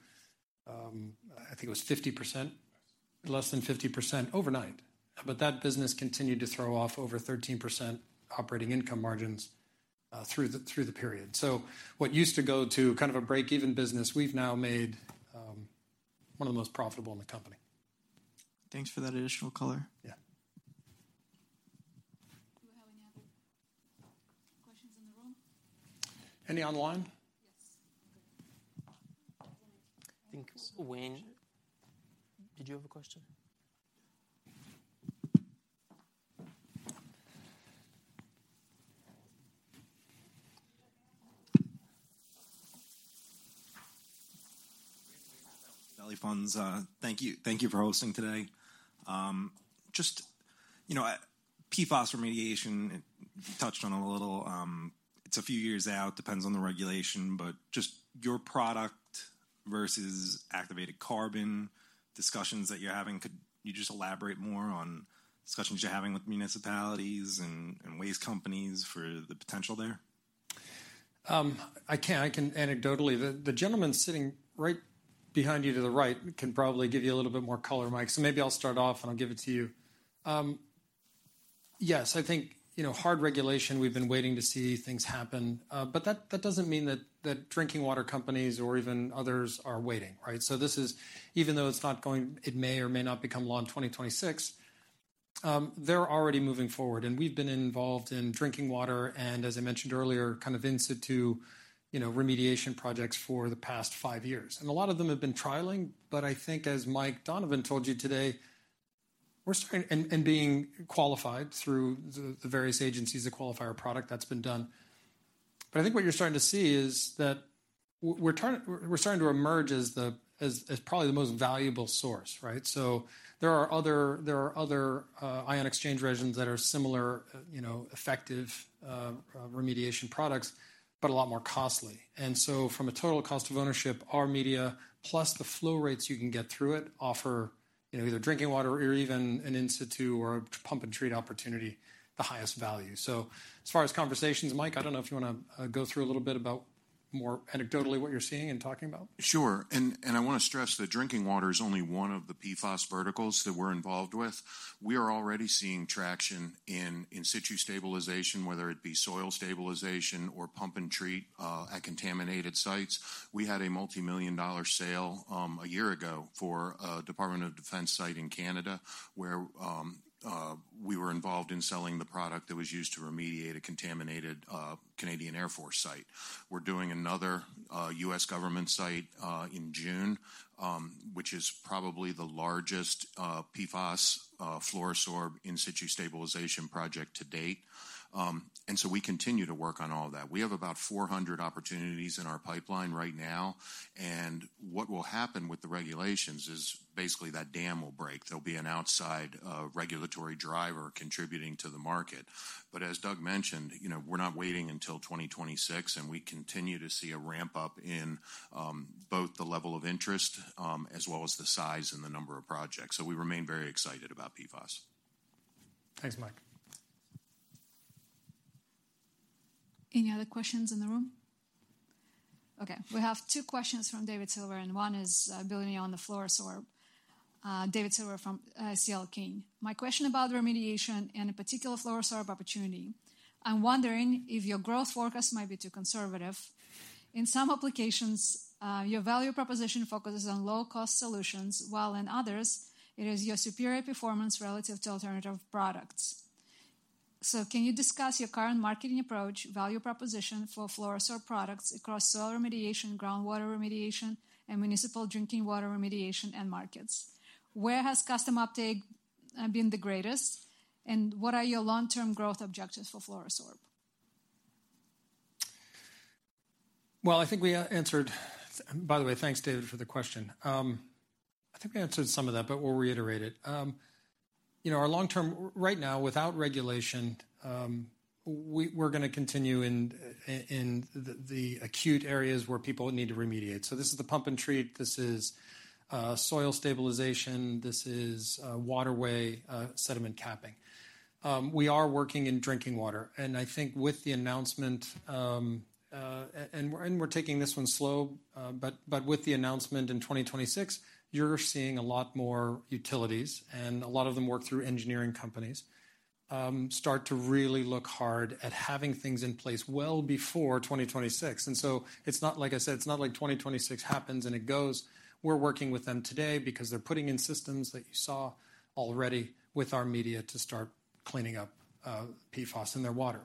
I think it was 50%. Less than 50% overnight. That business continued to throw off over 13% operating income margins through the period. What used to go to kind of a break-even business, we've now made, one of the most profitable in the company. Thanks for that additional color. Yeah. Do we have any other questions in the room? Any online? Yes. Okay. I think Wayne, did you have a question? Valley Funds. Thank you, thank you for hosting today. Just, you know, PFAS remediation, you touched on it a little. It's a few years out, depends on the regulation, but just your product versus activated carbon discussions that you're having, could you just elaborate more on discussions you're having with municipalities and waste companies for the potential there? I can anecdotally. The gentleman sitting right behind you to the right can probably give you a little bit more color, Mike. Maybe I'll start off, and I'll give it to you. Yes, I think, you know, hard regulation, we've been waiting to see things happen. That doesn't mean that drinking water companies or even others are waiting, right? This is, even though it's not going, it may or may not become law in 2026, they're already moving forward. We've been involved in drinking water and as I mentioned earlier, kind of institute, you know, remediation projects for the past five years. A lot of them have been trialing, but I think as Michael Donovan told you today, we're starting... Being qualified through the various agencies that qualify our product, that's been done. I think what you're starting to see is that we're starting to emerge as probably the most valuable source, right? There are other, there are other ion exchange resins that are similar, you know, effective remediation products, but a lot more costly. From a total cost of ownership, our media plus the flow rates you can get through it offer, you know, either drinking water or even an in-situ or pump and treat opportunity, the highest value. As far as conversations, Mike, I don't know if you wanna go through a little bit about more anecdotally what you're seeing and talking about? Sure. I wanna stress that drinking water is only one of the PFAS verticals that we're involved with. We are already seeing traction in in-situ stabilization, whether it be soil stabilization or pump and treat, at contaminated sites. We had a multi-million dollar sale a year ago for a Department of Defense site in Canada, where we were involved in selling the product that was used to remediate a contaminated Royal Canadian Air Force site. We're doing another U.S. government site in June, which is probably the largest PFAS FLUORO-SORB in-situ stabilization project to date. We continue to work on all of that. We have about 400 opportunities in our pipeline right now. What will happen with the regulations is basically that dam will break. There'll be an outside regulatory driver contributing to the market. As Doug mentioned, you know, we're not waiting until 2026, and we continue to see a ramp-up in both the level of interest, as well as the size and the number of projects. We remain very excited about PFAS. Thanks, Mike. Any other questions in the room? Okay. We have two questions from David Silver. One is building on the FLUORO-SORB. David Silver from C.L. King & Associates. My question about remediation and a particular FLUORO-SORB opportunity. I'm wondering if your growth forecast might be too conservative. In some applications, your value proposition focuses on low-cost solutions, while in others it is your superior performance relative to alternative products. Can you discuss your current marketing approach, value proposition for FLUORO-SORB products across soil remediation, groundwater remediation, and municipal drinking water remediation end markets? Where has customer uptake been the greatest, and what are your long-term growth objectives for FLUORO-SORB? Well, I think we answered. By the way, thanks, David, for the question. I think we answered some of that, but we'll reiterate it. You know, our long-term, right now, without regulation, we're gonna continue in the acute areas where people need to remediate. This is the pump and treat, this is soil stabilization, this is waterway sediment capping. We are working in drinking water, and I think with the announcement, and we're taking this one slow, but with the announcement in 2026, you're seeing a lot more utilities, and a lot of them work through engineering companies, start to really look hard at having things in place well before 2026. It's not like I said, it's not like 2026 happens and it goes. We're working with them today because they're putting in systems that you saw already with our media to start cleaning up, PFAS in their water.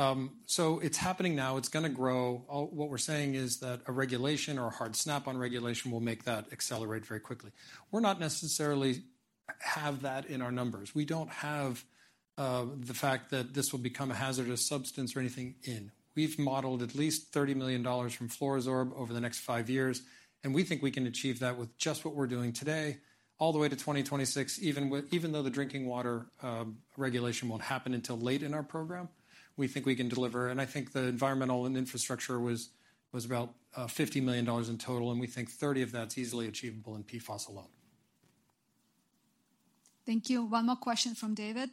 It's happening now. It's gonna grow. What we're saying is that a regulation or a hard snap-on regulation will make that accelerate very quickly. We're not necessarily have that in our numbers. We don't have, the fact that this will become a hazardous substance or anything in. We've modeled at least $30 million from FLUORO-SORB over the next five years, and we think we can achieve that with just what we're doing today all the way to 2026. Even though the drinking water, regulation won't happen until late in our program, we think we can deliver. I think the Environmental & Infrastructure was about $50 million in total, and we think 30 of that's easily achievable in PFAS alone. Thank you. One more question from David.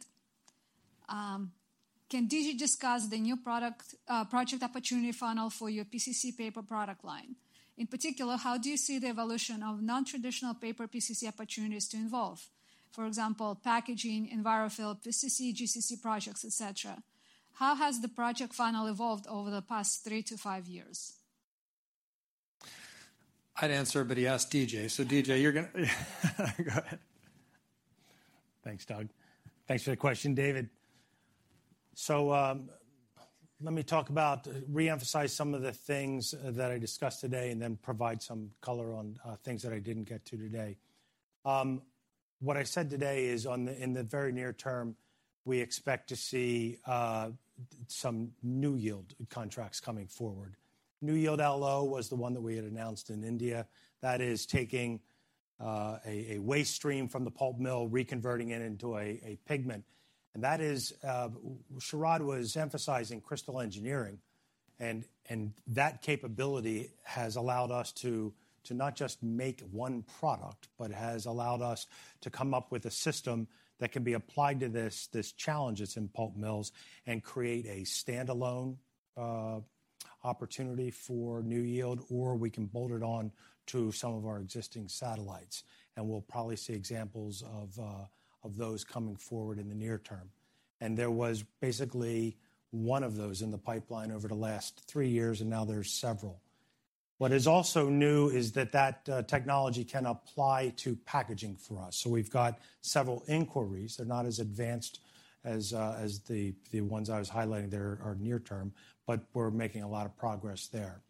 Can D.J. discuss the new product project opportunity funnel for your PCC paper product line? In particular, how do you see the evolution of non-traditional paper PCC opportunities to involve? For example, packaging, ENVIROFIL, PCC, GCC projects, et cetera. How has the project funnel evolved over the past three to five years? I'd answer, but he asked D.J. D.J., you're going to go ahead. Thanks, Doug. Thanks for the question, David. Let me re-emphasize some of the things that I discussed today and then provide some color on things that I didn't get to today. What I said today is in the very near term, we expect to see some NewYield contracts coming forward. NewYield LO was the one that we had announced in India. That is taking a waste stream from the pulp mill, reconverting it into a pigment. That is, Sharad was emphasizing Crystal Engineering, and that capability has allowed us not just to make one product, but has allowed us to come up with a system that can be applied to this challenge that's in pulp mills and create a standalone opportunity for NewYield, or we can bolt it on to some of our existing satellites. We'll probably see examples of those coming forward in the near term. There was basically one of those in the pipeline over the last three years, and now there's several. What is also new is that that technology can apply to packaging for us. We've got several inquiries. They're not as advanced as the ones I was highlighting there are near term, but we're making a lot of progress there.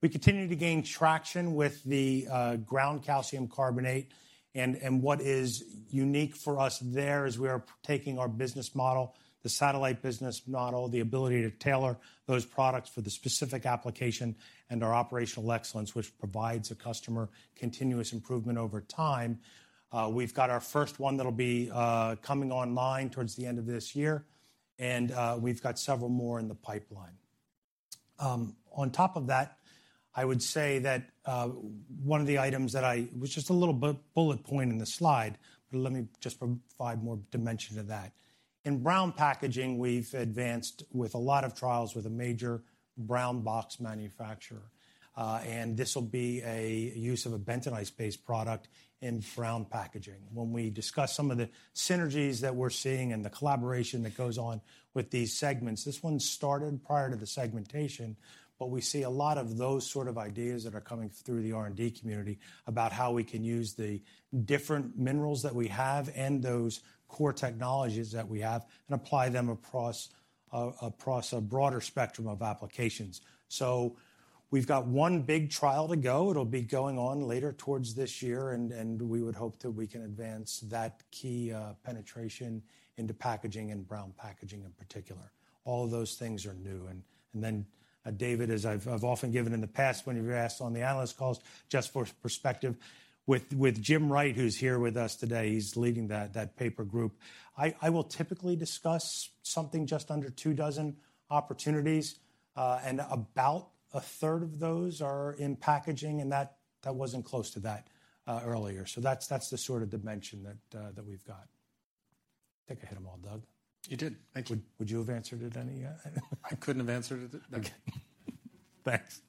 We continue to gain traction with the ground calcium carbonate, and what is unique for us there is we are taking our business model, the satellite business model, the ability to tailor those products for the specific application and our operational excellence, which provides a customer continuous improvement over time. We've got our first one that'll be coming online towards the end of this year, and we've got several more in the pipeline. On top of that. I would say that one of the items that was just a little bullet point in the slide, but let me just provide more dimension to that. In brown packaging, we've advanced with a lot of trials with a major brown box manufacturer. This will be a use of a bentonite-based product in brown packaging. When we discuss some of the synergies that we're seeing and the collaboration that goes on with these segments, this one started prior to the segmentation, but we see a lot of those sort of ideas that are coming through the R&D community about how we can use the different minerals that we have and those core technologies that we have and apply them across a broader spectrum of applications. We've got one big trial to go. It'll be going on later towards this year, and we would hope that we can advance that key penetration into packaging and brown packaging in particular. All of those things are new. Then, David, as I've often given in the past when you've asked on the analyst calls, just for perspective, with Jim Wright, who's here with us today, he's leading that paper group. I will typically discuss something just under two dozen opportunities, and about 1/3 of those are in packaging, and that wasn't close to that earlier. That's the sort of dimension that we've got. Think I hit them all, Doug. You did. Thank you. Would you have answered it any... I couldn't have answered it. No. Okay. Thanks.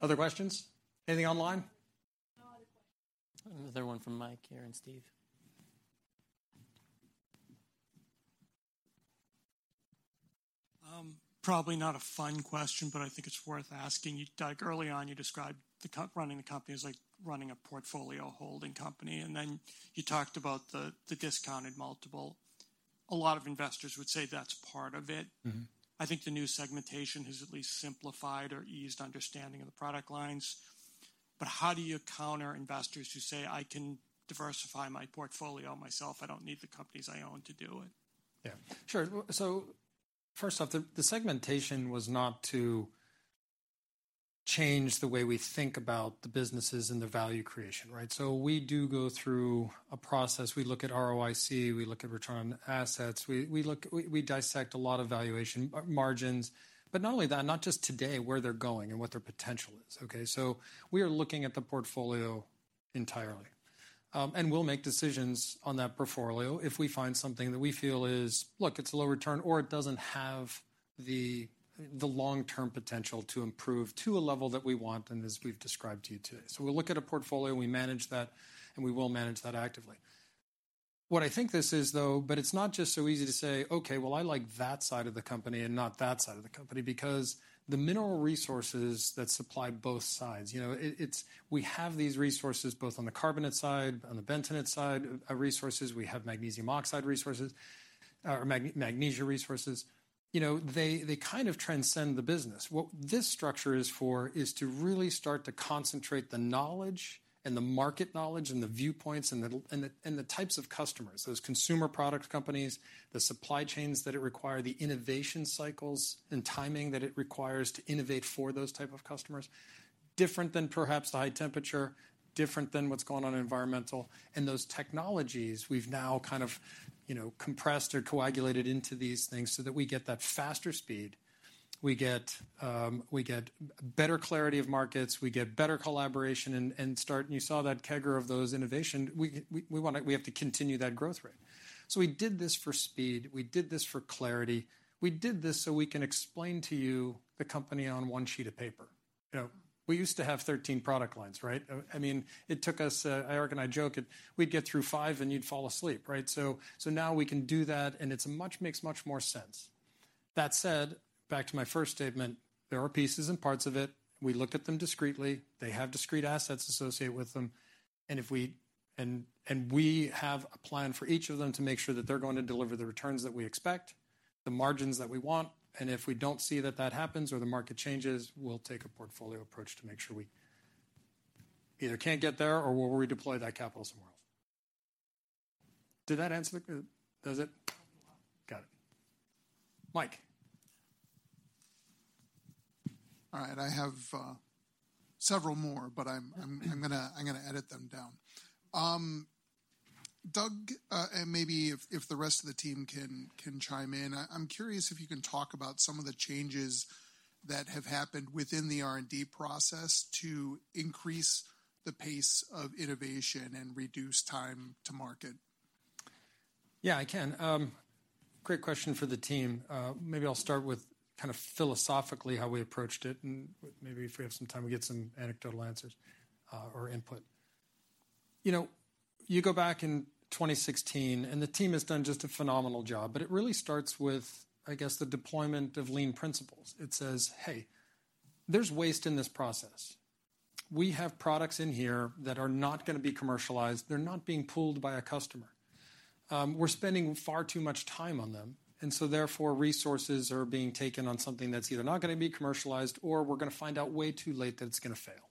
Other questions? Anything online? No other questions. Another one from Mike here, and Steve. Probably not a fun question, but I think it's worth asking you. Doug, early on, you described running the company as like running a portfolio holding company, and then you talked about the discounted multiple. A lot of investors would say that's part of it. Mm-hmm. I think the new segmentation has at least simplified or eased understanding of the product lines. How do you counter investors who say, "I can diversify my portfolio myself. I don't need the companies I own to do it"? Yeah, sure. First off, the segmentation was not to change the way we think about the businesses and the value creation, right? We do go through a process. We look at ROIC, we look at return on assets, we dissect a lot of valuation margins. Not only that, not just today, where they're going and what their potential is, okay? We are looking at the portfolio entirely. We'll make decisions on that portfolio if we find something that we feel is, look, it's low return or it doesn't have the long-term potential to improve to a level that we want and as we've described to you today. We'll look at a portfolio, and we manage that, we will manage that actively. What I think this is, though, but it's not just so easy to say, "Okay, well, I like that side of the company and not that side of the company," because the mineral resources that supply both sides, you know, it's we have these resources both on the carbonate side, on the bentonite side, resources. We have magnesium oxide resources, or magnesia resources. You know, they kind of transcend the business. What this structure is for is to really start to concentrate the knowledge and the market knowledge and the viewpoints and the types of customers, those consumer product companies, the supply chains that it require, the innovation cycles and timing that it requires to innovate for those type of customers. Different than perhaps the high temperature, different than what's going on in environmental. Those technologies we've now kind of, you know, compressed or coagulated into these things so that we get that faster speed. We get better clarity of markets. We get better collaboration and start. You saw that CAGR of those innovation. We have to continue that growth rate. We did this for speed. We did this for clarity. We did this so we can explain to you the company on one sheet of paper. You know, we used to have 13 product lines, right? I mean, it took us Erik and I joke we'd get through five, and you'd fall asleep, right? Now we can do that, and it makes much more sense. That said, back to my first statement, there are pieces and parts of it, we looked at them discreetly. They have discrete assets associated with them. We have a plan for each of them to make sure that they're going to deliver the returns that we expect, the margins that we want. If we don't see that that happens or the market changes, we'll take a portfolio approach to make sure we either can't get there, or we'll redeploy that capital somewhere else. Did that answer does it? Yeah. Got it. Mike. All right. I have several more, but I'm gonna edit them down. Doug, and maybe if the rest of the team can chime in. I'm curious if you can talk about some of the changes that have happened within the R&D process to increase the pace of innovation and reduce time to market. Yeah, I can. great question for the team. maybe I'll start with kind of philosophically how we approached it, and maybe if we have some time, we get some anecdotal answers, or input. You know, you go back in 2016. The team has done just a phenomenal job. It really starts with, I guess, the deployment of lean principles. It says, "Hey, there's waste in this process. We have products in here that are not gonna be commercialized. They're not being pulled by a customer. We're spending far too much time on them, resources are being taken on something that's either not gonna be commercialized, or we're gonna find out way too late that it's gonna fail.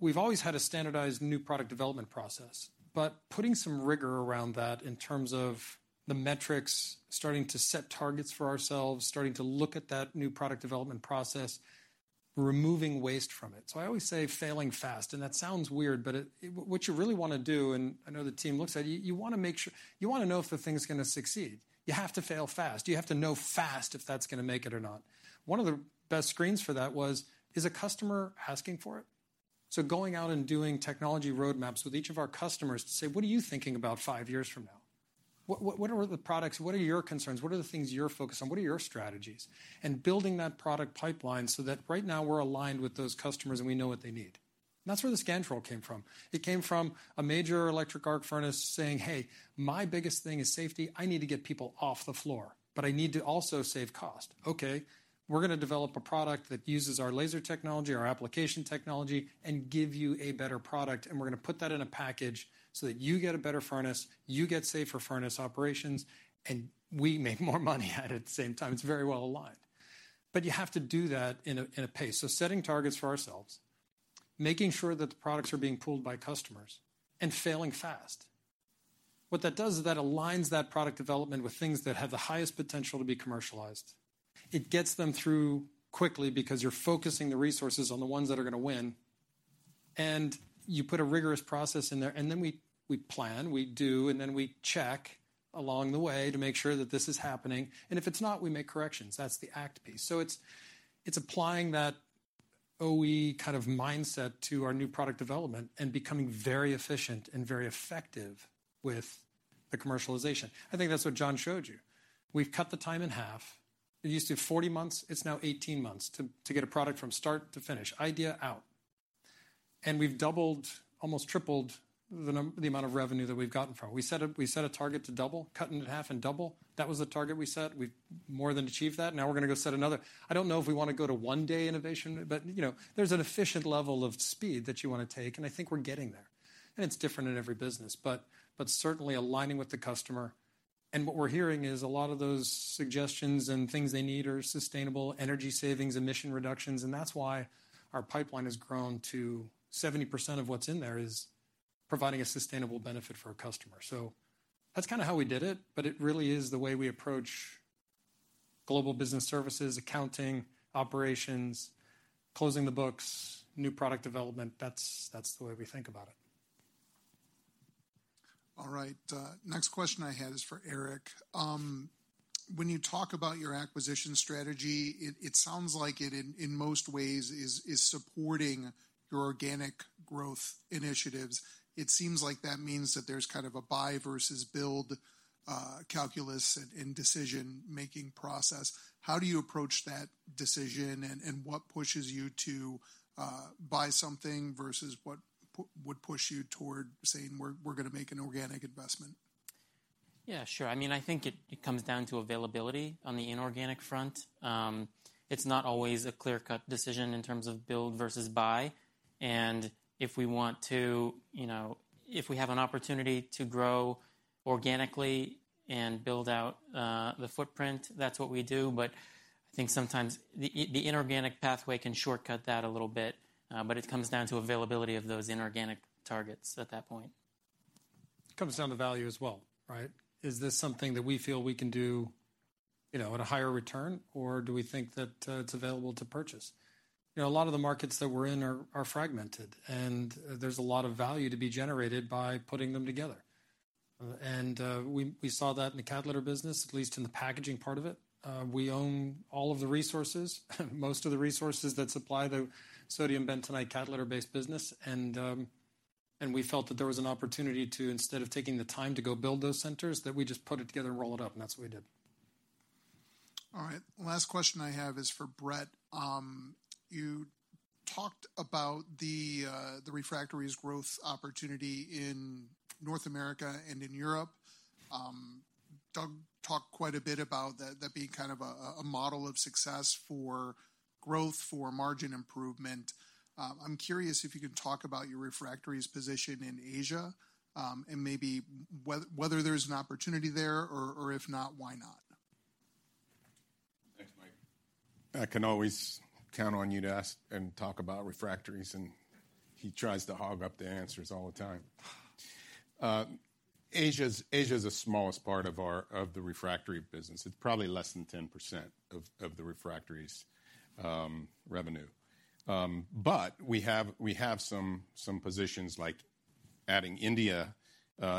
We've always had a standardized new product development process, but putting some rigor around that in terms of the metrics, starting to set targets for ourselves, starting to look at that new product development process, removing waste from it. I always say failing fast, and that sounds weird, what you really wanna do, and I know the team looks at, you wanna know if the thing's gonna succeed. You have to fail fast. You have to know fast if that's gonna make it or not. One of the best screens for that was, is a customer asking for it? Going out and doing technology roadmaps with each of our customers to say, "What are you thinking about five years from now? What are the products? What are your concerns? What are the things you're focused on? What are your strategies?" Building that product pipeline so that right now we're aligned with those customers, and we know what they need. That's where the Scantrol came from. It came from a major Electric Arc Furnace saying, "Hey, my biggest thing is safety. I need to get people off the floor, but I need to also save cost." Okay, we're gonna develop a product that uses our laser technology, our application technology, and give you a better product, and we're gonna put that in a package so that you get a better furnace, you get safer furnace operations, and we make more money at it at the same time. It's very well aligned. You have to do that in a pace. Setting targets for ourselves, making sure that the products are being pulled by customers, and failing fast. What that does is that aligns that product development with things that have the highest potential to be commercialized. It gets them through quickly because you're focusing the resources on the ones that are gonna win, and you put a rigorous process in there, and then we plan, we do, and then we check along the way to make sure that this is happening, and if it's not, we make corrections. That's the OE piece. It's applying that OE kind of mindset to our new product development and becoming very efficient and very effective with the commercialization. I think that's what John showed you. We've cut the time in half. It used to be 40 months. It's now 18 months to get a product from start to finish, idea out. We've doubled, almost tripled the amount of revenue that we've gotten from it. We set a target to double, cut it in half and double. That was the target we set. We've more than achieved that. Now we're gonna go set another. I don't know if we wanna go to one-day innovation, but, you know, there's an efficient level of speed that you wanna take, and I think we're getting there. It's different in every business, but certainly aligning with the customer. What we're hearing is a lot of those suggestions and things they need are sustainable energy savings, emission reductions, and that's why our pipeline has grown to 70% of what's in there is providing a sustainable benefit for our customers. That's kinda how we did it, but it really is the way we approach global business services, accounting, operations, closing the books, new product development. That's the way we think about it. All right. Next question I had is for Erik. When you talk about your acquisition strategy, it sounds like it in most ways is supporting your organic growth initiatives. It seems like that means that there's kind of a buy versus build calculus and decision-making process. How do you approach that decision, and what pushes you to buy something versus what would push you toward saying we're gonna make an organic investment? Yeah, sure. I mean, I think it comes down to availability on the inorganic front. It's not always a clear-cut decision in terms of build versus buy. If we want to, you know, if we have an opportunity to grow organically and build out the footprint, that's what we do. I think sometimes the inorganic pathway can shortcut that a little bit, but it comes down to availability of those inorganic targets at that point. It comes down to value as well, right? Is this something that we feel we can do, you know, at a higher return, or do we think that it's available to purchase? You know, a lot of the markets that we're in are fragmented, and there's a lot of value to be generated by putting them together. We saw that in the cat litter business, at least in the packaging part of it. We own all of the resources, most of the resources that supply the sodium bentonite cat litter-based business, and we felt that there was an opportunity to, instead of taking the time to go build those centers, that we just put it together and roll it up, and that's what we did. All right. Last question I have is for Brett. You talked about the refractories growth opportunity in North America and in Europe. Doug talked quite a bit about that being kind of a model of success for growth, for margin improvement. I'm curious if you can talk about your refractories position in Asia, and maybe whether there's an opportunity there, or if not, why not? Thanks, Mike. I can always count on you to ask and talk about refractories, and he tries to hog up the answers all the time. Asia's the smallest part of our, of the refractory business. It's probably less than 10% of the refractories revenue. We have some positions like adding India.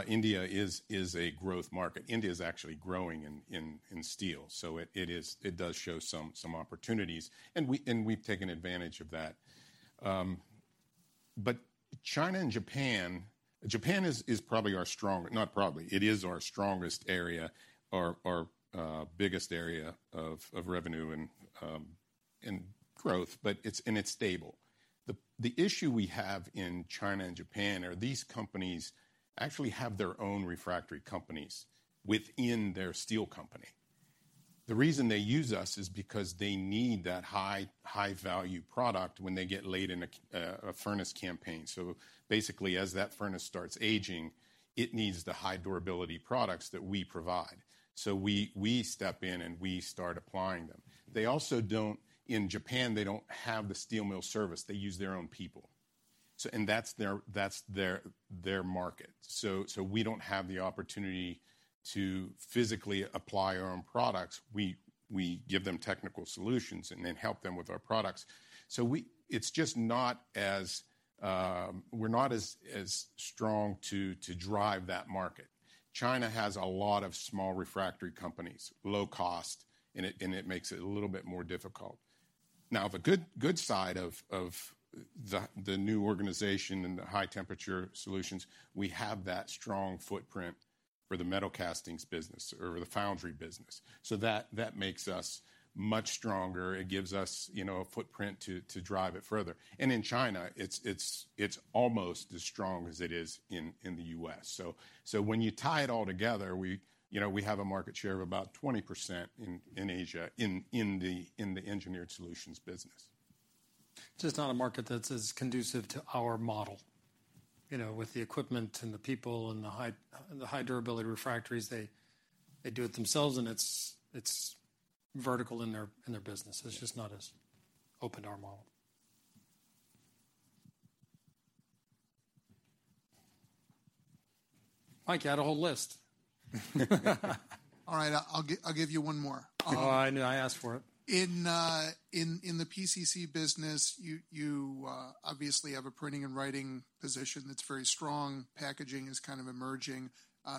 India is a growth market. India's actually growing in steel, it does show some opportunities, and we've taken advantage of that. China and Japan is Not probably, it is our strongest area, our biggest area of revenue and growth, and it's stable. The issue we have in China and Japan are these companies actually have their own refractory companies within their steel company. The reason they use us is because they need that high, high-value product when they get laid in a furnace campaign. Basically, as that furnace starts aging, it needs the high-durability products that we provide, so we step in, and we start applying them. They also don't. In Japan, they don't have the steel mill service. They use their own people. That's their market. We don't have the opportunity to physically apply our own products. We give them technical solutions and then help them with our products. It's just not as. We're not as strong to drive that market. China has a lot of small refractory companies, low cost, and it makes it a little bit more difficult. Now, the good side of the new organization and the high temperature solutions, we have that strong footprint for the metal castings business or the foundry business. That makes us much stronger. It gives us, you know, a footprint to drive it further. In China, it's almost as strong as it is in the U.S. When you tie it all together, we, you know, have a market share of about 20% in Asia, in the Engineered Solutions business. Just not a market that's as conducive to our model, you know, with the equipment and the people and the high, the high durability refractories, they do it themselves, and it's vertical in their, in their business. It's just not as open to our model. Mike, you had a whole list. All right. I'll give you one more. Oh, I knew I asked for it. In the PCC business, you obviously have a printing and writing position that's very strong. Packaging is kind of emerging.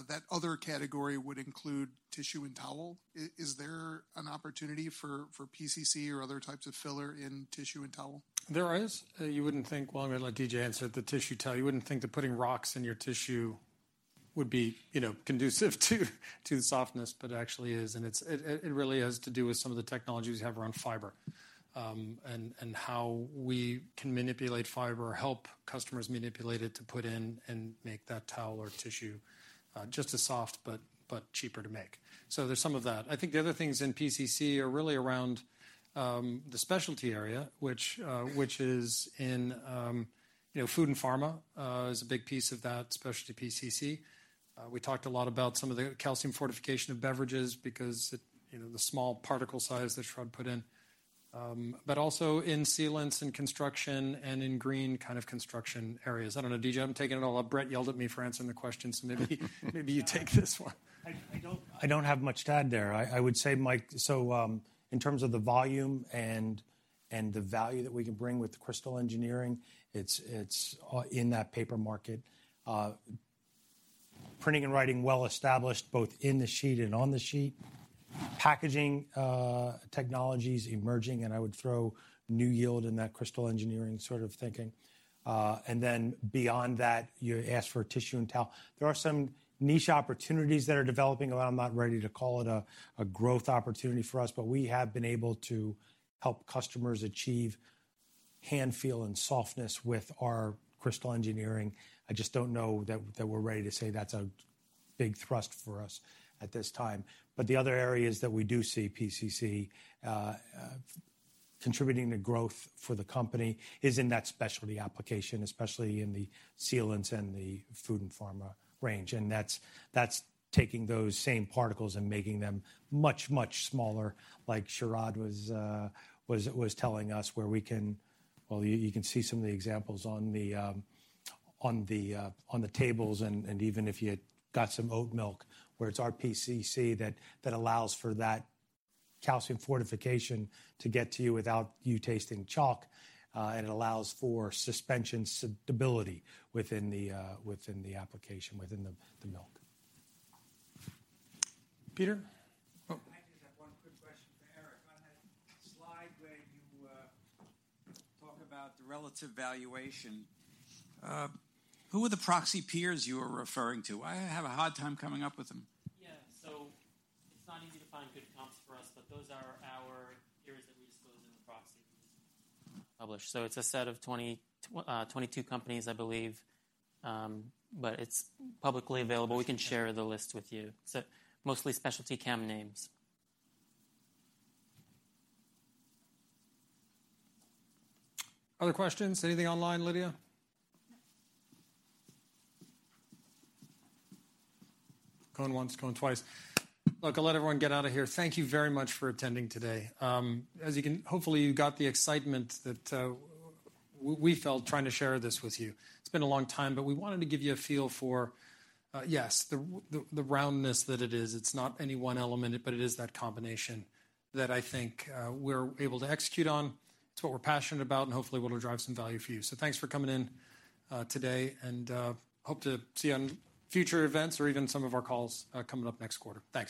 That other category would include tissue and towel. Is there an opportunity for PCC or other types of filler in tissue and towel? There is. Well, I'm gonna let DJ answer the tissue towel. You wouldn't think that putting rocks in your tissue would be, you know, conducive to softness, but actually is. It really has to do with some of the technologies we have around fiber, and how we can manipulate fiber, help customers manipulate it to put in and make that towel or tissue just as soft but cheaper to make. There's some of that. I think the other things in PCC are really around the specialty area, which is in, you know, food and pharma, is a big piece of that specialty PCC. We talked a lot about some of the calcium fortification of beverages because, you know, the small particle size that Sharad put in. Also in sealants and construction and in green kind of construction areas. I don't know, D.J., I'm taking it all up. Brett yelled at me for answering the question, maybe you take this one. I don't have much to add there. I would say, Mike, in terms of the volume and the value that we can bring with the Crystal Engineering, it's in that paper market. Printing and writing well-established both in the sheet and on the sheet. Packaging technology is emerging, I would throw NewYield in that Crystal Engineering sort of thinking. Beyond that, you asked for tissue and towel. There are some niche opportunities that are developing, although I'm not ready to call it a growth opportunity for us, we have been able to help customers achieve hand feel and softness with our Crystal Engineering. I just don't know that we're ready to say that's a big thrust for us at this time. The other areas that we do see PCC contributing to growth for the company is in that specialty application, especially in the sealants and the food and pharma range. That's taking those same particles and making them much, much smaller like Sharad was telling us where you can see some of the examples on the tables and even if you got some oat milk where it's our PCC that allows for that calcium fortification to get to you without you tasting chalk and allows for suspension stability within the application, within the milk. Peter? Oh. I just have one quick question for Erik. On that slide where you talk about the relative valuation, who are the proxy peers you were referring to? I have a hard time coming up with them. Yeah. It's not easy to find good comps for us, but those are our peers that we disclose in the proxy publish. It's a set of 22 companies, I believe. It's publicly available. We can share the list with you. Mostly specialty chem names. Other questions? Anything online, Lydia? Going once, going twice. I'll let everyone get out of here. Thank you very much for attending today. As you can hopefully, you got the excitement that we felt trying to share this with you. It's been a long time, but we wanted to give you a feel for, yes, the roundness that it is. It's not any one element, but it is that combination that I think we're able to execute on. It's what we're passionate about, and hopefully we'll drive some value for you. Thanks for coming in today, and hope to see you on future events or even some of our calls coming up next quarter. Thanks.